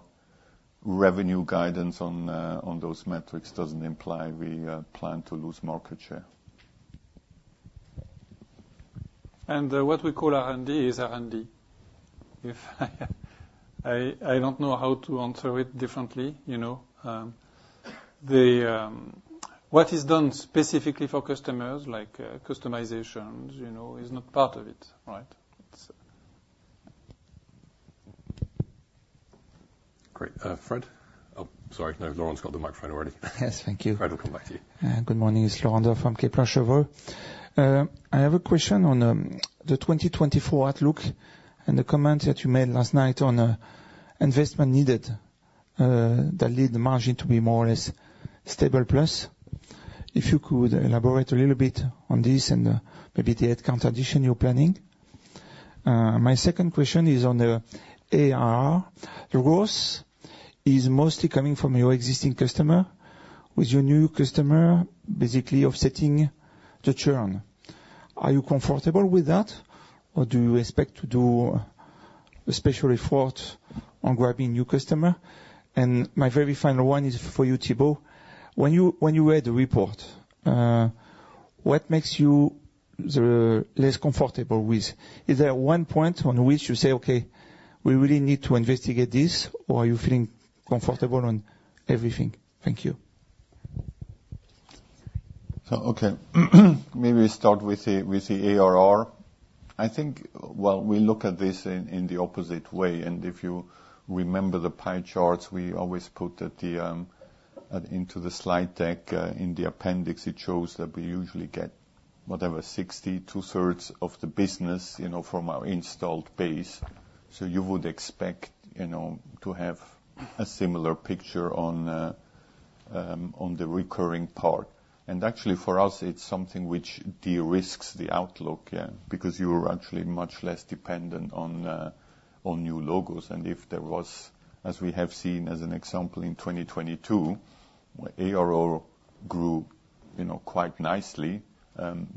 revenue guidance on, on those metrics doesn't imply we plan to lose market share. And, what we call R&D is R&D. If I don't know how to answer it differently, you know. The, what is done specifically for customers, like, customizations, you know, is not part of it, right? It's. Great. Fred? Oh, sorry. No, Laurent got the microphone already. Yes. Thank you. Fred, I'll come back to you. Good morning. It's Laurent from Kepler Cheuvreux. I have a question on, the 2024 outlook and the comments that you made last night on, investment needed, that lead the margin to be more or less stable plus. If you could elaborate a little bit on this and, maybe the headcount addition you're planning. My second question is on the ARR. The growth is mostly coming from your existing customer. With your new customer, basically offsetting the churn. Are you comfortable with that, or do you expect to do a special effort on grabbing new customer? And my very final one is for you, Thibault. When you read the report, what makes you the less comfortable with? Is there one point on which you say, "Okay, we really need to investigate this," or are you feeling comfortable on everything? Thank you. So, okay. Maybe we start with the ARR. I think, well, we look at this in the opposite way. And if you remember the pie charts, we always put into the slide deck, in the appendix, it shows that we usually get whatever, 60, two-thirds of the business, you know, from our installed base. So you would expect, you know, to have a similar picture on the recurring part. And actually, for us, it's something which de-risks the outlook, yeah, because you are actually much less dependent on new logos. And if there was, as we have seen as an example in 2022, ARR grew, you know, quite nicely,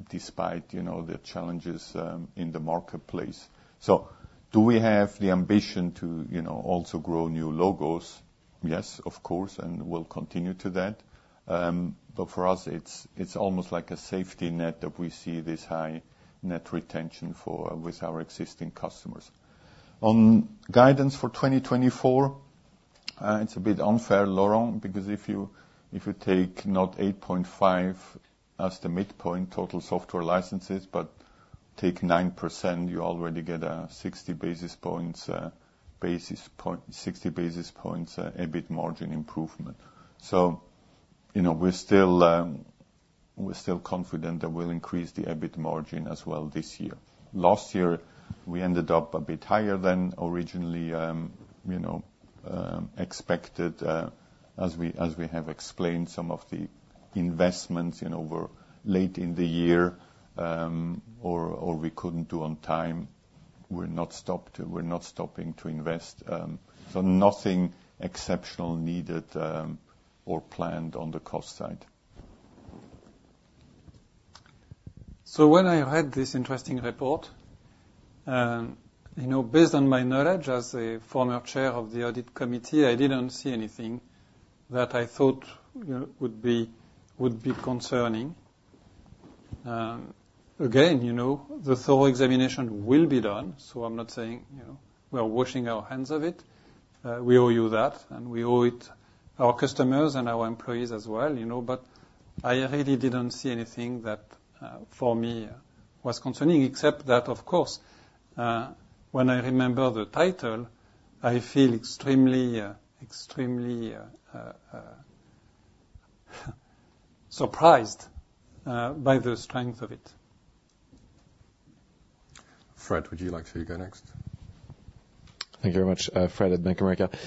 despite, you know, the challenges in the marketplace. So do we have the ambition to, you know, also grow new logos? Yes, of course, and we'll continue to that. But for us, it's almost like a safety net that we see this high net retention for with our existing customers. On guidance for 2024, it's a bit unfair, Laurent, because if you take not 8.5 as the midpoint, total software licenses, but take 9%, you already get a 60 basis points EBIT margin improvement. So, you know, we're still confident that we'll increase the EBIT margin as well this year. Last year, we ended up a bit higher than originally, you know, expected, as we have explained some of the investments, you know, were late in the year, or we couldn't do on time. We're not stopping to invest. So nothing exceptional needed, or planned on the cost side. So when I read this interesting report, you know, based on my knowledge as a Former Chair of the Audit Committee, I didn't see anything that I thought, you know, would be concerning. Again, you know, the thorough examination will be done. So I'm not saying, you know, we're washing our hands of it. We owe you that. And we owe it our customers and our employees as well, you know. But I really didn't see anything that, for me, was concerning, except that, of course, when I remember the title, I feel extremely, extremely, surprised by the strength of it. Fred, would you like to go next? Thank you very much. Fred at Bank of America.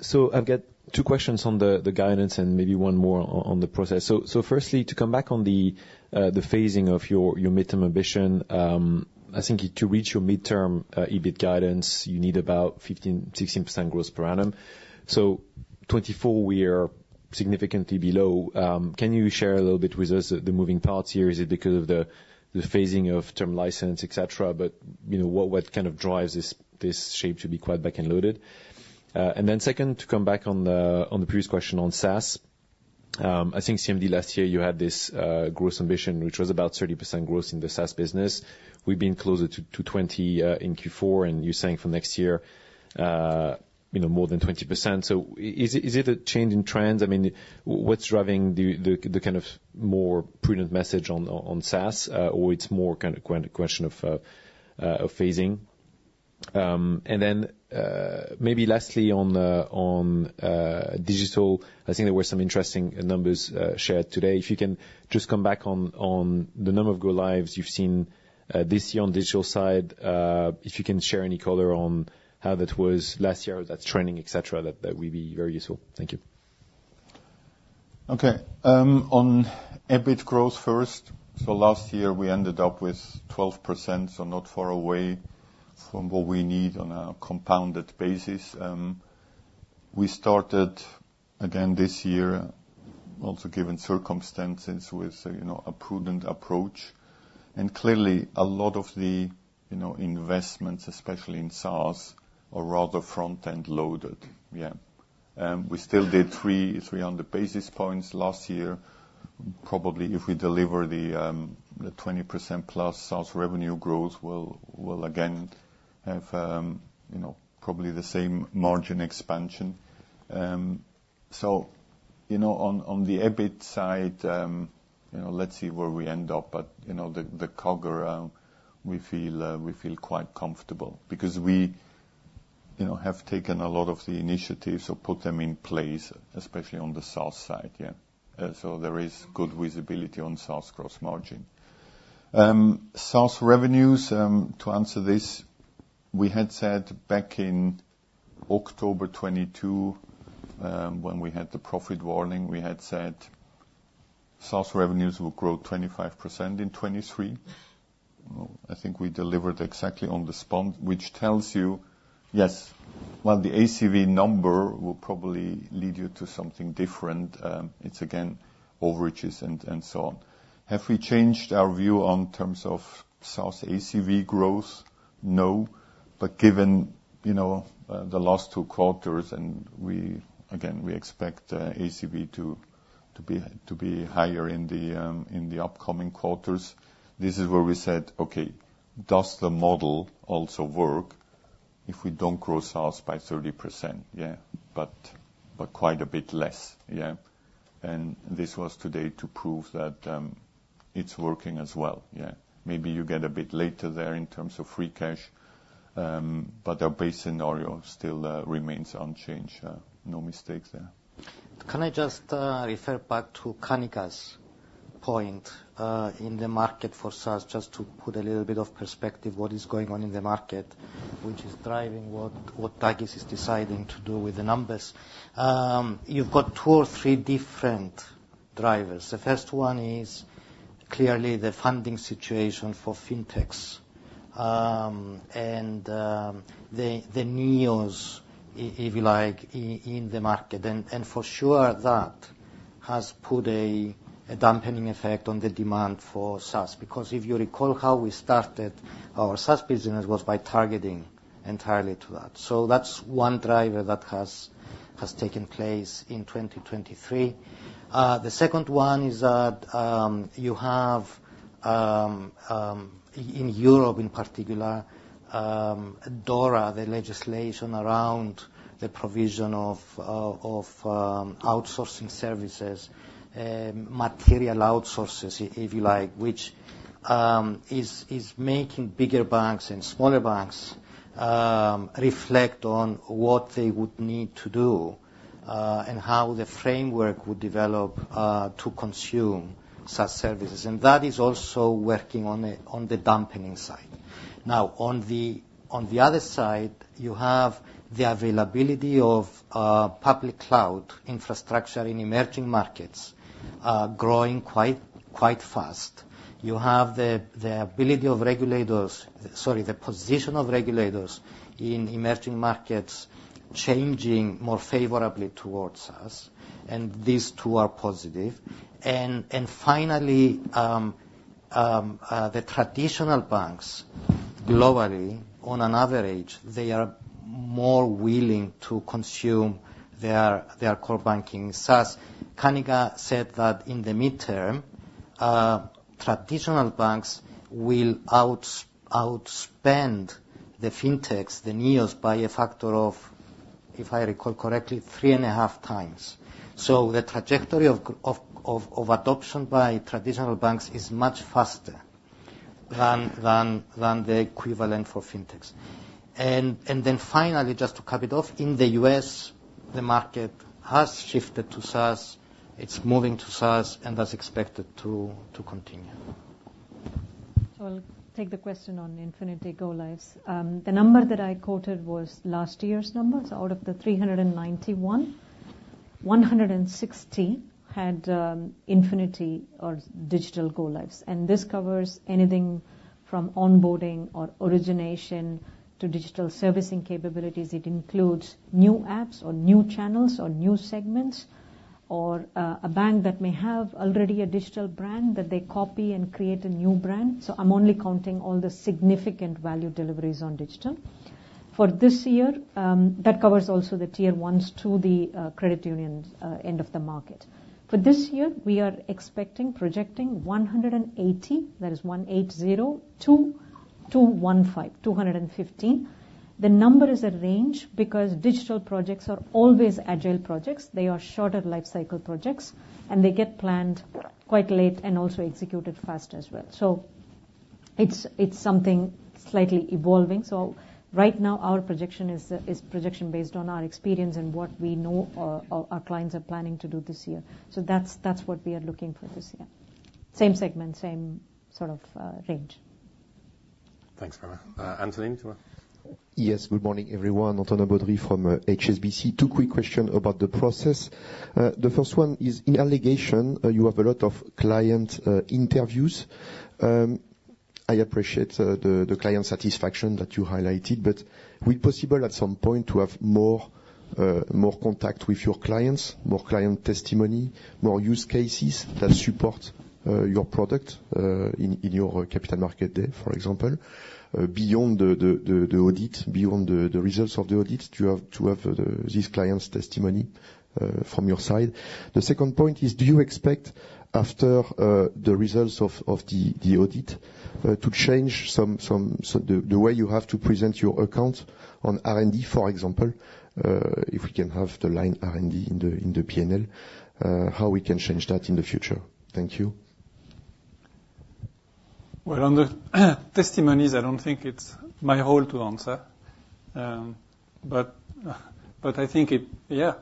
So I've got two questions on the guidance and maybe one more on the process. So, firstly, to come back on the phasing of your midterm ambition, I think to reach your midterm EBIT guidance, you need about 15%-16% growth per annum. So 2024, we are significantly below. Can you share a little bit with us the moving parts here? Is it because of the phasing of term license, etc., but, you know, what kind of drives this shape to be quite back-end loaded? Then, second, to come back on the previous question on SaaS, I think CMD last year, you had this growth ambition, which was about 30% growth in the SaaS business. We've been closer to 20% in Q4, and you're saying for next year, you know, more than 20%. So is it a change in trends? I mean, what's driving the kind of more prudent message on SaaS, or is it more a kind of question of phasing? Then, maybe lastly, on digital, I think there were some interesting numbers shared today. If you can just come back on the number of go-lives you've seen this year on the digital side, if you can share any color on how that was last year or how that's trending, etc., that would be very useful. Thank you. Okay. On EBIT growth first. So last year, we ended up with 12%, so not far away from what we need on a compounded basis. We started, again, this year, also given circumstances, with, you know, a prudent approach. And clearly, a lot of the, you know, investments, especially in SaaS, are rather front-end loaded. Yeah. We still did 300 basis points last year. Probably, if we deliver the 20%+ SaaS revenue growth, we'll, again, have, you know, probably the same margin expansion. So, you know, on the EBIT side, you know, let's see where we end up, but, you know, the CAGR, we feel quite comfortable because we, you know, have taken a lot of the initiatives or put them in place, especially on the SaaS side. Yeah. So there is good visibility on SaaS gross margin. SaaS revenues, to answer this, we had said back in October 2022, when we had the profit warning, we had said SaaS revenues will grow 25% in 2023. I think we delivered exactly on the spot, which tells you, yes, well, the ACV number will probably lead you to something different. It's, again, overages and so on. Have we changed our view on terms of SaaS ACV growth? No. But given, you know, the last two quarters, and we, again, we expect ACV to be higher in the upcoming quarters, this is where we said, "Okay, does the model also work if we don't grow SaaS by 30%?" Yeah, but quite a bit less. Yeah. And this was today to prove that, it's working as well. Yeah. Maybe you get a bit later there in terms of free cash, but our base scenario still remains unchanged. No mistake there. Can I just refer back to Kanika's point in the market for SaaS, just to put a little bit of perspective, what is going on in the market, which is driving what Takis is deciding to do with the numbers? You've got two or three different drivers. The first one is clearly the funding situation for fintechs, and the neos, if you like, in the market. And for sure, that has put a dampening effect on the demand for SaaS because if you recall how we started, our SaaS business was by targeting entirely to that. So that's one driver that has taken place in 2023. The second one is that you have, in Europe in particular, DORA, the legislation around the provision of outsourcing services, material outsources, if you like, which is making bigger banks and smaller banks reflect on what they would need to do, and how the framework would develop, to consume such services. And that is also working on the dampening side. Now, on the other side, you have the availability of public cloud infrastructure in emerging markets, growing quite fast. You have the ability of regulators, sorry, the position of regulators in emerging markets changing more favorably towards us. And these two are positive. And finally, the traditional banks globally, on an average, they are more willing to consume their Core Banking SaaS. Kanika said that in the midterm, traditional banks will outspend the fintechs, the neos, by a factor of, if I recall correctly, 3.5x. So the trajectory of adoption by traditional banks is much faster than the equivalent for fintechs. And then finally, just to cap it off, in the U.S., the market has shifted to SaaS. It's moving to SaaS and that's expected to continue. So I'll take the question on Infinity go-lives. The number that I quoted was last year's numbers. Out of the 391, 160 had Infinity or digital go-lives. And this covers anything from onboarding or origination to digital servicing capabilities. It includes new apps or new channels or new segments or a bank that may have already a digital brand that they copy and create a new brand. So I'm only counting all the significant value deliveries on digital. For this year, that covers also the Tier 1s, 2, the credit union end of the market. For this year, we are expecting, projecting 180. That is 180-215. The number is a range because digital projects are always agile projects. They are shorter lifecycle projects, and they get planned quite late and also executed fast as well. So it's something slightly evolving. So right now, our projection is projection based on our experience and what we know our clients are planning to do this year. So that's what we are looking for this year. Same segment, same sort of range. Thanks, Prema. Anthony, do you want to? Yes. Good morning, everyone. Antonin Baudry from HSBC. Two quick questions about the process. The first one is, in the allegations, you have a lot of client interviews. I appreciate the client satisfaction that you highlighted, but would it be possible at some point to have more contact with your clients, more client testimony, more use cases that support your product in your Capital Markets Day, for example, beyond the audit, beyond the results of the audit to have these clients' testimony from your side? The second point is, do you expect after the results of the audit to change some the way you have to present your accounts on R&D, for example, if we can have the line R&D in the P&L, how we can change that in the future? Thank you. Well, on the testimonies, I don't think it's my role to answer. But I think, yeah,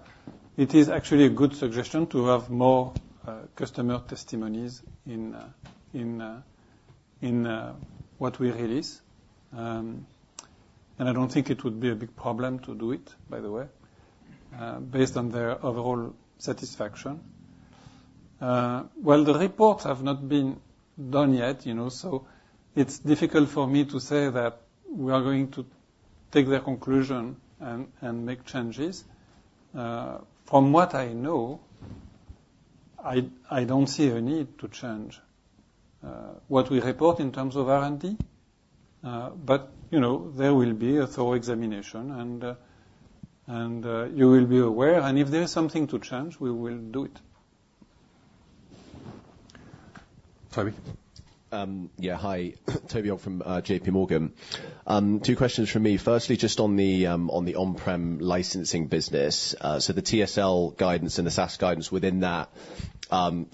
it is actually a good suggestion to have more customer testimonies in what we release. And I don't think it would be a big problem to do it, by the way, based on their overall satisfaction. Well, the reports have not been done yet, you know, so it's difficult for me to say that we are going to take their conclusion and make changes. From what I know, I don't see a need to change what we report in terms of R&D. But, you know, there will be a thorough examination, and you will be aware. And if there is something to change, we will do it. Toby? Yeah. Hi. Toby Ogg from JPMorgan. Two questions from me. Firstly, just on the on-prem licensing business, so the TSL guidance and the SaaS guidance within that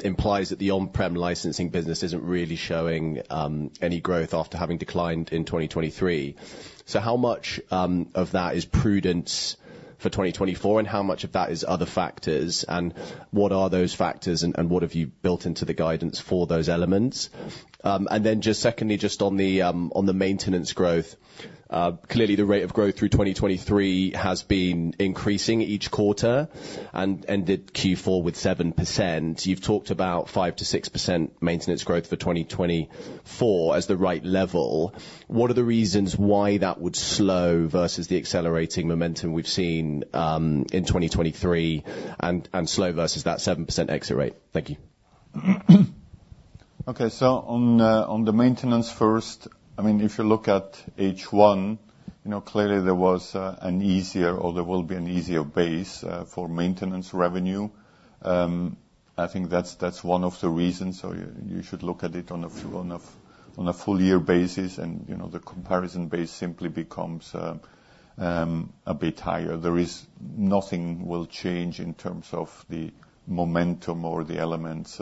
implies that the on-prem licensing business isn't really showing any growth after having declined in 2023. So how much of that is prudence for 2024, and how much of that is other factors? And what are those factors, and what have you built into the guidance for those elements? And then just secondly, just on the maintenance growth, clearly, the rate of growth through 2023 has been increasing each quarter and ended Q4 with 7%. You've talked about 5%-6% maintenance growth for 2024 as the right level. What are the reasons why that would slow versus the accelerating momentum we've seen in 2023 and slow versus that 7% exit rate? Thank you. Okay. So, on the maintenance first, I mean, if you look at H1, you know, clearly, there was an easier or there will be an easier base for maintenance revenue. I think that's one of the reasons. So you should look at it on a full-year basis, and, you know, the comparison base simply becomes a bit higher. There is nothing will change in terms of the momentum or the elements,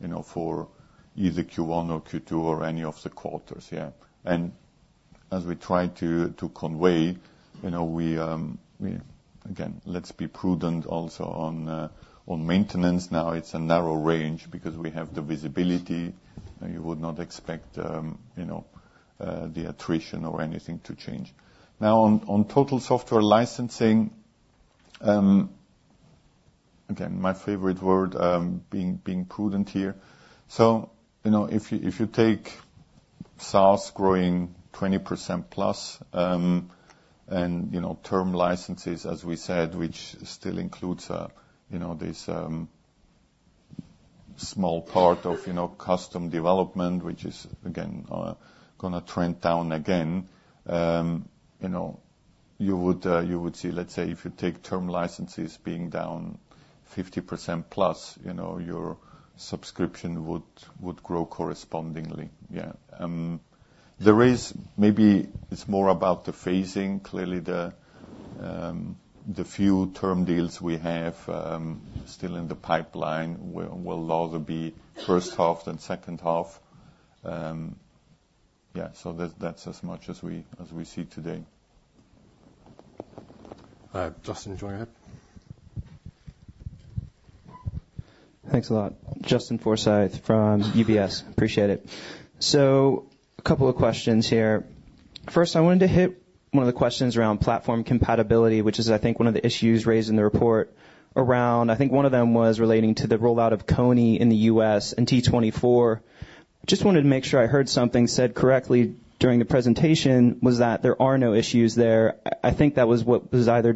you know, for either Q1 or Q2 or any of the quarters. Yeah. And as we try to convey, you know, we again, let's be prudent also on maintenance. Now, it's a narrow range because we have the visibility. You would not expect, you know, the attrition or anything to change. Now, on total software licensing, again, my favorite word, being prudent here. So, you know, if you if you take SaaS growing 20%+, and, you know, term licenses, as we said, which still includes, you know, this, small part of, you know, custom development, which is, again, going to trend down again, you know, you would, you would see let's say if you take term licenses being down 50%+, you know, your subscription would would grow correspondingly. Yeah. There is maybe it's more about the phasing. Clearly, the, the few term deals we have, still in the pipeline will will rather be first half than second half. Yeah. So that's that's as much as we as we see today. Justin Forsythe. Thanks a lot. Justin Forsythe from UBS. Appreciate it. So a couple of questions here. First, I wanted to hit one of the questions around platform compatibility, which is, I think, one of the issues raised in the report around I think one of them was relating to the rollout of Kony in the U.S. and T24. Just wanted to make sure I heard something said correctly during the presentation, was that there are no issues there. I think that was what was either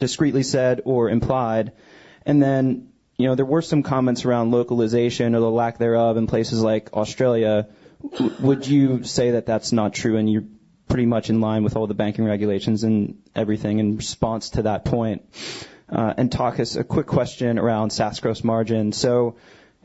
discreetly said or implied. And then, you know, there were some comments around localization or the lack thereof in places like Australia. Would you say that that's not true, and you're pretty much in line with all the banking regulations and everything in response to that point? And talk us a quick question around SaaS gross margin. So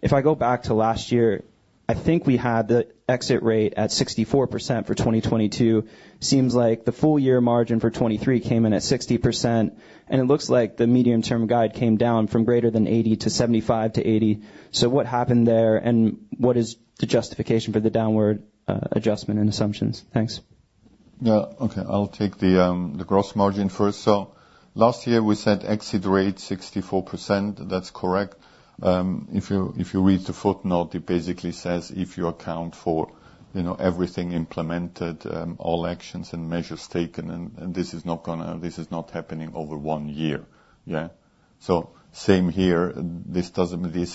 if I go back to last year, I think we had the exit rate at 64% for 2022. Seems like the full-year margin for 2023 came in at 60%, and it looks like the medium-term guide came down from greater than 80% to 75%-80%. So what happened there, and what is the justification for the downward adjustment and assumptions? Thanks. Yeah. Okay. I'll take the gross margin first. So last year, we said exit rate 64%. That's correct. If you read the footnote, it basically says if you account for, you know, everything implemented, all actions and measures taken, and this is not happening over one year. Yeah. So same here. This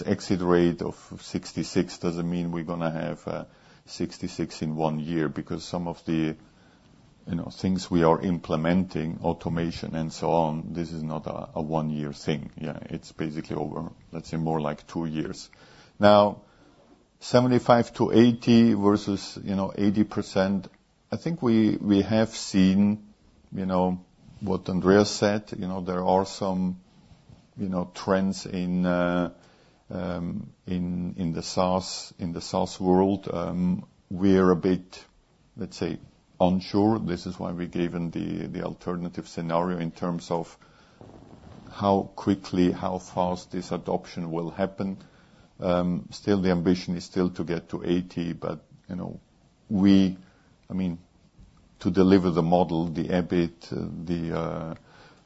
exit rate of 66% doesn't mean we're going to have 66% in one year because some of the, you know, things we are implementing, automation and so on, this is not a one-year thing. Yeah. It's basically over, let's say, more like two years. Now, 75-80 versus, you know, 80%, I think we have seen, you know, what Andreas said. You know, there are some, you know, trends in the SaaS world. We're a bit, let's say, unsure. This is why we're given the alternative scenario in terms of how quickly, how fast this adoption will happen. Still, the ambition is still to get to 80, but, you know, we I mean, to deliver the model, the EBIT,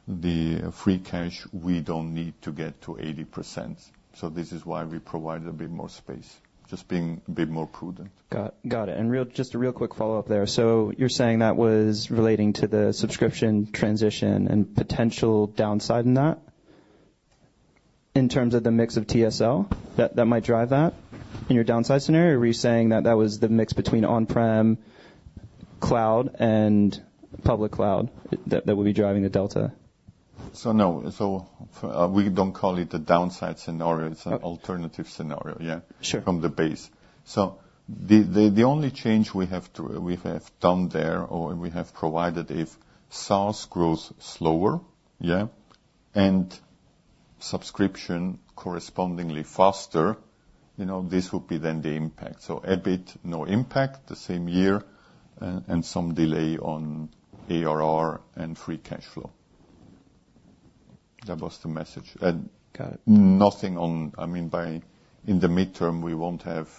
the free cash, we don't need to get to 80%. So this is why we provide a bit more space, just being a bit more prudent. Got it. Got it. And real just a real quick follow-up there. So you're saying that was relating to the subscription transition and potential downside in that in terms of the mix of TSL that that might drive that in your downside scenario, or are you saying that that was the mix between on-prem cloud and public cloud that that would be driving the delta? So no. So we don't call it a downside scenario. It's an alternative scenario. Yeah. From the base. So the only change we have done there or we have provided if SaaS grows slower, yeah, and subscription correspondingly faster, you know, this would be then the impact. So EBIT, no impact the same year, and some delay on ARR and free cash flow. That was the message. And nothing on—I mean, by in the midterm, we won't have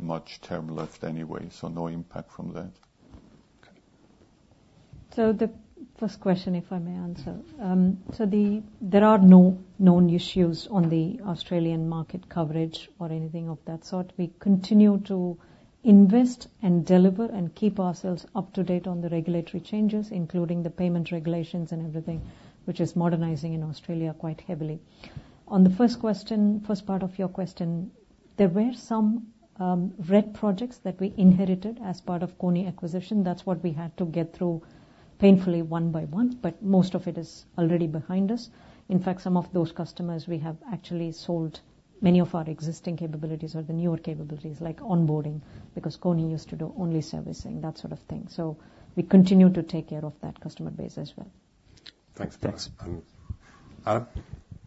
much term left anyway, so no impact from that. Okay. So the first question, if I may answer. So there are no known issues on the Australian market coverage or anything of that sort. We continue to invest and deliver and keep ourselves up to date on the regulatory changes, including the payment regulations and everything, which is modernizing in Australia quite heavily. On the first question first part of your question, there were some red projects that we inherited as part of Kony acquisition. That's what we had to get through painfully one by one, but most of it is already behind us. In fact, some of those customers, we have actually sold many of our existing capabilities or the newer capabilities, like onboarding, because Kony used to do only servicing, that sort of thing. So we continue to take care of that customer base as well. Thanks, thanks. Adam?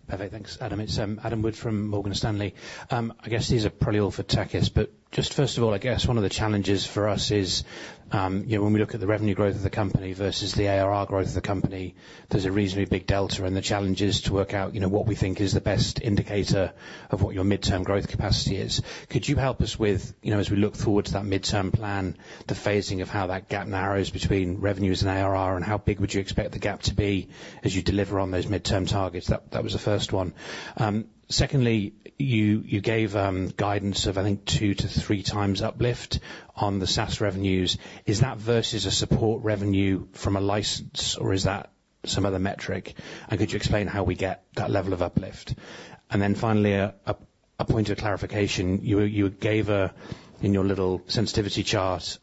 Perfect. Thanks, Adam. It's Adam Wood from Morgan Stanley. I guess these are probably all for Takis, but just first of all, I guess one of the challenges for us is, you know, when we look at the revenue growth of the company versus the ARR growth of the company, there's a reasonably big delta, and the challenge is to work out, you know, what we think is the best indicator of what your midterm growth capacity is. Could you help us with, you know, as we look towards that midterm plan, the phasing of how that gap narrows between revenues and ARR, and how big would you expect the gap to be as you deliver on those midterm targets? That was the first one. Secondly, you gave guidance of, I think, 2-3 times uplift on the SaaS revenues. Is that versus a support revenue from a license, or is that some other metric? And could you explain how we get that level of uplift? And then finally, a point of clarification. You gave in your little sensitivity chart,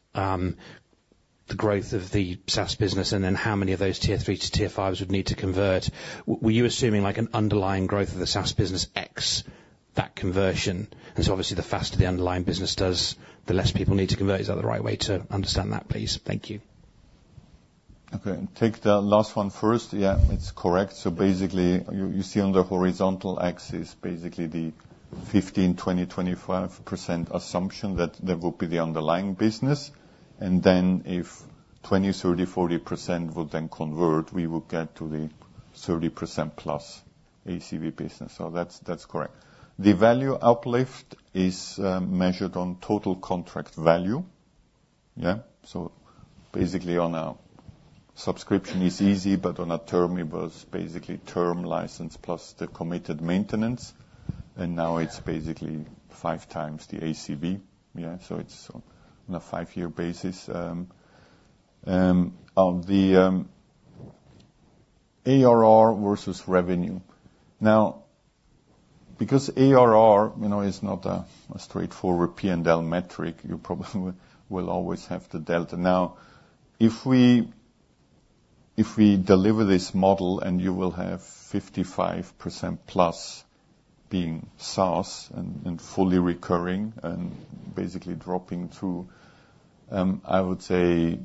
the growth of the SaaS business and then how many of those tier three to tier fives would need to convert. Were you assuming, like, an underlying growth of the SaaS business X that conversion? And so obviously, the faster the underlying business does, the less people need to convert. Is that the right way to understand that, please? Thank you. Okay. Take the last one first. Yeah. It's correct. So basically, you see on the horizontal axis, basically, the 15%, 20%, 25% assumption that there would be the underlying business. Then if 20%, 30%, 40% would then convert, we would get to the 30%+ ACV business. So that's correct. The value uplift is measured on total contract value. Yeah. So basically, on a subscription, it's easy, but on a term, it was basically term license plus the committed maintenance. And now it's basically 5x the ACV. Yeah. So it's on a five year basis. The ARR versus revenue. Now, because ARR, you know, is not a straightforward P&L metric, you probably will always have the delta. Now, if we deliver this model, and you will have 55%+ being SaaS and fully recurring and basically dropping through, I would say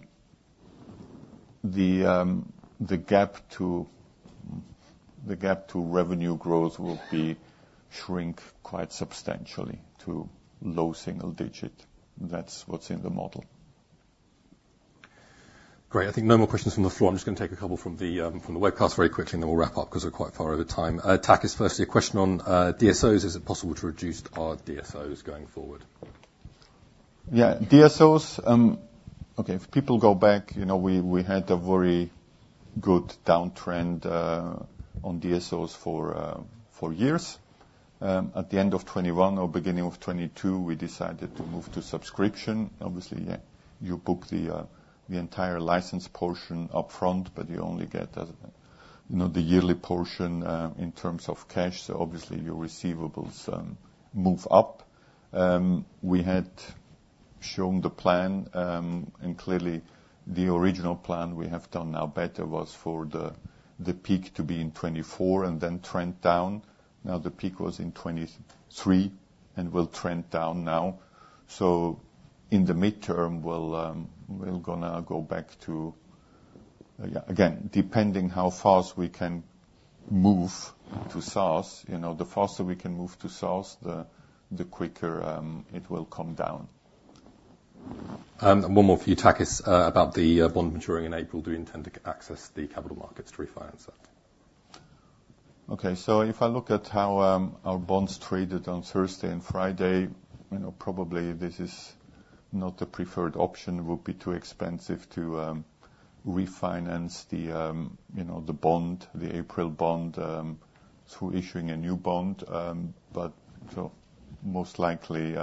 the gap to revenue growth will shrink quite substantially to low single digit. That's what's in the model. Great. I think no more questions from the floor. I'm just going to take a couple from the, from the webcast very quickly, and then we'll wrap up because we're quite far over time. Takis, firstly, a question on DSOs. Is it possible to reduce our DSOs going forward? Yeah. DSOs, okay. If people go back, you know, we had a very good downtrend on DSOs for years. At the end of 2021 or beginning of 2022, we decided to move to subscription. Obviously, yeah, you book the entire license portion upfront, but you only get, you know, the yearly portion in terms of cash. So obviously, your receivables move up. We had shown the plan, and clearly, the original plan we have done now better was for the peak to be in 2024 and then trend down. Now, the peak was in 2023 and will trend down now. So in the midterm, we're going to go back to yeah. Again, depending how fast we can move to SaaS, you know, the faster we can move to SaaS, the quicker, it will come down. One more for you, Takis, about the bond maturing in April. Do you intend to access the Capital Markets to refinance that? Okay. So if I look at how our bonds traded on Thursday and Friday, you know, probably this is not the preferred option. It would be too expensive to refinance the, you know, the bond, the April bond, through issuing a new bond. But so most likely,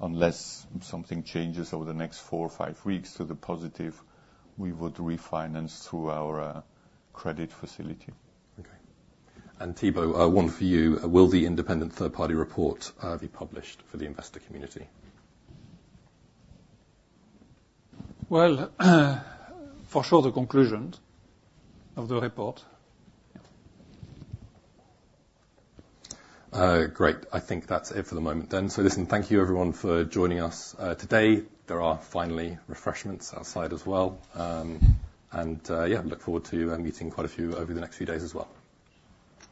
unless something changes over the next four or five weeks to the positive, we would refinance through our credit facility. Okay. And Thibault, one for you. Will the independent third-party report be published for the investor community? Well, for sure, the conclusions of the report. Great. I think that's it for the moment then. So listen, thank you, everyone, for joining us today. There are finally refreshments outside as well. And, yeah, look forward to meeting quite a few over the next few days as well.